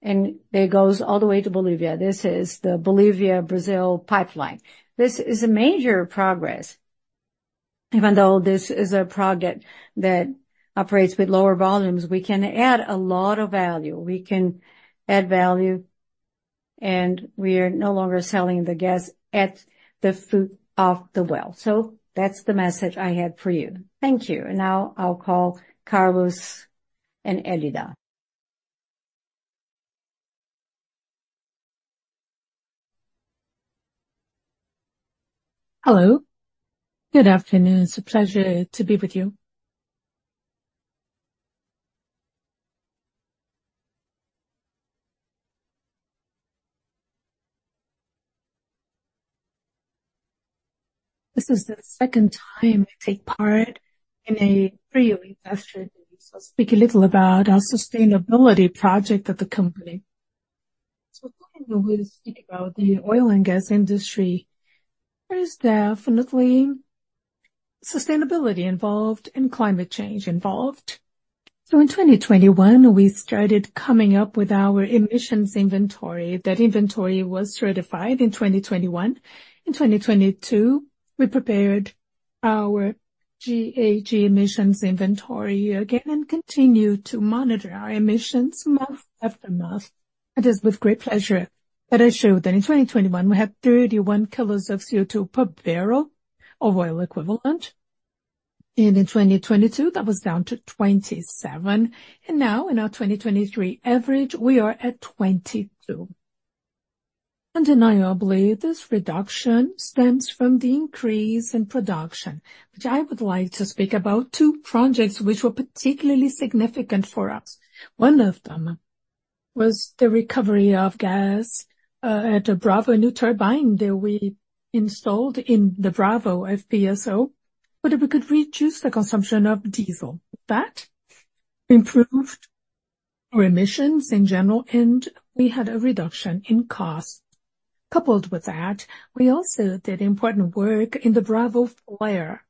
and it goes all the way to Bolivia. This is the Bolivia-Brazil pipeline. This is a major progress. Even though this is a project that operates with lower volumes, we can add a lot of value. We can add value-. and we are no longer selling the gas at the foot of the well. So that's the message I have for you. Thank you. Now I'll call Carlos and Elida. Hello, good afternoon. It's a pleasure to be with you. This is the second time I take part in a pre-investor day, so speak a little about our sustainability project at the company. When we speak about the oil and gas industry, there is definitely sustainability involved and climate change involved. In 2021, we started coming up with our emissions inventory. That inventory was certified in 2021. In 2022, we prepared our GHG emissions inventory again and continued to monitor our emissions month after month. It is with great pleasure that I show that in 2021, we had 31 kg of CO2 per barrel of oil equivalent, and in 2022, that was down to 27, and now in our 2023 average, we are at 22. Undeniably, this reduction stems from the increase in production, which I would like to speak about two projects which were particularly significant for us. One of them was the recovery of gas at a Bravo new turbine that we installed in the Bravo FPSO, but we could reduce the consumption of diesel. That improved our emissions in general, and we had a reduction in costs. Coupled with that, we also did important work in the Bravo flare.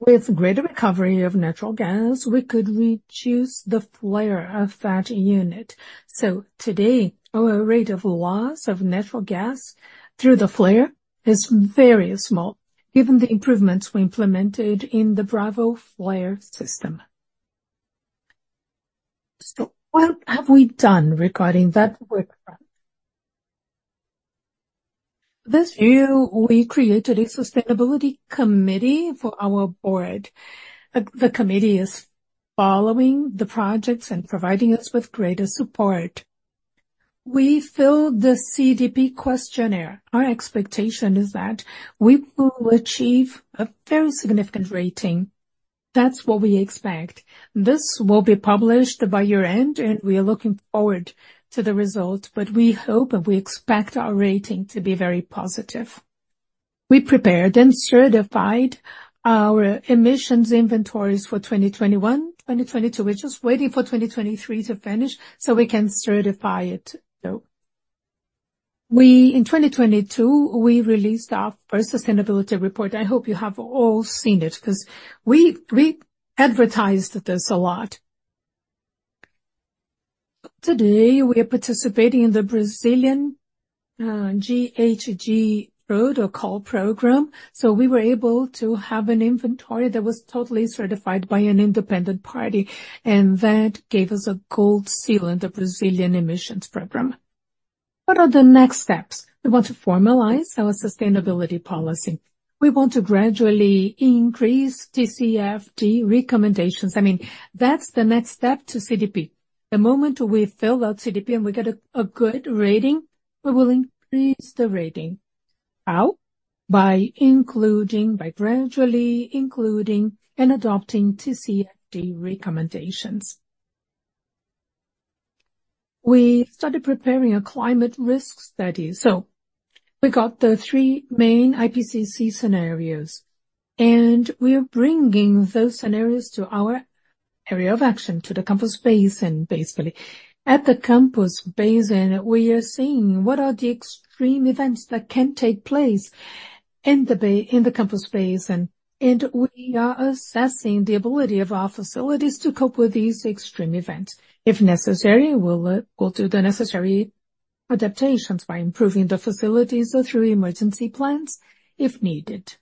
With greater recovery of natural gas, we could reduce the flare of that unit. So today, our rate of loss of natural gas through the flare is very small, given the improvements we implemented in the Bravo flare system. So what have we done regarding that work front? This year, we created a sustainability committee for our board. The committee is following the projects and providing us with greater support. We filled the CDP questionnaire. Our expectation is that we will achieve a very significant rating. That's what we expect. This will be published by year-end, and we are looking forward to the result, but we hope and we expect our rating to be very positive. We prepared and certified our emissions inventories for 2021, 2022. We're just waiting for 2023 to finish so we can certify it, though. In 2022, we released our first sustainability report. I hope you have all seen it, 'cause we, we advertised this a lot. Today, we are participating in the Brazilian GHG protocol program, so we were able to have an inventory that was totally certified by an independent party, and that gave us a gold seal in the Brazilian emissions program. What are the next steps? We want to formalize our sustainability policy. We want to gradually increase TCFD recommendations. I mean, that's the next step to CDP. The moment we fill out CDP, and we get a good rating, we will increase the rating. How? By including, by gradually including and adopting TCFD recommendations. We started preparing a climate risk study. So we got the three main IPCC scenarios, and we are bringing those scenarios to our area of action, to the Campos Basin, basically. At the Campos Basin, we are seeing what are the extreme events that can take place in the Campos Basin, and we are assessing the ability of our facilities to cope with these extreme events. If necessary, we'll go through the necessary adaptations by improving the facilities or through emergency plans, if needed.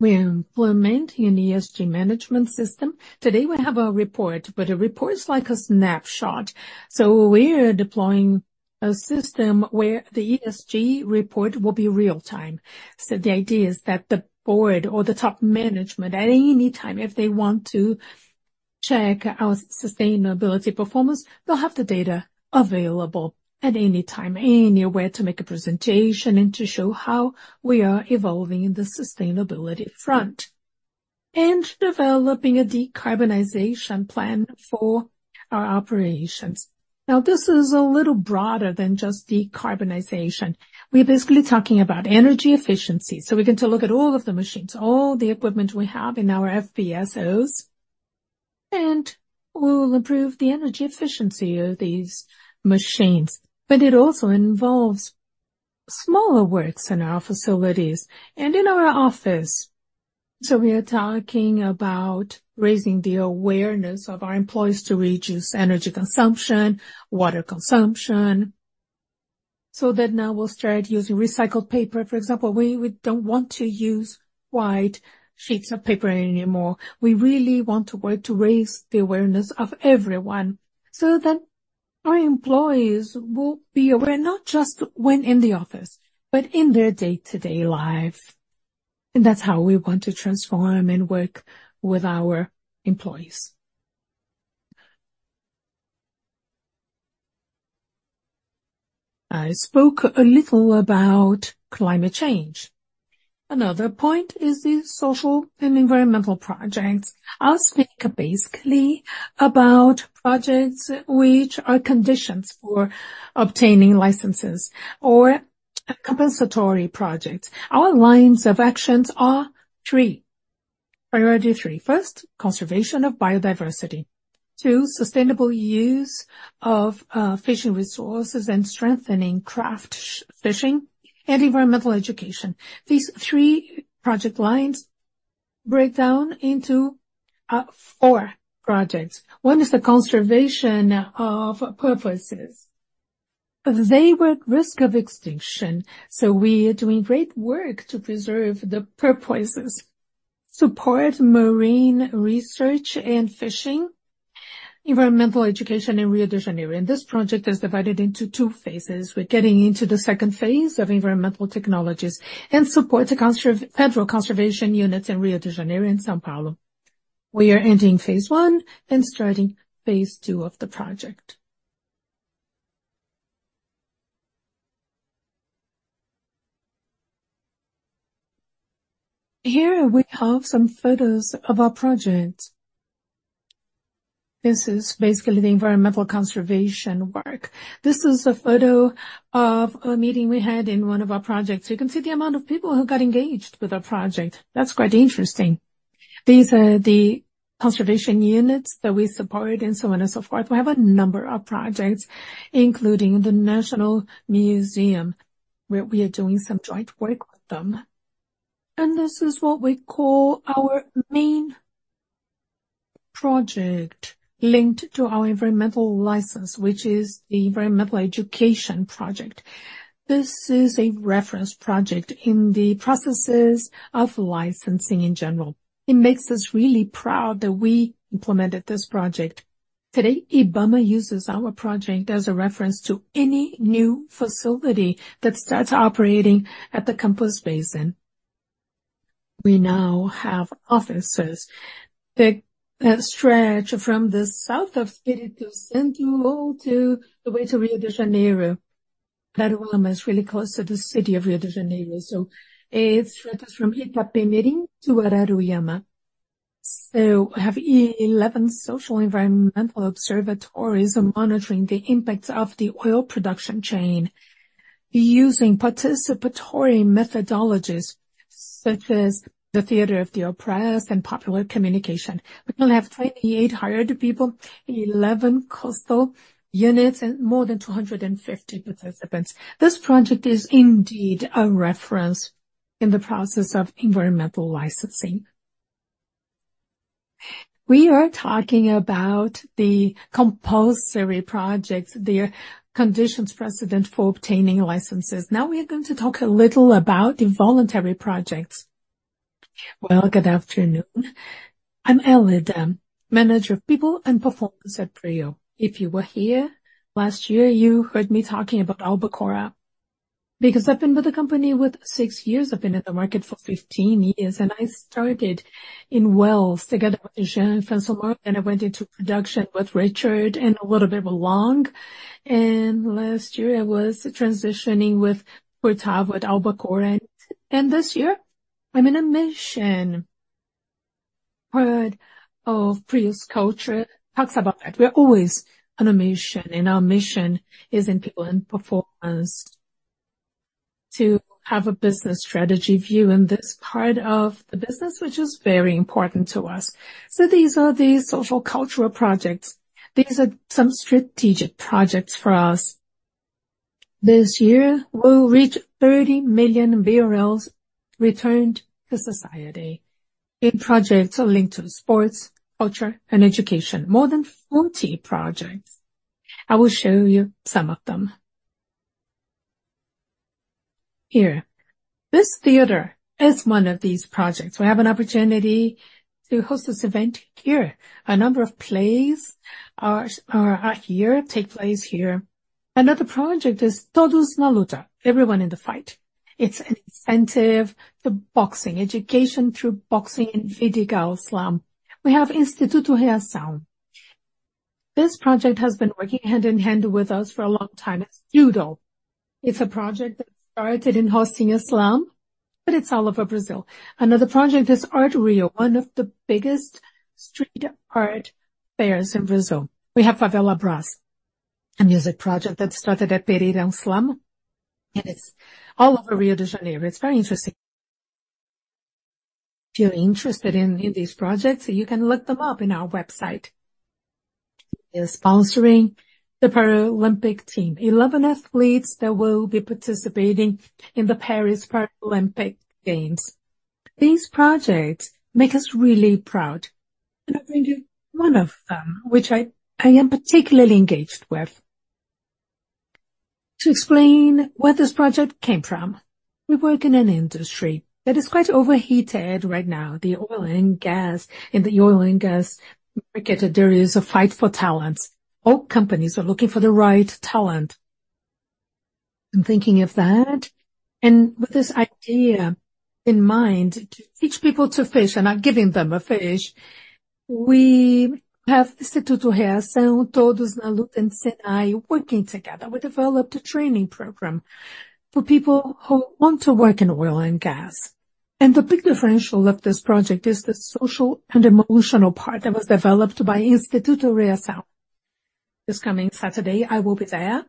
We are implementing an ESG management system. Today, we have a report, but a report is like a snapshot, so we are deploying a system where the ESG report will be real-time. So the idea is that the board or the top management, at any time, if they want to check our sustainability performance, they'll have the data available at any time, anywhere, to make a presentation and to show how we are evolving in the sustainability front. And developing a decarbonization plan for our operations. Now, this is a little broader than just decarbonization. We're basically talking about energy efficiency, so we get to look at all of the machines, all the equipment we have in our FPSOs, and we will improve the energy efficiency of these machines. But it also involves smaller works in our facilities and in our office. So we are talking about raising the awareness of our employees to reduce energy consumption, water consumption. So that now we'll start using recycled paper, for example. We don't want to use white sheets of paper anymore. We really want to work to raise the awareness of everyone so that our employees will be aware, not just when in the office, but in their day-to-day life. And that's how we want to transform and work with our employees. I spoke a little about climate change. Another point is the social and environmental projects. I'll speak basically about projects which are conditions for obtaining licenses or compensatory projects. Our lines of actions are three. PRIOrity three. First, conservation of biodiversity. Two, sustainable use of fishing resources and strengthening craft fishing and environmental education. These three project lines break down into four projects. One is the conservation of porpoises. They were at risk of extinction, so we are doing great work to preserve the porpoises, support marine research and fishing, environmental education in Rio de Janeiro, and this project is divided into two phases. We're getting into the second phase of environmental technologies and support the federal conservation units in Rio de Janeiro and São Paulo. We are ending phase one and starting phase two of the project. Here we have some photos of our project. This is basically the environmental conservation work. This is a photo of a meeting we had in one of our projects. You can see the amount of people who got engaged with our project. That's quite interesting. These are the conservation units that we support and so on and so forth. We have a number of projects, including the National Museum, where we are doing some joint work with them, and this is what we call our main project linked to our environmental license, which is the Environmental Education Project. This is a reference project in the processes of licensing in general. It makes us really proud that we implemented this project. Today, IBAMA uses our project as a reference to any new facility that starts operating at the Campos Basin. We now have offices that stretch from the south of Espírito Santo all the way to Rio de Janeiro. Araruama is really close to the city of Rio de Janeiro, so it stretches from Itaperuna to Araruama. So we have 11 social environmental observatories monitoring the impacts of the oil production chain, using participatory methodologies such as the Theatre of the Oppressed and popular communication. We now have 28 hired people, 11 coastal units, and more than 250 participants. This project is indeed a reference in the process of environmental licensing. We are talking about the compulsory projects, the conditions precedent for obtaining licenses. Now we are going to talk a little about the voluntary projects. Well, good afternoon. I'm Elida, Manager of People and Performance at PRIO. If you were here last year, you heard me talking about Albacora, because I've been with the company with 6 years. I've been in the market for 15 years, and I started in wells together with Shannon Francois, and I went into production with Richard and a little bit with Long. And last year I was transitioning with Furtado with Albacora, and this year I'm in a mission. Part of PRIO's culture talks about that. We are always on a mission, and our mission is in people and performance. To have a business strategy view in this part of the business, which is very important to us. So these are the social cultural projects. These are some strategic projects for us. This year, we will reach 30 million barrels returned to society in projects linked to sports, culture, and education. More than 40 projects. I will show you some of them. Here. This theater is one of these projects. We have an opportunity to host this event here. A number of plays are here, take place here. Another project is Todos na Luta, Everyone in the Fight. It's an incentive to boxing, education through boxing in Vidigal slum. We have Instituto Reação. This project has been working hand in hand with us for a long time. It's judo. It's a project that started in hosting a slum, but it's all over Brazil. Another project is Art Rio, one of the biggest street art fairs in Brazil. We have Favela Brass, a music project that started at Pereira Slum, and it's all over Rio de Janeiro. It's very interesting. If you're interested in, in these projects, you can look them up in our website. We are sponsoring the Paralympic team. 11 athletes that will be participating in the Paris Paralympic Games. These projects make us really proud, and I'll bring you one of them, which I, I am particularly engaged with. To explain where this project came from: We work in an industry that is quite overheated right now, the oil and gas. In the oil and gas market, there is a fight for talents. All companies are looking for the right talent. In thinking of that, and with this idea in mind, to teach people to fish and not giving them a fish, we have Instituto Reação Todos na Luta and SENAI working together. We developed a training program for people who want to work in oil and gas. And the big differential of this project is the social and emotional part that was developed by Instituto Reação. This coming Saturday, I will be there,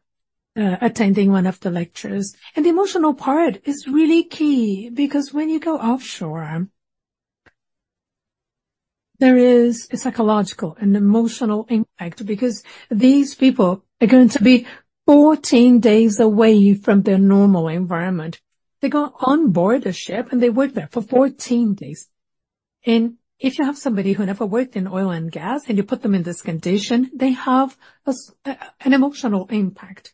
attending one of the lectures. And the emotional part is really key, because when you go offshore, there is a psychological and emotional impact, because these people are going to be 14 days away from their normal environment. They go on board a ship, and they work there for 14 days. If you have somebody who never worked in oil and gas, and you put them in this condition, they have an emotional impact.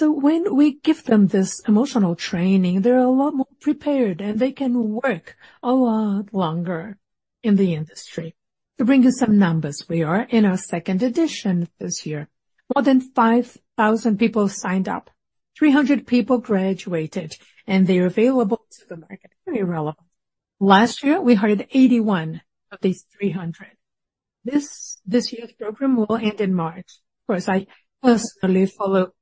So when we give them this emotional training, they're a lot more prepared, and they can work a lot longer in the industry. To bring you some numbers, we are in our second edition this year. More than 5,000 people signed up. 300 people graduated, and they are available to the market. Very relevant. Last year, we hired 81 of these 300. This year's program will end in March. Of course, I personally follow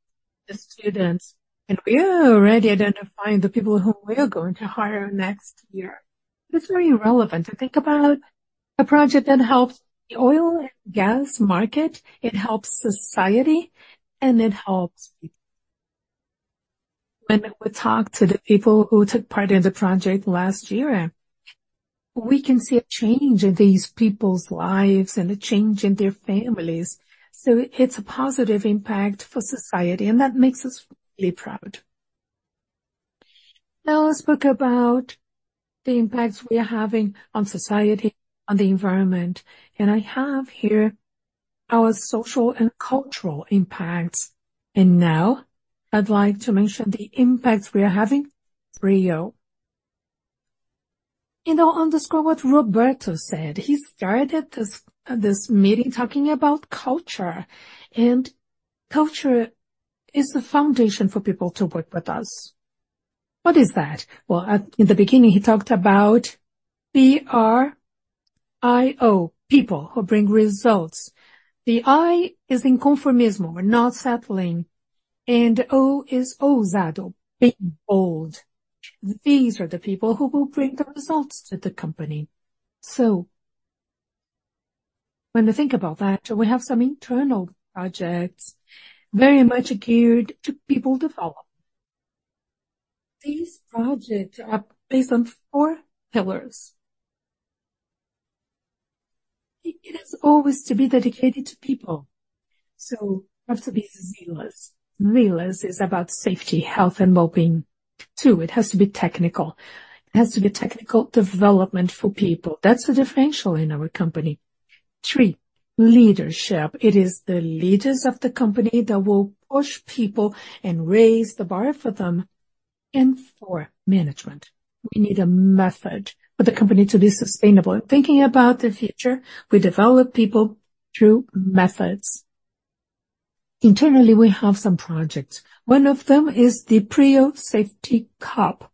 the students, and we are already identifying the people who we are going to hire next year. It's very relevant to think about a project that helps the oil and gas market, it helps society, and it helps people. When we talk to the people who took part in the project last year, we can see a change in these people's lives and a change in their families. So it's a positive impact for society, and that makes us really proud. Now, let's talk about the impacts we are having on society, on the environment, and I have here our social and cultural impacts. Now I'd like to mention the impacts we are having, PRIO. I'll underscore what Roberto said. He started this meeting talking about culture, and culture is the foundation for people to work with us. What is that? Well, at the beginning, he talked about P-R-I-O, people who bring results. The I is in conformismo, we're not settling, and O is ousado, being bold. These are the people who will bring the results to the company. So when we think about that, we have some internal projects, very much geared to people development. These projects are based on four pillars. It is always to be dedicated to people, so it has to be zealous. Zealous is about safety, health, and well-being. Two, it has to be technical. It has to be technical development for people. That's a differential in our company. Three, leadership. It is the leaders of the company that will push people and raise the bar for them. And four, management. We need a method for the company to be sustainable. Thinking about the future, we develop people through methods. Internally, we have some projects. One of them is the PRIO Safety Cup.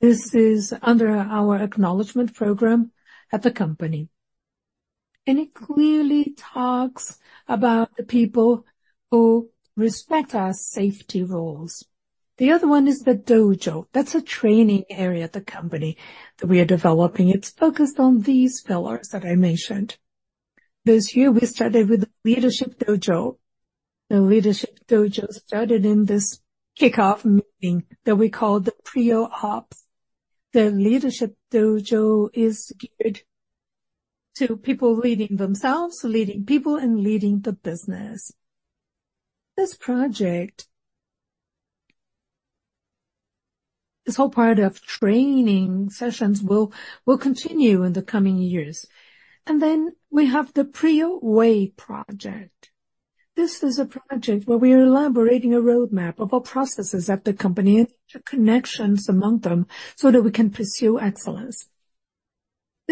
This is under our acknowledgment program at the company, and it clearly talks about the people who respect our safety roles. The other one is the Dojo. That's a training area at the company that we are developing. It's focused on these pillars that I mentioned. This year, we started with the Leadership Dojo. The Leadership Dojo started in this kickoff meeting that we call the PRIO Ops. The Leadership Dojo is geared to people leading themselves, leading people, and leading the business. This project. This whole part of training sessions will continue in the coming years. And then we have the PRIO Way project. This is a project where we are elaborating a roadmap of all processes at the company and the connections among them so that we can pursue excellence.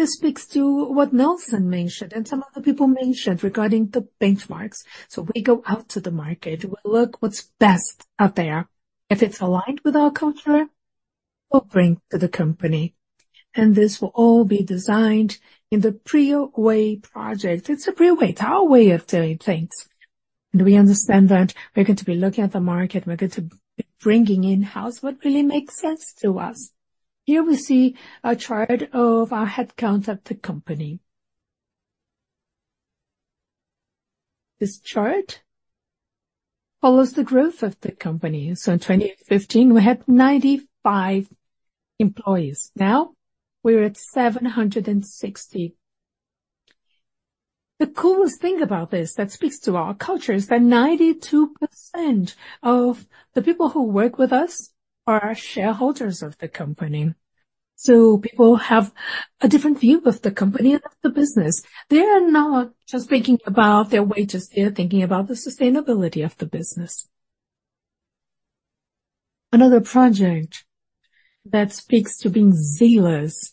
This speaks to what Nelson mentioned and some other people mentioned regarding the benchmarks. So we go out to the market. We look what's best out there. If it's aligned with our culture, we'll bring to the company, and this will all be designed in the PRIO Way project. It's the PRIO Way, it's our way of doing things, and we understand that we're going to be looking at the market, we're going to be bringing in-house what really makes sense to us. Here we see a chart of our headcount at the company. This chart follows the growth of the company. So in 2015, we had 95 employees. Now we're at 760 people. The coolest thing about this that speaks to our culture is that 92% of the people who work with us are shareholders of the company. So people have a different view of the company and of the business. They are not just thinking about their wages, they are thinking about the sustainability of the business. Another project that speaks to being zealous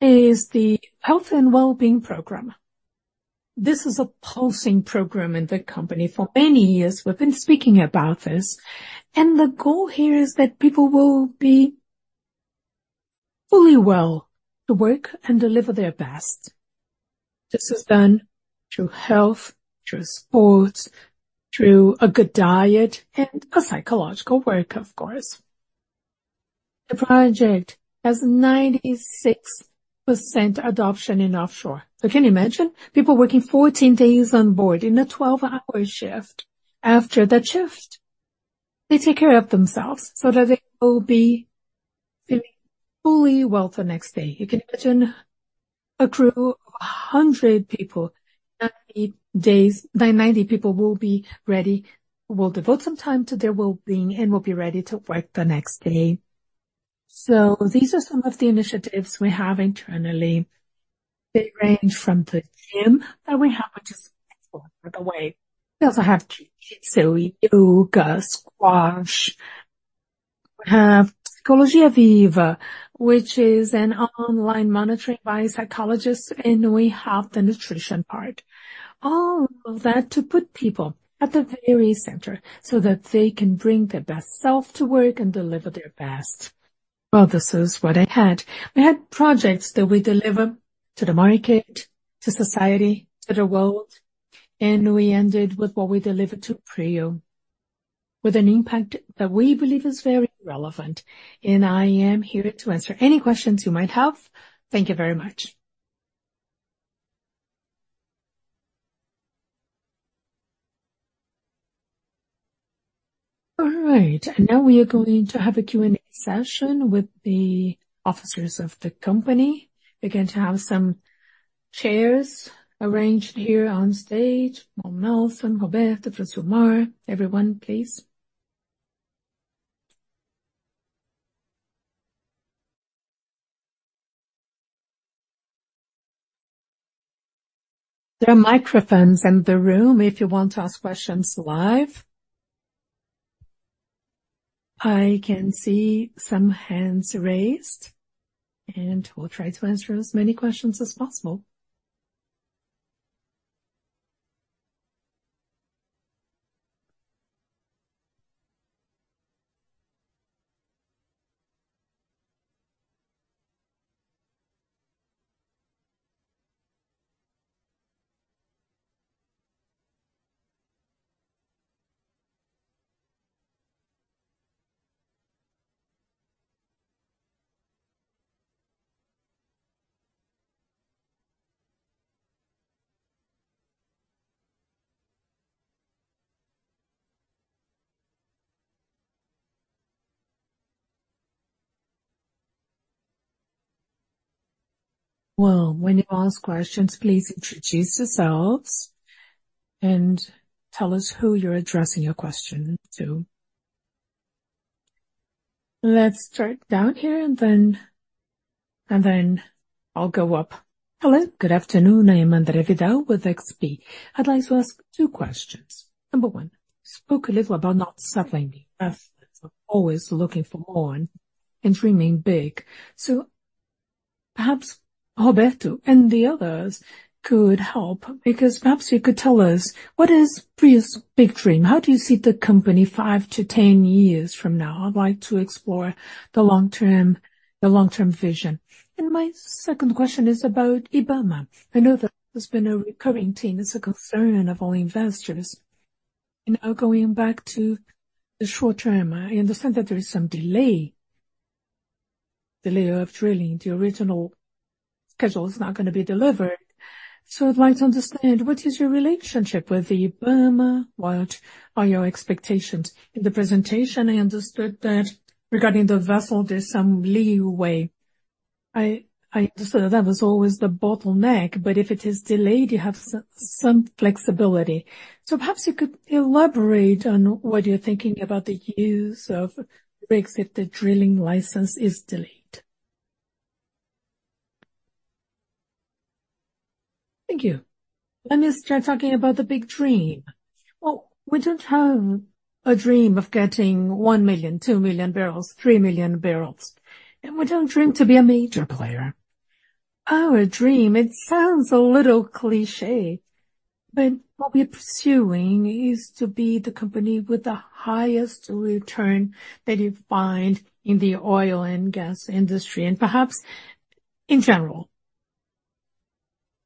is the health and well-being program. This is a pulsing program in the company. For many years, we've been speaking about this, and the goal here is that people will be fully well to work and deliver their best. This is done through health, through sports, through a good diet, and a psychological work, of course. The project has 96% adoption in offshore. So can you imagine people working 14 days on board in a 12-hour shift? After that shift, they take care of themselves so that they will be feeling fully well the next day. You can imagine a crew of 100 people, 90 people will be ready, will devote some time to their well-being, and will be ready to work the next day. So these are some of the initiatives we have internally. They range from the gym that we have, which is, by the way, we also have yoga, squash. We have Psicologia Viva, which is an online monitoring by psychologists, and we have the nutrition part. All of that to put people at the very center so that they can bring their best self to work and deliver their best. Well, this is what I had. We had projects that we deliver to the market, to society, to the world, and we ended with what we delivered to PRIO, with an impact that we believe is very relevant. And I am here to answer any questions you might have. Thank you very much. All right, and now we are going to have a Q&A session with the officers of the company. We're going to have some chairs arranged here on stage. Nelson, Roberto, Francilmar, everyone, please. There are microphones in the room if you want to ask questions live. I can see some hands raised, and we'll try to answer as many questions as possible. Well, when you ask questions, please introduce yourselves and tell us who you're addressing your question to. Let's start down here, and then I'll go up. Hello, good afternoon. I am Andre Vidal with XP. I'd like to ask two questions. Number one, you spoke a little about not settling. As always looking for more and dreaming big. So perhaps Roberto and the others could help, because perhaps you could tell us what is PRIO's big dream? How do you see the company five to 10 years from now? I'd like to explore the long term, the long-term vision. And my second question is about IBAMA. I know that there's been a recurring theme. It's a concern of all investors. Now, going back to the short term, I understand that there is some delay, delay of drilling. The original schedule is not going to be delivered. I'd like to understand, what is your relationship with the IBAMA? What are your expectations? In the presentation, I understood that regarding the vessel, there's some leeway. I, I understood that was always the bottleneck, but if it is delayed, you have some, some flexibility. Perhaps you could elaborate on what you're thinking about the use of rigs, if the drilling license is delayed. Thank you. Let me start talking about the big dream. Well, we don't have a dream of getting 1 million, 2 million barrels, 3 million barrels, and we don't dream to be a major player. Our dream, it sounds a little cliché, but what we're pursuing is to be the company with the highest return that you find in the oil and gas industry, and perhaps in general.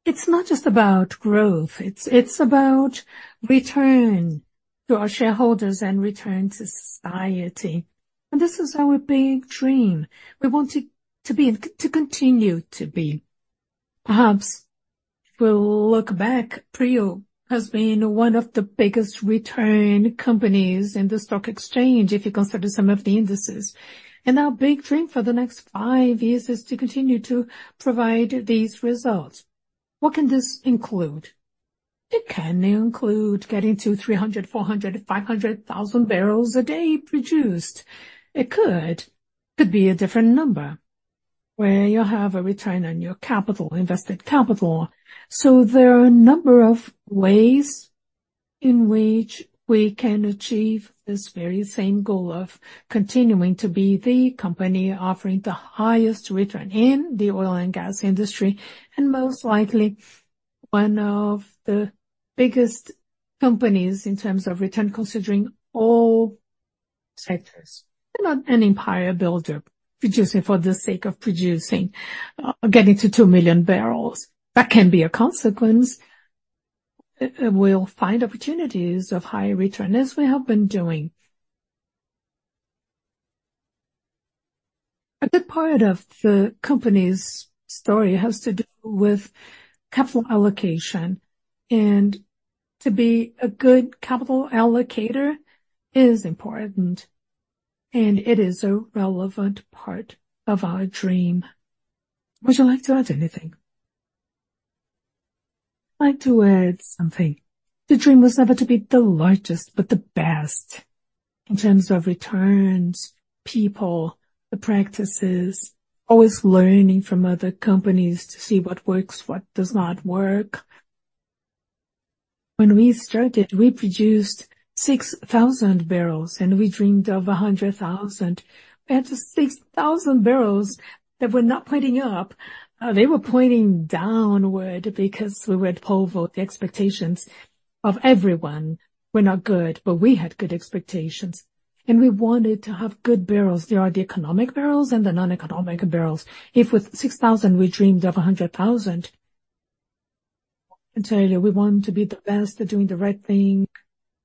It's not just about growth, it's, it's about return to our shareholders and return to society. And this is our big dream. We want it to be, and to continue to be. Perhaps if we look back, PRIO has been one of the biggest return companies in the stock exchange, if you consider some of the indices. And our big dream for the next five years is to continue to provide these results. What can this include? It can include getting to 300, 400, 500 thousand barrels a day produced. It could to be a different number, where you have a return on your capital, invested capital. So there are a number of ways in which we can achieve this very same goal of continuing to be the company offering the highest return in the oil and gas industry, and most likely one of the biggest companies in terms of return, considering all sectors. We're not an empire builder, producing for the sake of producing, getting to 2 million barrels. That can be a consequence. We'll find opportunities of high return, as we have been doing. A good part of the company's story has to do with capital allocation, and to be a good capital allocator is important, and it is a relevant part of our dream. Would you like to add anything? I'd like to add something. The dream was never to be the largest, but the best in terms of returns, people, the practices, always learning from other companies to see what works, what does not work. When we started, we produced 6,000 barrels and we dreamed of 100,000. We had the 6,000 barrels that were not pointing up, they were pointing downward because we were at Polvo. The expectations of everyone were not good, but we had good expectations, and we wanted to have good barrels. There are the economic barrels and the non-economic barrels. If with 6,000, we dreamed of 100,000, I tell you, we want to be the best at doing the right thing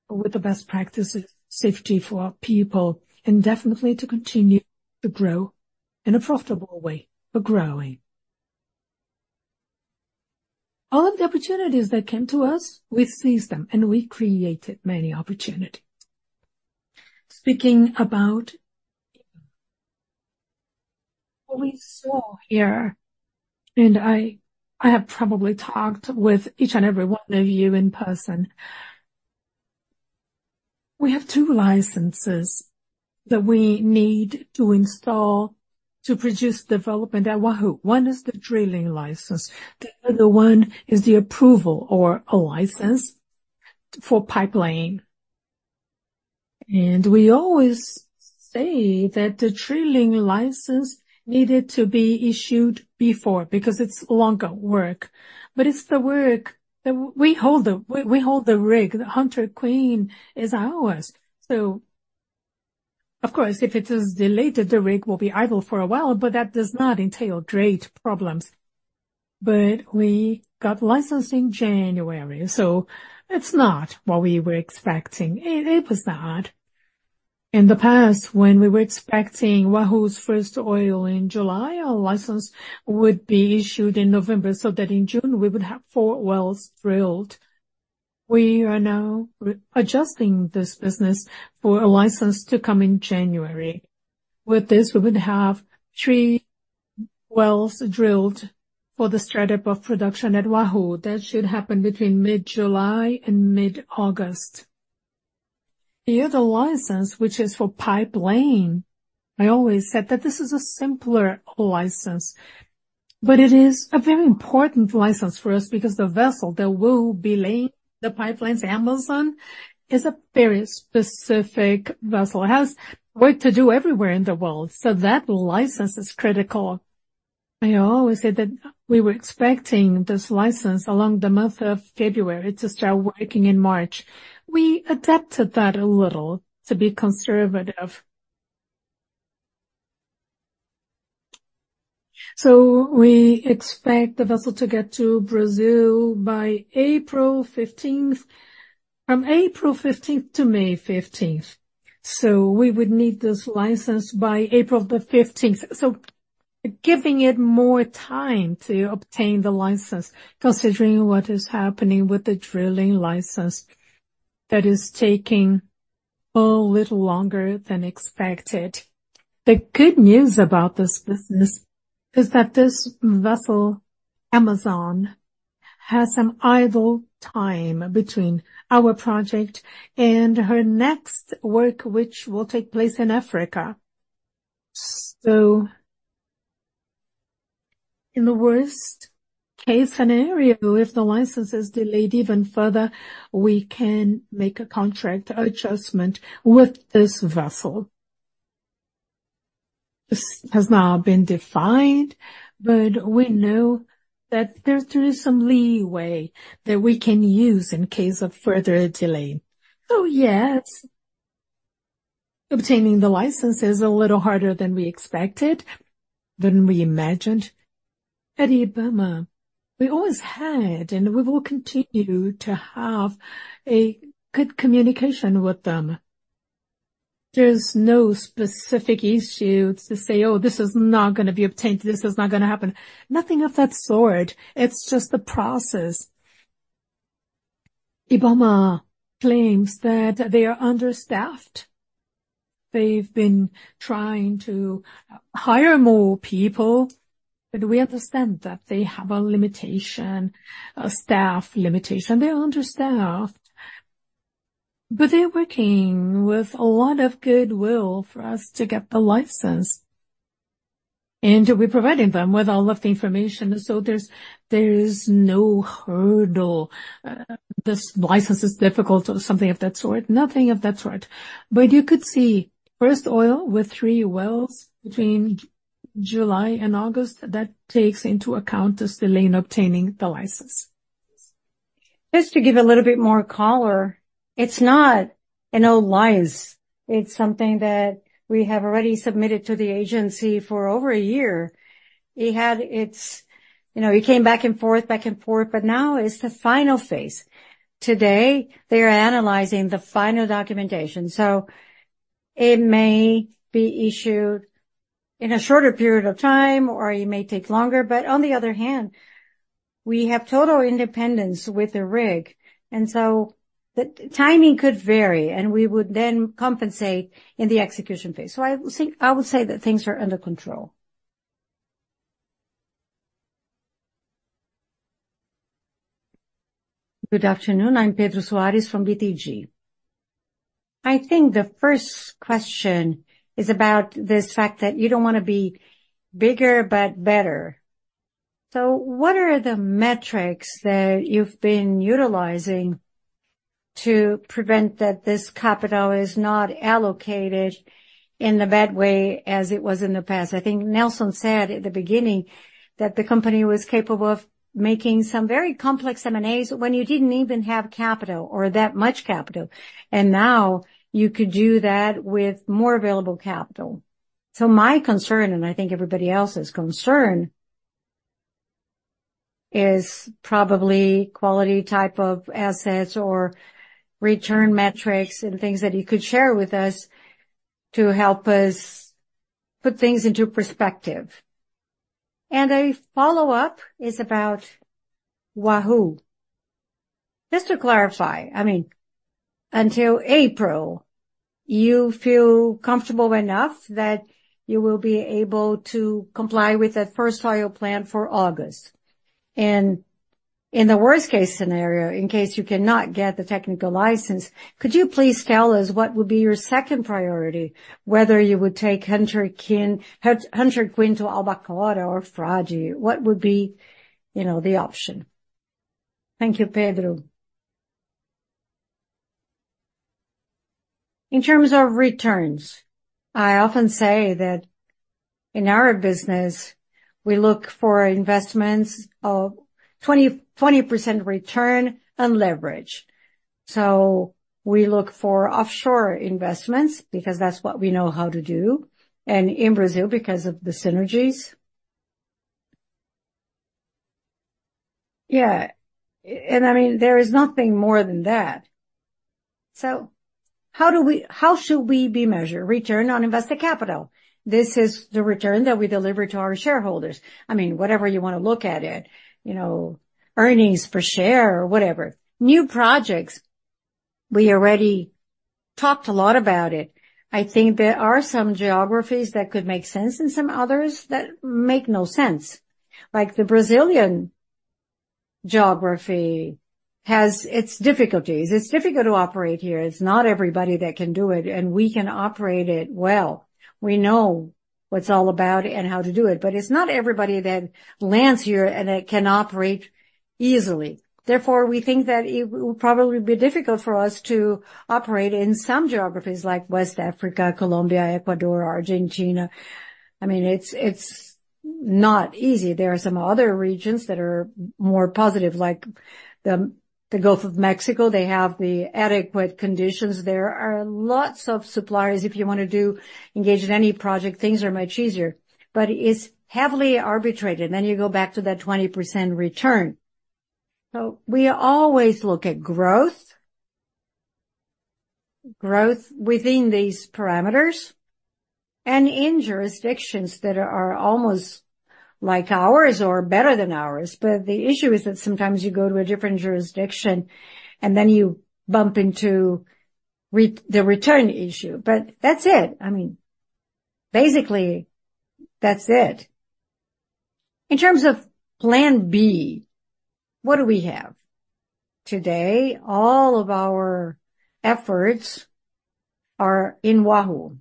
with the best practices, safety for our people, and definitely to continue to grow in a profitable way, but growing. All of the opportunities that came to us, we seized them, and we created many opportunities. Speaking about what we saw here, and I, I have probably talked with each and every one of you in person. We have two licenses that we need to install to produce development at Wahoo. One is the drilling license, the other one is the approval or a license for pipelaying. We always say that the drilling license needed to be issued before, because it's longer work. But it's the work that we hold the-- we hold the rig. The Hunter Queen is ours. So of course, if it is delayed, the rig will be idle for a while, but that does not entail great problems. We got licensed in January, so it's not what we were expecting. It, it was not. In the past, when we were expecting Wahoo's first oil in July, our license would be issued in November, so that in June we would have 4 wells drilled. We are now adjusting this business for a license to come in January. With this, we would have 3 wells drilled for the start-up of production at Wahoo. That should happen between mid-July and mid-August. The other license, which is for pipelaying, I always said that this is a simpler license, but it is a very important license for us because the vessel that will be laying the pipelines, Amazon, is a very specific vessel, it has work to do everywhere in the world, so that license is critical. I always said that we were expecting this license along the month of February to start working in March. We adapted that a little to be conservative. So we expect the vessel to get to Brazil by April fifteenth. From April fifteenth to May fifteenth. So we would need this license by April the fifteenth. So giving it more time to obtain the license, considering what is happening with the drilling license, that is taking a little longer than expected. The good news about this business is that this vessel, Amazon, has some idle time between our project and her next work, which will take place in Africa. So in the worst-case scenario, if the license is delayed even further, we can make a contract adjustment with this vessel. This has not been defined, but we know that there, there is some leeway that we can use in case of further delay. So yes, obtaining the license is a little harder than we expected, than we imagined. At IBAMA, we always had, and we will continue to have a good communication with them. There's no specific issue to say, "Oh, this is not gonna be obtained. This is not gonna happen." Nothing of that sort. It's just the process. IBAMA claims that they are understaffed. They've been trying to hire more people, but we understand that they have a limitation, a staff limitation. They're understaffed, but they're working with a lot of goodwill for us to get the license, and we're providing them with all of the information. So there's no hurdle. This license is difficult or something of that sort. Nothing of that sort. But you could see first oil with three wells between July and August. That takes into account the delay in obtaining the license. Just to give a little bit more color, it's not an old license. It's something that we have already submitted to the agency for over a year. It had its. You know, it came back and forth, back and forth, but now it's the final phase. Today, they are analyzing the final documentation, so it may be issued in a shorter period of time, or it may take longer, but on the other hand, we have total independence with the rig, and so the timing could vary, and we would then compensate in the execution phase. So I would say, I would say that things are under control. Good afternoon. I'm Pedro Suarez from BTG. I think the first question is about this fact that you don't want to be bigger, but better. So what are the metrics that you've been utilizing to prevent that this capital is not allocated in a bad way, as it was in the past? I think Nelson said at the beginning that the company was capable of making some very complex M&As when you didn't even have capital or that much capital, and now you could do that with more available capital. So my concern, and I think everybody else's concern, is probably quality type of assets or return metrics and things that you could share with us to help us put things into perspective. And a follow-up is about Wahoo. Just to clarify, I mean, until April, you feel comfortable enough that you will be able to comply with the first oil plan for August. And in the worst-case scenario, in case you cannot get the technical license, could you please tell us what would be your second priority, whether you would take Hunter Queen to Albacora or Frade? What would be, you know, the option? Thank you, Pedro. In terms of returns, I often say that in our business, we look for investments of 20%-20% return unleveraged. So we look for offshore investments because that's what we know how to do, and in Brazil, because of the synergies. Yeah, and, I mean, there is nothing more than that. So, how do we, how should we be measured? Return on invested capital. This is the return that we deliver to our shareholders. I mean, whatever you want to look at it, you know, earnings per share or whatever. New projects, we already talked a lot about it. I think there are some geographies that could make sense and some others that make no sense. Like the Brazilian geography has its difficulties. It's difficult to operate here. It's not everybody that can do it, and we can operate it well. We know what it's all about and how to do it, but it's not everybody that lands here and that can operate easily. Therefore, we think that it will probably be difficult for us to operate in some geographies, like West Africa, Colombia, Ecuador, Argentina. I mean, it's, it's not easy. There are some other regions that are more positive, like the Gulf of Mexico. They have the adequate conditions. There are lots of suppliers. If you want to engage in any project, things are much easier, but it's heavily arbitrated, and then you go back to that 20% return. So we always look at growth, growth within these parameters and in jurisdictions that are almost like ours or better than ours. But the issue is that sometimes you go to a different jurisdiction, and then you bump into the return issue. That's it. I mean, basically, that's it. In terms of plan B, what do we have? Today, all of our efforts are in Wahoo.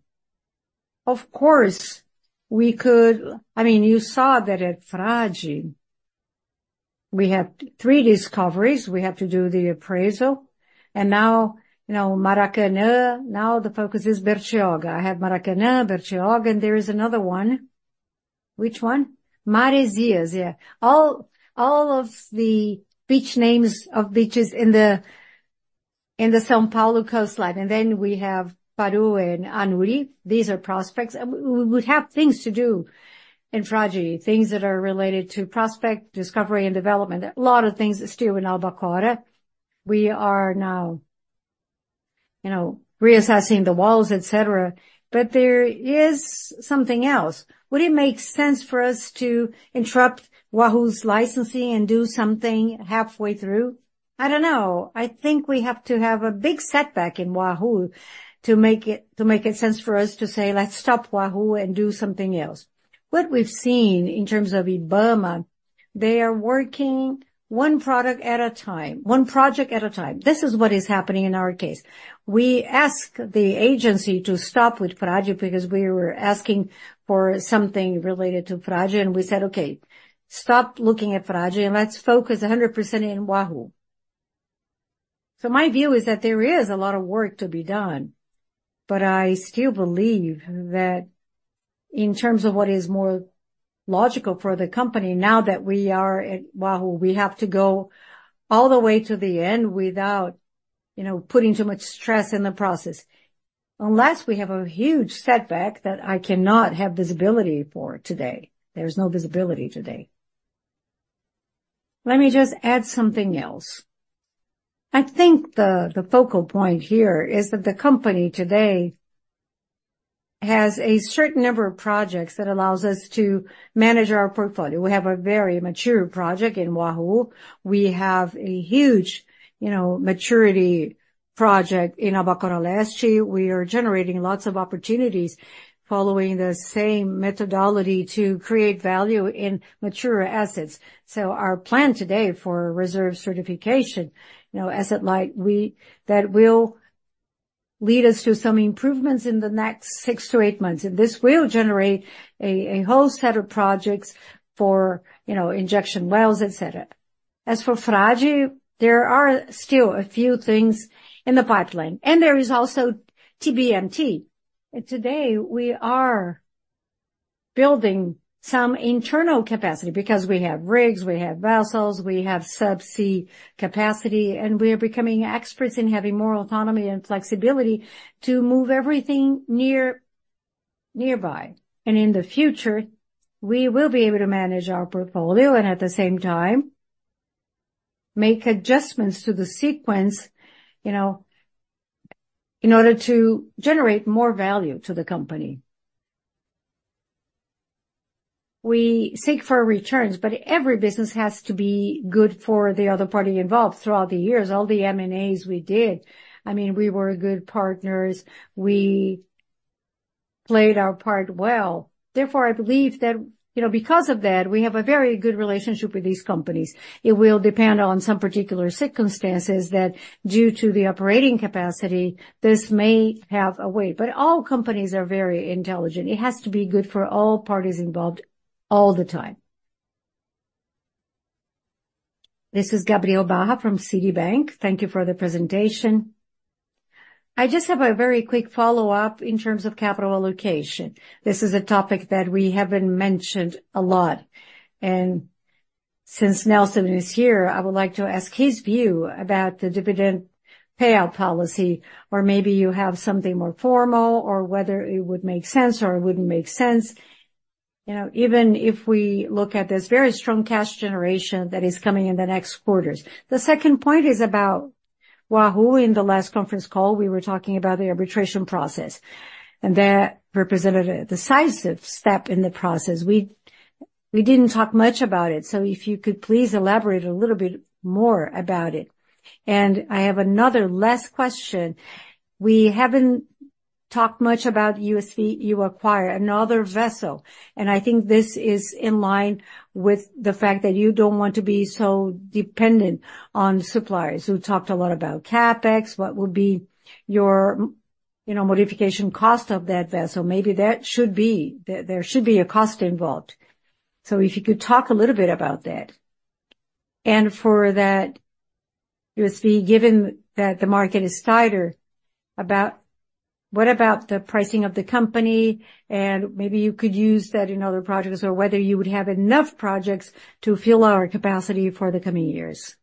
Of course, we could. I mean, you saw that at Frade, we have three discoveries. We have to do the appraisal, and now, you know, Maracanã, now the focus is Bertioga. I have Maracanã, Bertioga, and there is another one. Which one? Maresias, yeah. All of the beach names of beaches in the, in the São Paulo coastline, and then we have Paru and Anuri. These are prospects. We would have things to do in Frade, things that are related to prospect, discovery, and development. A lot of things are still in Albacora. We are now, you know, reassessing the wells, et cetera. But there is something else. Would it make sense for us to interrupt Wahoo's licensing and do something halfway through?. I don't know. I think we have to have a big setback in Wahoo to make it, to make it sense for us to say, "Let's stop Wahoo and do something else." What we've seen in terms of IBAMA, they are working one product at a time, one project at a time. This is what is happening in our case. We asked the agency to stop with Frade, because we were asking for something related to Frade, and we said, "Okay, stop looking at Frade, and let's focus a hundred percent in Wahoo." So my view is that there is a lot of work to be done, but I still believe that in terms of what is more logical for the company, now that we are at Wahoo, we have to go all the way to the end without, you know, putting too much stress in the process. Unless we have a huge setback that I cannot have visibility for today. There's no visibility today. Let me just add something else. I think the focal point here is that the company today has a certain number of projects that allows us to manage our portfolio. We have a very mature project in Wahoo. We have a huge, you know, maturity project in Albacora Leste. We are generating lots of opportunities following the same methodology to create value in mature assets. So our plan today for reserve certification, you know, asset life, we—that will lead us to some improvements in the next 6-8 months, and this will generate a whole set of projects for, you know, injection wells, et cetera. As for Frade, there are still a few things in the pipeline, and there is also Tubarão Martelo. Today, we are building some internal capacity because we have rigs, we have vessels, we have subsea capacity, and we are becoming experts in having more autonomy and flexibility to move everything near, nearby. In the future, we will be able to manage our portfolio and at the same time, make adjustments to the sequence, you know, in order to generate more value to the company. We seek for returns, but every business has to be good for the other party involved. Throughout the years, all the M&As we did, I mean, we were good partners. We played our part well. Therefore, I believe that, you know, because of that, we have a very good relationship with these companies. It will depend on some particular circumstances that, due to the operating capacity, this may have a way. But all companies are very intelligent. It has to be good for all parties involved all the time. This is Gabriel Barra from Citi. Thank you for the presentation. I just have a very quick follow-up in terms of capital allocation. This is a topic that we haven't mentioned a lot, and since Nelson is here, I would like to ask his view about the dividend payout policy, or maybe you have something more formal, or whether it would make sense or it wouldn't make sense. You know, even if we look at this very strong cash generation that is coming in the next quarters. The second point is about Wahoo. In the last conference call, we were talking about the arbitration process, and that represented a decisive step in the process. We didn't talk much about it, so if you could please elaborate a little bit more about it. I have another last question. We haven't talked much about USV. You acquired another vessel, and I think this is in line with the fact that you don't want to be so dependent on suppliers. We talked a lot about CapEx. What would be your, you know, modification cost of that vessel? Maybe that should be. There should be a cost involved. So if you could talk a little bit about that. And for that, USV, given that the market is tighter, about-- what about the pricing of the company? And maybe you could use that in other projects, or whether you would have enough projects to fill our capacity for the coming years.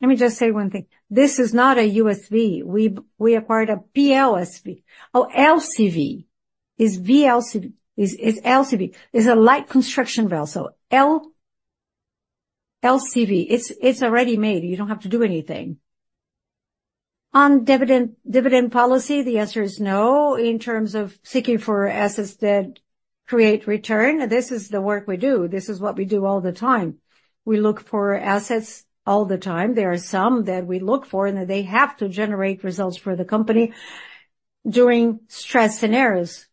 Let me just say one thing. This is not a USV. We acquired a PLSV or LCV. It's VLCV, it's LCV. It's a light construction vessel. LCV. It's already made. You don't have to do anything. On dividend, dividend policy, the answer is no. In terms of seeking for assets that create return, this is the work we do. This is what we do all the time. We look for assets all the time. There are some that we look for, and they have to generate results for the company during stress scenarios.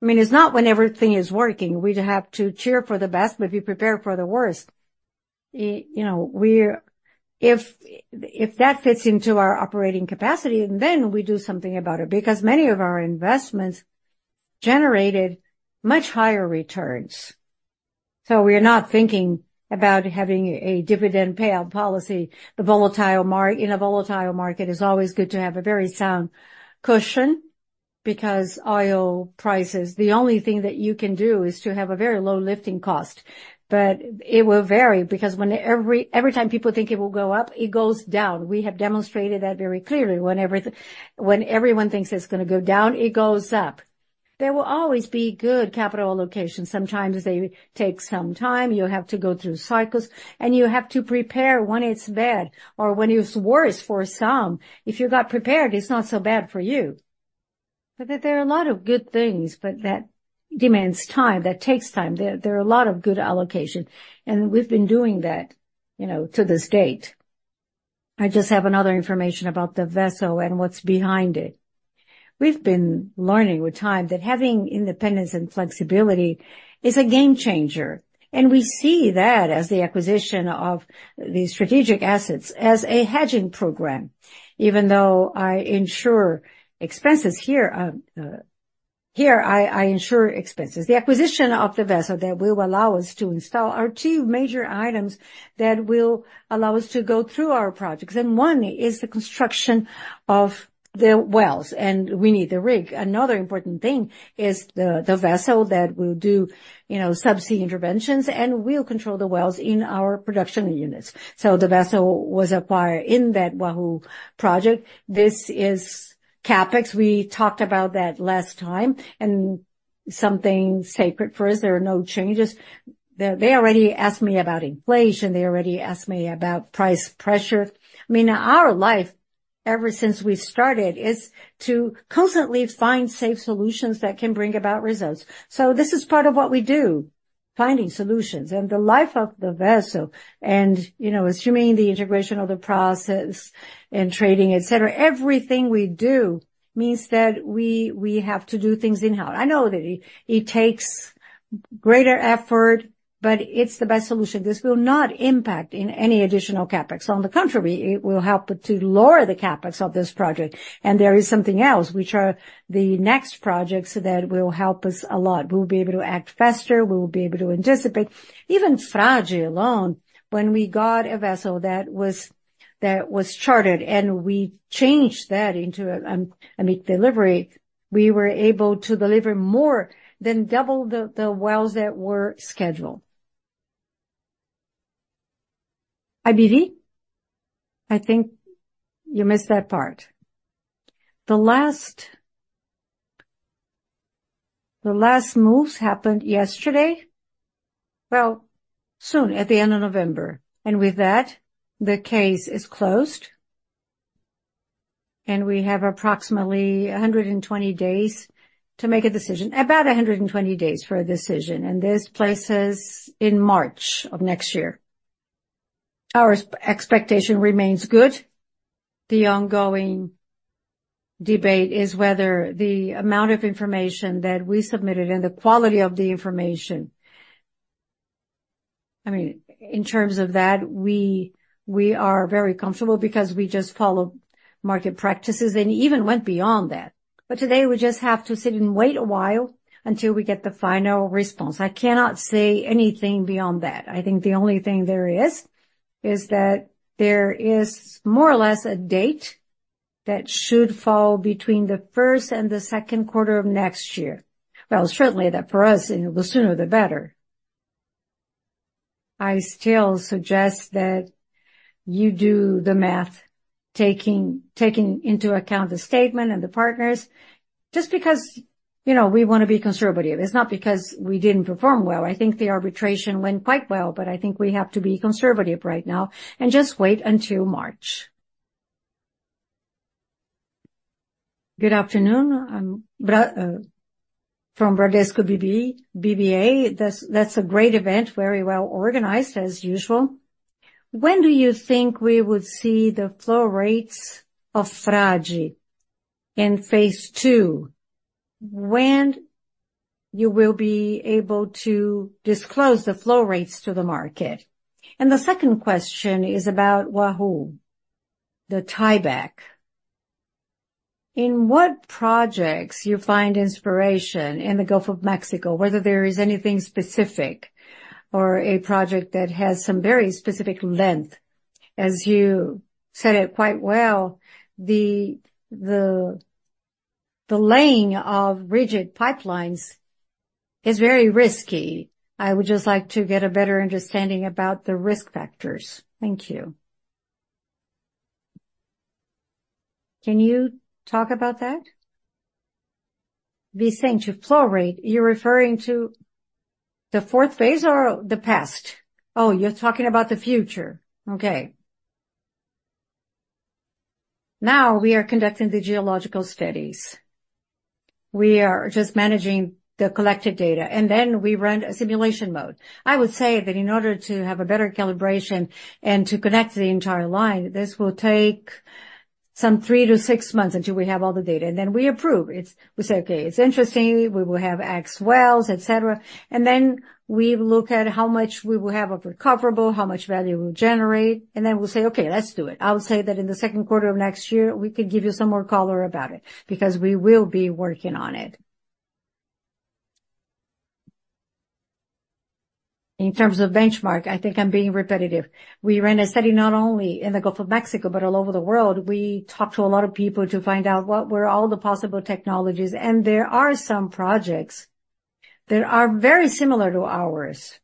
I mean, it's not when everything is working. We'd have to cheer for the best, but be prepared for the worst. You know, if that fits into our operating capacity, then we do something about it, because many of our investments generated much higher returns. So we are not thinking about having a dividend payout policy. In a volatile market, it's always good to have a very sound cushion, because oil prices, the only thing that you can do is to have a very low lifting cost. But it will vary, because when every time people think it will go up, it goes down. We have demonstrated that very clearly. When everyone thinks it's gonna go down, it goes up. There will always be good capital allocation. Sometimes they take some time. You have to go through cycles, and you have to prepare when it's bad or when it's worse for some. If you got prepared, it's not so bad for you. But there are a lot of good things, but that demands time, that takes time. There are a lot of good allocation, and we've been doing that, you know, to this date. I just have another information about the vessel and what's behind it. We've been learning with time that having independence and flexibility is a game changer, and we see that as the acquisition of these strategic assets as a hedging program. Even though I incur expenses here, I incur expenses. The acquisition of the vessel that will allow us to install are two major items that will allow us to go through our projects, and one is the construction of the wells, and we need the rig. Another important thing is the vessel that will do, you know, subsea interventions and will control the wells in our production units. So the vessel was acquired in that Wahoo project. This is CapEx. We talked about that last time, and something sacred for us, there are no changes. They already asked me about inflation. They already asked me about price pressure. I mean, our life, ever since we started, is to constantly find safe solutions that can bring about results. So this is part of what we do, finding solutions. And the life of the vessel and, you know, assuming the integration of the process and trading, et cetera, everything we do means that we have to do things in-house. I know that it takes greater effort, but it's the best solution. This will not impact in any additional CapEx. On the contrary, it will help to lower the CapEx of this project. And there is something else, which are the next projects that will help us a lot. We'll be able to act faster, we will be able to anticipate. Even Frade alone, when we got a vessel that was chartered, and we changed that into a delivery, we were able to deliver more than double the wells that were scheduled. IBAMA? I think you missed that part. The last moves happened yesterday. Well, soon, at the end of November. And with that, the case is closed, and we have approximately 120 days to make a decision. About 120 days for a decision, and this places in March of next year. Our expectation remains good. The ongoing debate is whether the amount of information that we submitted and the quality of the information. I mean, in terms of that, we are very comfortable because we just followed market practices and even went beyond that. But today, we just have to sit and wait a while until we get the final response. I cannot say anything beyond that. I think the only thing there is, is that there is more or less a date that should fall between the first and the second quarter of next year. Well, certainly that for us, the sooner, the better. I still suggest that you do the math, taking into account the statement and the partners, just because, you know, we want to be conservative. It's not because we didn't perform well. I think the arbitration went quite well, but I think we have to be conservative right now and just wait until March. Good afternoon. I'm Bra from Bradesco BBI. That's a great event. Very well organized, as usual. When do you think we would see the flow rates of Frade in phase two? When you will be able to disclose the flow rates to the market? And the second question is about Wahoo, the tieback. In what projects you find inspiration in the Gulf of Mexico, whether there is anything specific or a project that has some very specific length? As you said it quite well, the laying of rigid pipelines is very risky. I would just like to get a better understanding about the risk factors. Thank you. Can you talk about that? Vicente flow rate, you're referring to the fourth phase or the past? Oh, you're talking about the future. Okay. Now, we are conducting the geological studies. We are just managing the collected data, and then we run a simulation mode. I would say that in order to have a better calibration and to connect the entire line, this will take some 3-6 months until we have all the data, and then we approve. It's we say: Okay, it's interesting. We will have X wells, et cetera. And then we look at how much we will have of recoverable, how much value we'll generate, and then we'll say: Okay, let's do it. I would say that in the second quarter of next year, we could give you some more color about it, because we will be working on it. In terms of benchmark, I think I'm being repetitive. We ran a study not only in the Gulf of Mexico, but all over the world. We talked to a lot of people to find out what were all the possible technologies, and there are some projects that are very similar to ours.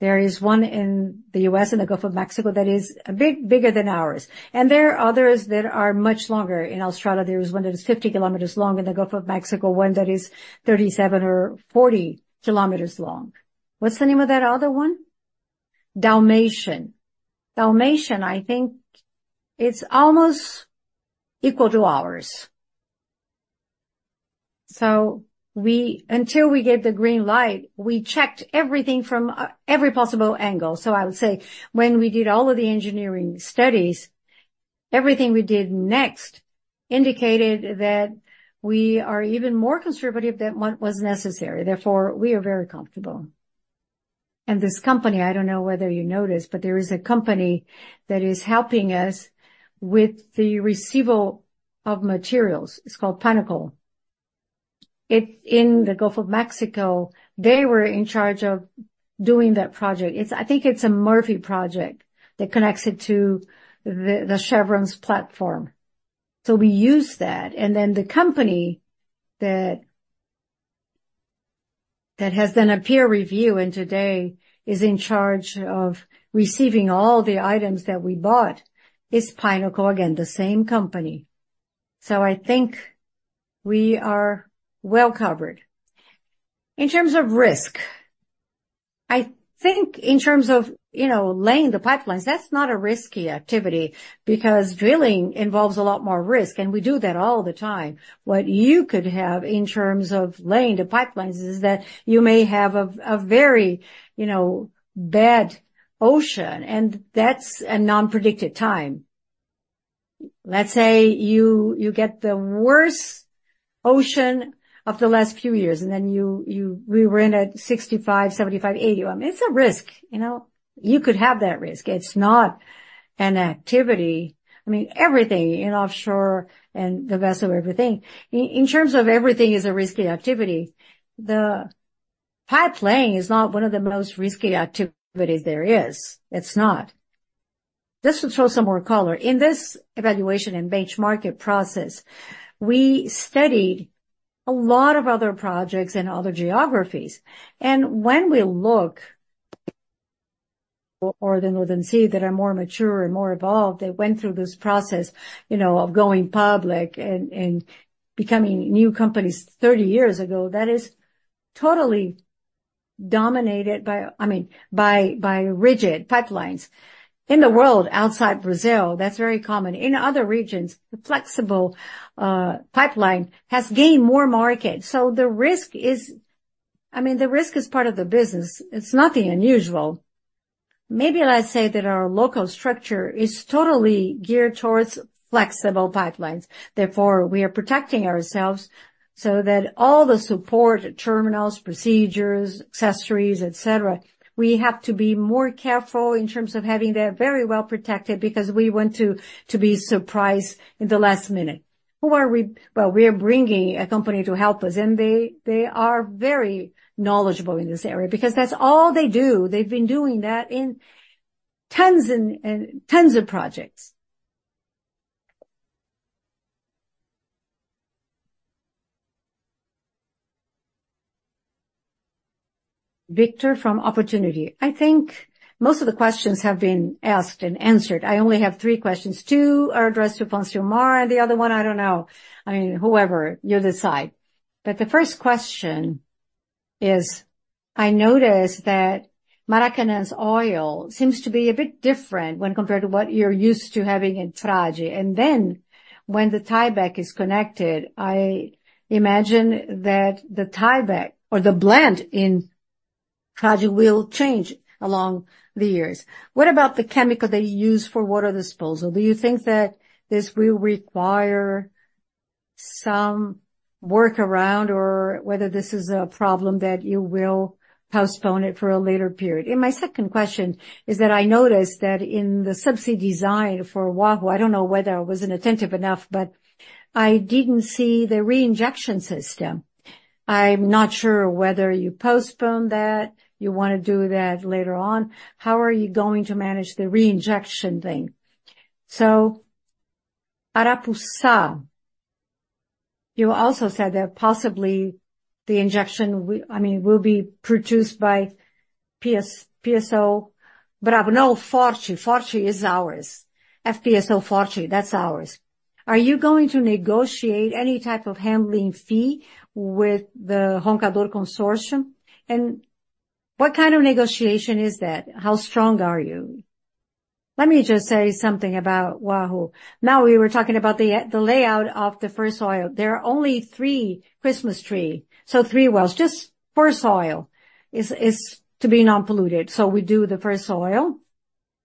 There is one in the US, in the Gulf of Mexico, that is a bit bigger than ours, and there are others that are much longer. In Australia, there is one that is 50 kilometers long, in the Gulf of Mexico, one that is 37 or 40 kilometers long. What's the name of that other one? Dalmatian. Dalmatian, I think, is almost equal to ours. So until we get the green light, we checked everything from every possible angle. So I would say, when we did all of the engineering studies, everything we did next indicated that we are even more conservative than what was necessary. Therefore, we are very comfortable. This company, I don't know whether you noticed, but there is a company that is helping us with the receival of materials. It's called Pinnacle. It's in the Gulf of Mexico. They were in charge of doing that project. It's. I think it's a Murphy project that connects it to the Chevron's platform. So we use that, and then the company that has done a peer review, and today is in charge of receiving all the items that we bought, is Pinnacle. Again, the same company. So I think we are well covered. In terms of risk, I think in terms of, you know, laying the pipelines, that's not a risky activity, because drilling involves a lot more risk, and we do that all the time. What you could have in terms of laying the pipelines is that you may have a very, you know, bad ocean, and that's a non-predicted time. Let's say you get the worst ocean of the last few years, and then we were in at 65, 75, 80. It's a risk, you know? You could have that risk. It's not an activity. I mean, everything in offshore and the vessel, everything. In terms of everything is a risky activity, the pipe laying is not one of the most risky activities there is. It's not. Just to throw some more color. In this evaluation and benchmark process, we studied a lot of other projects in other geographies, and when we look at the Northern Sea that is more mature and more evolved, they went through this process, you know, of going public and, and becoming new companies thirty years ago, that is totally dominated by. I mean, by, by rigid pipelines. In the world outside Brazil, that's very common. In other regions, the flexible pipeline has gained more market. So the risk is, I mean, the risk is part of the business. It's nothing unusual. Maybe let's say that our local structure is totally geared towards flexible pipelines, therefore, we are protecting ourselves so that all the support, terminals, procedures, accessories, et cetera, we have to be more careful in terms of having that very well protected because we want to, to be surprised in the last minute. Who are we? Well, we are bringing a company to help us, and they, they are very knowledgeable in this area because that's all they do. They've been doing that in tons and, and tons of projects. Victor, from Opportunity. I think most of the questions have been asked and answered. I only have three questions. Two are addressed to Francilmar, and the other one, I don't know. I mean, whoever, you decide. But the first question is: I noticed that Maracanã's oil seems to be a bit different when compared to what you're used to having in Frade, and then when the tieback is connected, I imagine that the tieback or the blend in Frade will change along the years. What about the chemical they use for water disposal? Do you think that this will require some workaround, or whether this is a problem that you will postpone it for a later period? And my second question is that I noticed that in the subsea design for Wahoo, I don't know whether I wasn't attentive enough, but I didn't see the reinjection system. I'm not sure whether you postponed that, you wanna do that later on. How are you going to manage the reinjection thing? So Arapuça, you also said that possibly the injection will, I mean, will be produced by FPSO, but I know Frade. Frade is ours. FPSO Frade, that's ours. Are you going to negotiate any type of handling fee with the Roncador Consortium? And what kind of negotiation is that? How strong are you? Let me just say something about Wahoo. Now, we were talking about the, the layout of the first oil. There are only three Christmas trees, so three wells. Just first oil is to be non-polluted. So we do the first oil,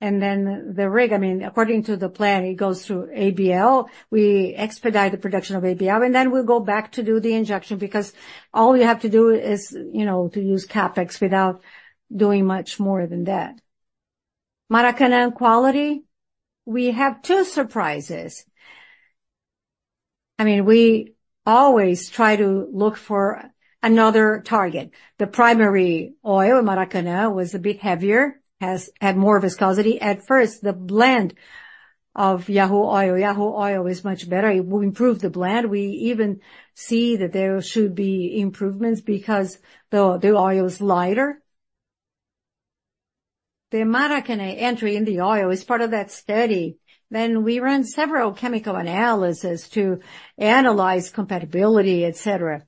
and then the rig, I mean, according to the plan, it goes through ABL. We expedite the production of ABL, and then we go back to do the injection, because all you have to do is, you know, to use CapEx without doing much more than that. Maracanã quality, we have two surprises. I mean, we always try to look for another target. The primary oil, Maracanã, was a bit heavier, has had more viscosity. At first, the blend of Wahoo oil. Wahoo oil is much better. It will improve the blend. We even see that there should be improvements because the oil is lighter. The Maracanã entry in the oil is part of that study. Then we ran several chemical analysis to analyze compatibility, et cetera.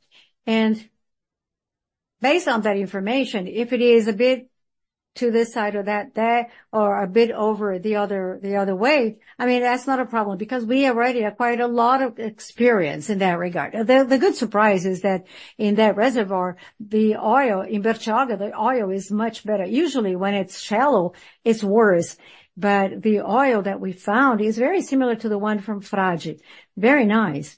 Based on that information, if it is a bit to this side or that, or a bit over the other, the other way, I mean, that's not a problem, because we already acquired a lot of experience in that regard. The good surprise is that in that reservoir, the oil, in Eocene, the oil is much better. Usually when it's shallow, it's worse, but the oil that we found is very similar to the one from Frade. Very nice.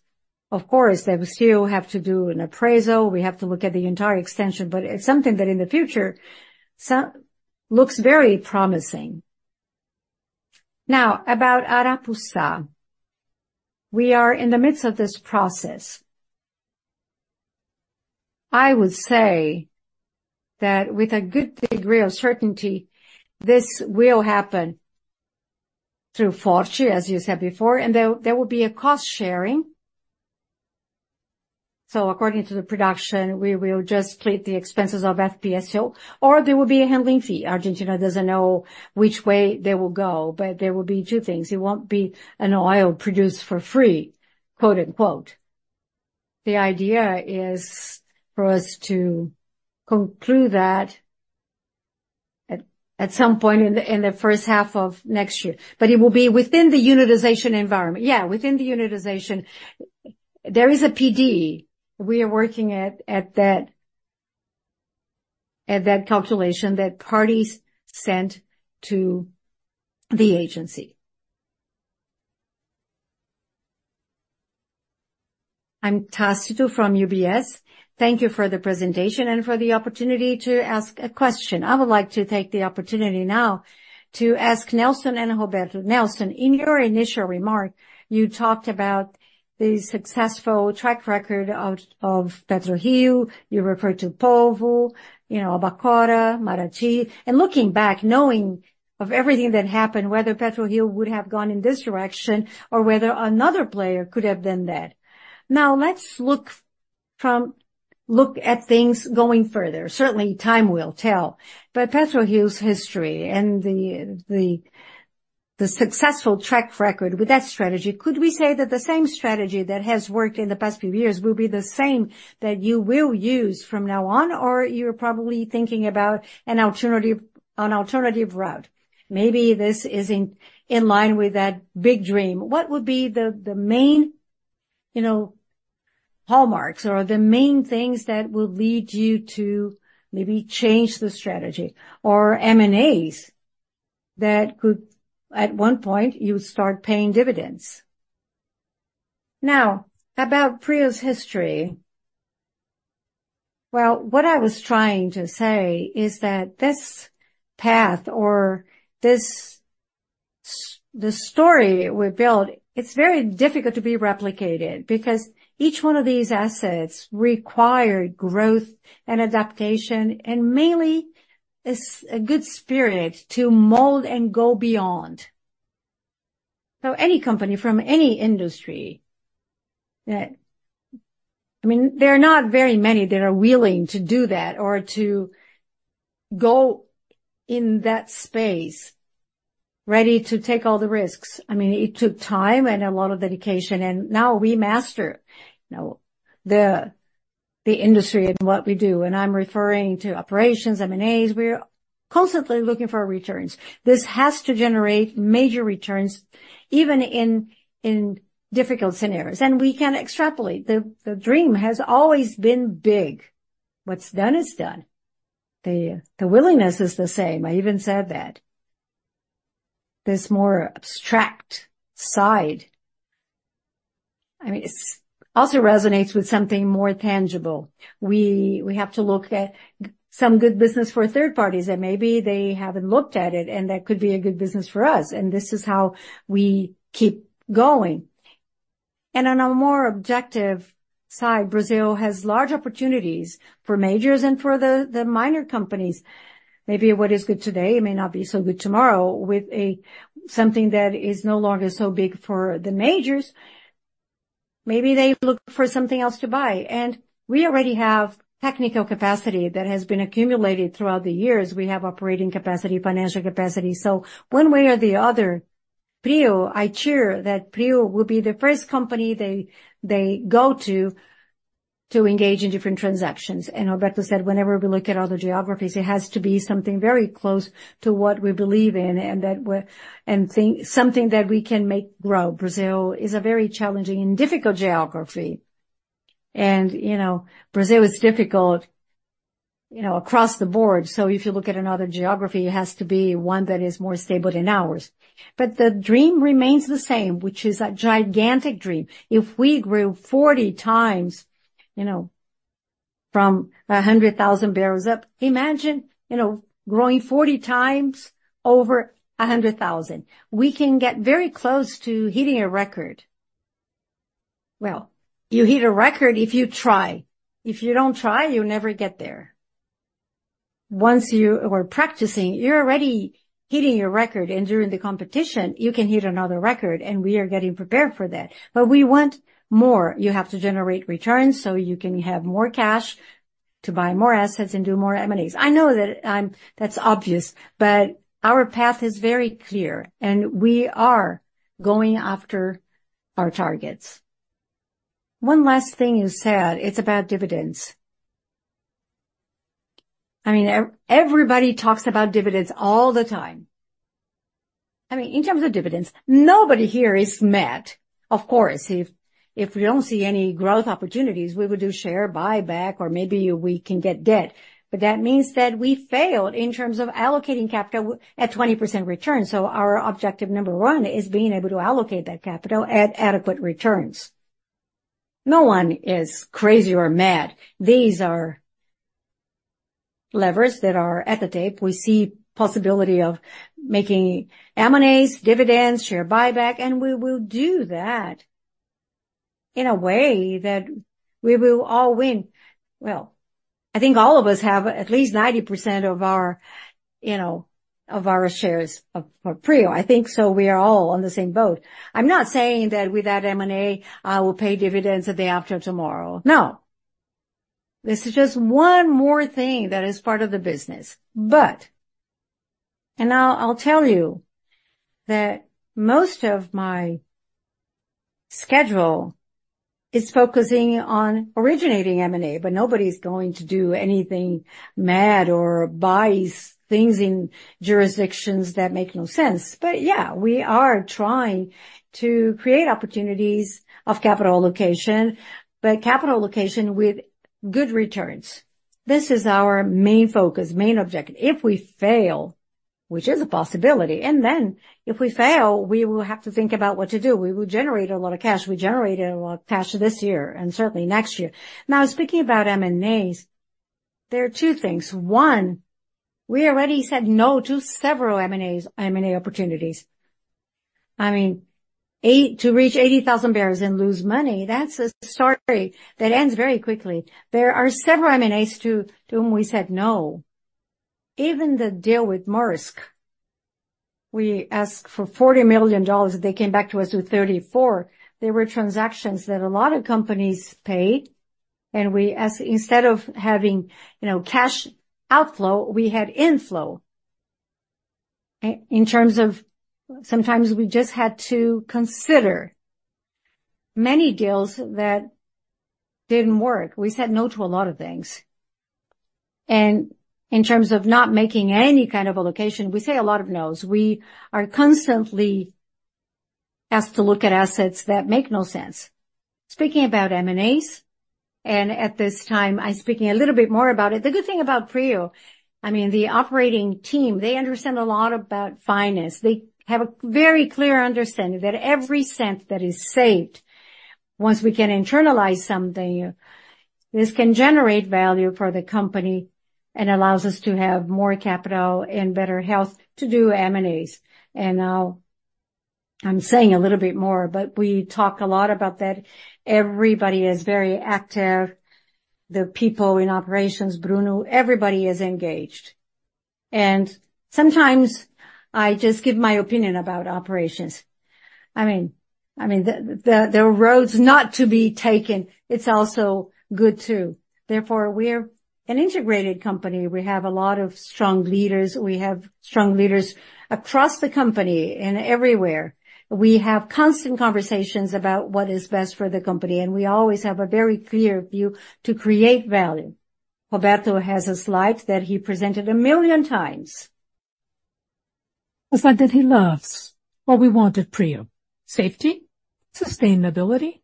Of course, they still have to do an appraisal. We have to look at the entire extension, but it's something that in the future looks very promising. Now, about Arapuça. We are in the midst of this process. I would say that with a good degree of certainty, this will happen through Forci, as you said before, and there will be a cost-sharing. So according to the production, we will just split the expenses of FPSO, or there will be a handling fee. Argentina doesn't know which way they will go, but there will be two things. It won't be an oil produced for free, quote, unquote. The idea is for us to conclude that at some point in the first half of next year. But it will be within the unitization environment? Yeah, within the unitization. There is a PD. We are working at that calculation that parties sent to the agency. I'm Tastito from UBS. Thank you for the presentation and for the opportunity to ask a question. I would like to take the opportunity now to ask Nelson and Roberto. Nelson, in your initial remark, you talked about the successful track record of PetroRio. You referred to Polvo, you know, Albacora, Maracanã. Looking back, knowing of everything that happened, whether PetroRio would have gone in this direction or whether another player could have done that. Now, let's look at things going further. Certainly, time will tell. But PetroRio's history and the successful track record with that strategy, could we say that the same strategy that has worked in the past few years will be the same that you will use from now on, or you're probably thinking about an alternative route? Maybe this is in line with that big dream. What would be the main, you know, hallmarks or the main things that will lead you to maybe change the strategy or M&As that could, at one point, you start paying dividends? Now, about PRIO's history. Well, what I was trying to say is that this path or the story we built. It's very difficult to be replicated because each one of these assets required growth and adaptation, and mainly, a good spirit to mold and go beyond. So any company from any industry, I mean, there are not very many that are willing to do that or to go in that space, ready to take all the risks. I mean, it took time and a lot of dedication, and now we master, you know, the industry and what we do. And I'm referring to operations, M&As. We are constantly looking for returns. This has to generate major returns, even in difficult scenarios, and we can extrapolate. The dream has always been big. What's done is done. The willingness is the same. I even said that. This more abstract side, I mean, it's also resonates with something more tangible. We have to look at some good business for third parties, and maybe they haven't looked at it, and that could be a good business for us, and this is how we keep going. On a more objective side, Brazil has large opportunities for majors and for the minor companies. Maybe what is good today may not be so good tomorrow with something that is no longer so big for the majors. Maybe they look for something else to buy, and we already have technical capacity that has been accumulated throughout the years. We have operating capacity, financial capacity. So one way or the other, PRIO, I cheer that PRIO will be the first company they, they go to, to engage in different transactions. And Roberto said, whenever we look at other geographies, it has to be something very close to what we believe in, and that we're something that we can make grow. Brazil is a very challenging and difficult geography, and, you know, Brazil is difficult, you know, across the board. So if you look at another geography, it has to be one that is more stable than ours. But the dream remains the same, which is a gigantic dream. If we grew 40 times, you know, from a 100,000 barrels up, imagine, you know, growing 40 times over a 100,000. We can get very close to hitting a record. Well, you hit a record if you try. If you don't try, you'll never get there. Once you are practicing, you're already hitting your record, and during the competition, you can hit another record, and we are getting prepared for that. But we want more. You have to generate returns so you can have more cash to buy more assets and do more M&As. I know that I'm, that's obvious, but our path is very clear, and we are going after our targets. One last thing you said, it's about dividends. I mean, everybody talks about dividends all the time. I mean, in terms of dividends, nobody here is mad. Of course, if we don't see any growth opportunities, we will do share buyback or maybe we can get debt. But that means that we failed in terms of allocating capital at 20% return. So our objective number one is being able to allocate that capital at adequate returns. No one is crazy or mad. These are levers that are at the tape. We see possibility of making M&As, dividends, share buyback, and we will do that in a way that we will all win. Well, I think all of us have at least 90% of our, you know, of our shares of, of PRIO. I think so we are all on the same boat. I'm not saying that without M&A, I will pay dividends the day after tomorrow. No! This is just one more thing that is part of the business. And now I'll tell you that most of my schedule is focusing on originating M&A, but nobody's going to do anything mad or buy things in jurisdictions that make no sense. But yeah, we are trying to create opportunities of capital allocation, but capital allocation with good returns. This is our main focus, main objective. If we fail, which is a possibility, and then if we fail, we will have to think about what to do. We will generate a lot of cash. We generated a lot of cash this year and certainly next year. Now, speaking about M&As, there are two things: One, we already said no to several M&As, M&A opportunities. I mean, eight to reach 80,000 barrels and lose money, that's a story that ends very quickly. There are several M&As to whom we said no. Even the deal with Maersk, we asked for $40 million. They came back to us with $34 million. There were transactions that a lot of companies paid, and we asked, instead of having, you know, cash outflow, we had inflow. In terms of sometimes we just had to consider many deals that didn't work. We said no to a lot of things. In terms of not making any kind of allocation, we say a lot of noes. We are constantly asked to look at assets that make no sense. Speaking about M&As, and at this time, I'm speaking a little bit more about it. The good thing about PRIO, I mean, the operating team, they understand a lot about finance. They have a very clear understanding that every cent that is saved, once we can internalize something, this can generate value for the company and allows us to have more capital and better health to do M&As. And now I'm saying a little bit more, but we talk a lot about that. Everybody is very active. The people in operations, Bruno, everybody is engaged. Sometimes I just give my opinion about operations. I mean, there are roads not to be taken. It's also good, too. Therefore, we're an integrated company. We have a lot of strong leaders. We have strong leaders across the company and everywhere. We have constant conversations about what is best for the company, and we always have a very clear view to create value. Roberto has a slide that he presented a million times. A slide that he loves. What we want at PRIO: safety, sustainability,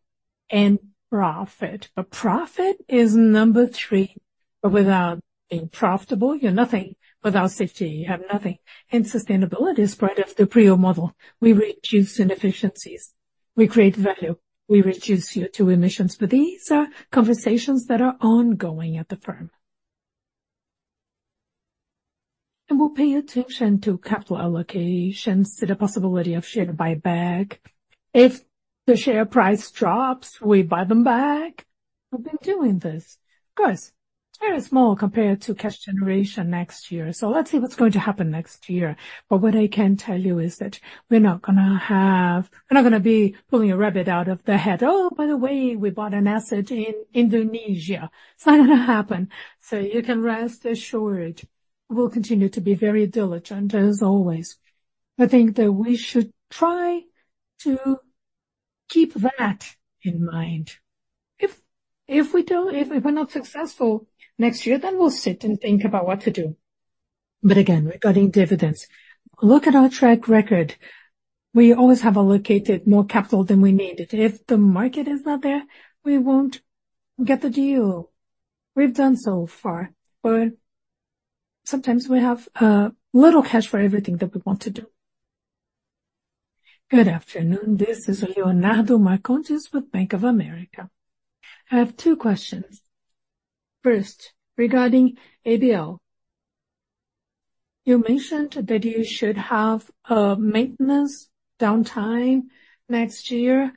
and profit. But profit is number three, but without being profitable, you're nothing. Without safety, you have nothing. Sustainability is part of the PRIO model. We reduce inefficiencies, we create value, we reduce CO2 emissions. But these are conversations that are ongoing at the firm. We'll pay attention to capital allocations, to the possibility of share buyback. If the share price drops, we buy them back. We've been doing this. Of course, very small compared to cash generation next year. So let's see what's going to happen next year. But what I can tell you is that we're not gonna be pulling a rabbit out of the hat. "Oh, by the way, we bought an asset in Indonesia." It's not gonna happen, so you can rest assured we'll continue to be very diligent, as always. I think that we should try to keep that in mind. If we're not successful next year, then we'll sit and think about what to do. But again, regarding dividends, look at our track record. We always have allocated more capital than we needed. If the market is not there, we won't get the deal. We've done so far, but sometimes we have little cash for everything that we want to do. Good afternoon. This is Leonardo Marcondes with Bank of America. I have two questions. First, regarding ABL, you mentioned that you should have a maintenance downtime next year.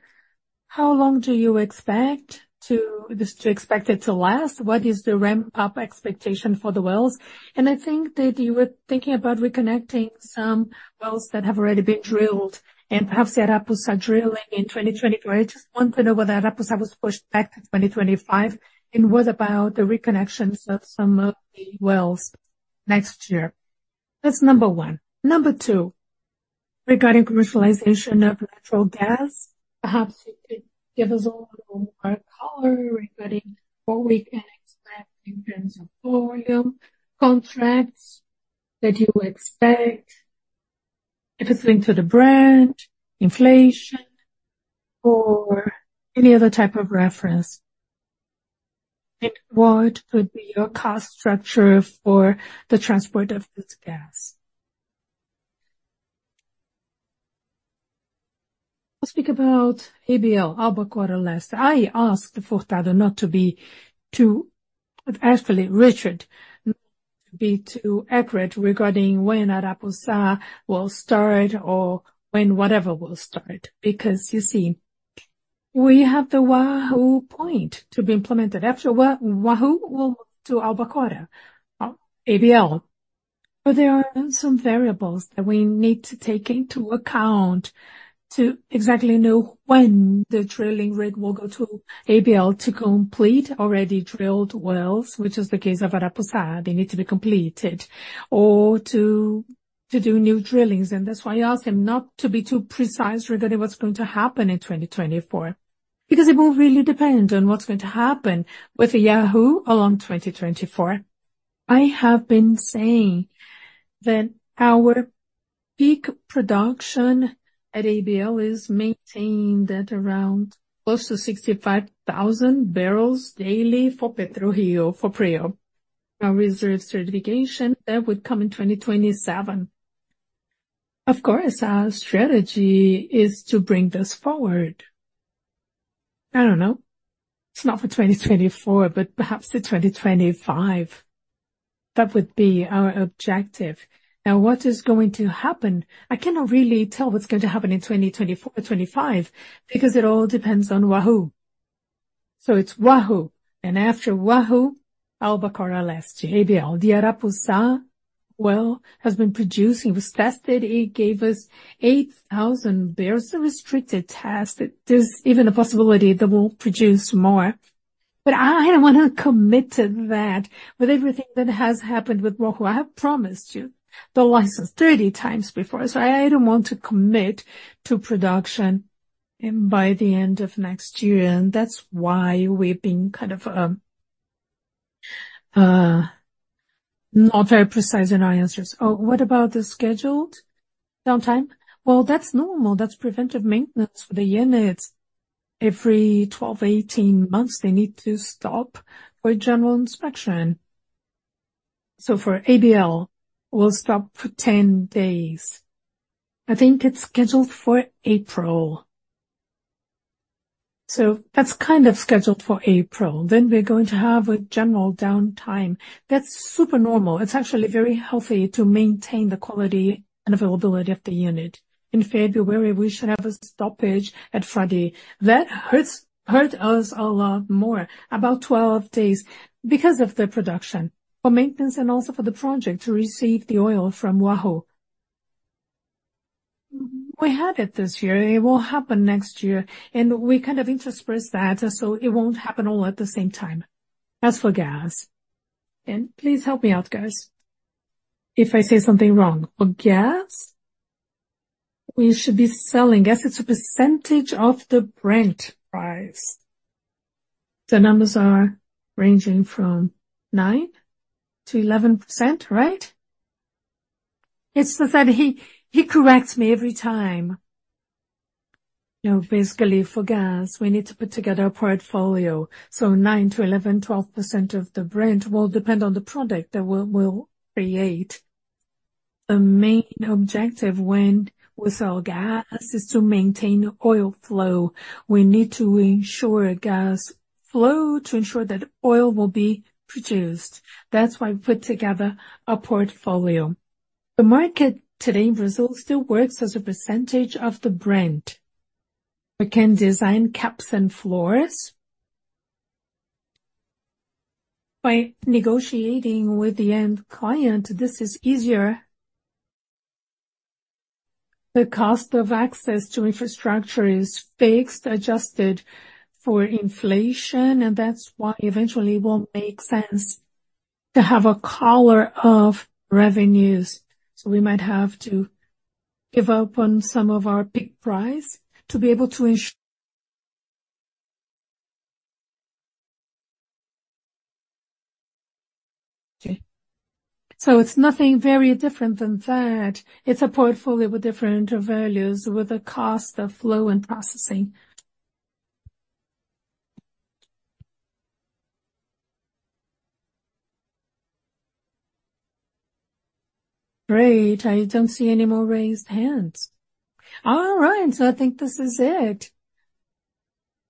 How long do you expect it to last? What is the ramp-up expectation for the wells? And I think that you were thinking about reconnecting some wells that have already been drilled and perhaps the Arapuça drilling in 2024. I just want to know whether Arapuça was pushed back to 2025 and what about the reconnections of some of the wells next year? That's number one. Number two, regarding commercialization of natural gas, perhaps you could give us a little more color regarding what we can expect in terms of volume, contracts that you expect, if it's linked to the BRL, inflation, or any other type of reference. And what would be your cost structure for the transport of this gas? I'll speak about ABL, Albacora Leste. I asked Furtado not to be too—Actually, Richard, not to be too accurate regarding when Arapuça will start or when whatever will start, because you see, we have the Wahoo point to be implemented. After Wahoo, we'll move to Albacora, ABL. But there are some variables that we need to take into account to exactly know when the drilling rig will go to ABL to complete already drilled wells, which is the case of Arapuça. They need to be completed or to do new drillings. And that's why I asked him not to be too precise regarding what's going to happen in 2024, because it will really depend on what's going to happen with Wahoo along 2024. I have been saying that our peak production at ABL is maintaining that around close to 65,000 barrels daily for PetroRio, for PRIO. Our reserve certification, that would come in 2027. Of course, our strategy is to bring this forward. I don't know. It's not for 2024, but perhaps the 2025. That would be our objective. Now, what is going to happen? I cannot really tell what's going to happen in 2024, 2025, because it all depends on Wahoo. So it's Wahoo, and after Wahoo, Albacora Leste, ABL. The Arapuça Well has been producing. It was tested. It gave us 8,000 barrels, a restricted test. There's even a possibility that we'll produce more, but I don't wanna commit to that. With everything that has happened with Wahoo, I have promised you the license 30 times before, so I don't want to commit to production by the end of next year. That's why we've been kind of not very precise in our answers. Oh, what about the scheduled downtime? Well, that's normal. That's preventive maintenance for the units. Every 12-18 months, they need to stop for a general inspection. So for ABL, we'll stop for 10 days. I think it's scheduled for April. So that's kind of scheduled for April. Then we're going to have a general downtime. That's super normal. It's actually very healthy to maintain the quality and availability of the unit. In February, we should have a stoppage at Frade. That hurt us a lot more, about 12 days, because of the production for maintenance and also for the project to receive the oil from Wahoo. We had it this year, and it will happen next year, and we kind of interspersed that, so it won't happen all at the same time. As for gas, please help me out, guys, if I say something wrong. For gas, we should be selling gas as a percentage of the Brent price. The numbers are ranging from 9%-11%, right? It's the Fed; he corrects me every time. You know, basically for gas, we need to put together a portfolio, so 9%-11%, 12% of the Brent will depend on the product that we'll create. The main objective when we sell gas is to maintain oil flow. We need to ensure gas flow to ensure that oil will be produced. That's why we put together a portfolio. The market today, Brazil still works as a percentage of the Brent. We can design caps and floors. By negotiating with the end client, this is easier. The cost of access to infrastructure is fixed, adjusted for inflation, and that's why eventually it won't make sense to have a collar of revenues. So we might have to give up on some of our peak price to be able to ensure. So it's nothing very different than that. It's a portfolio with different values, with a cost of flow and processing. Great, I don't see any more raised hands. All right, so I think this is it.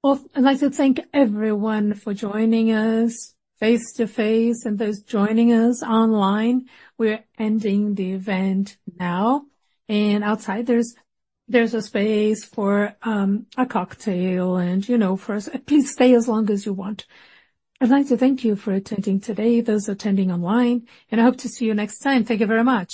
Well, I'd like to thank everyone for joining us face-to-face and those joining us online. We're ending the event now, and outside there's a space for a cocktail, you know, for us. Please stay as long as you want. I'd like to thank you for attending today, those attending online, and I hope to see you next time. Thank you very much.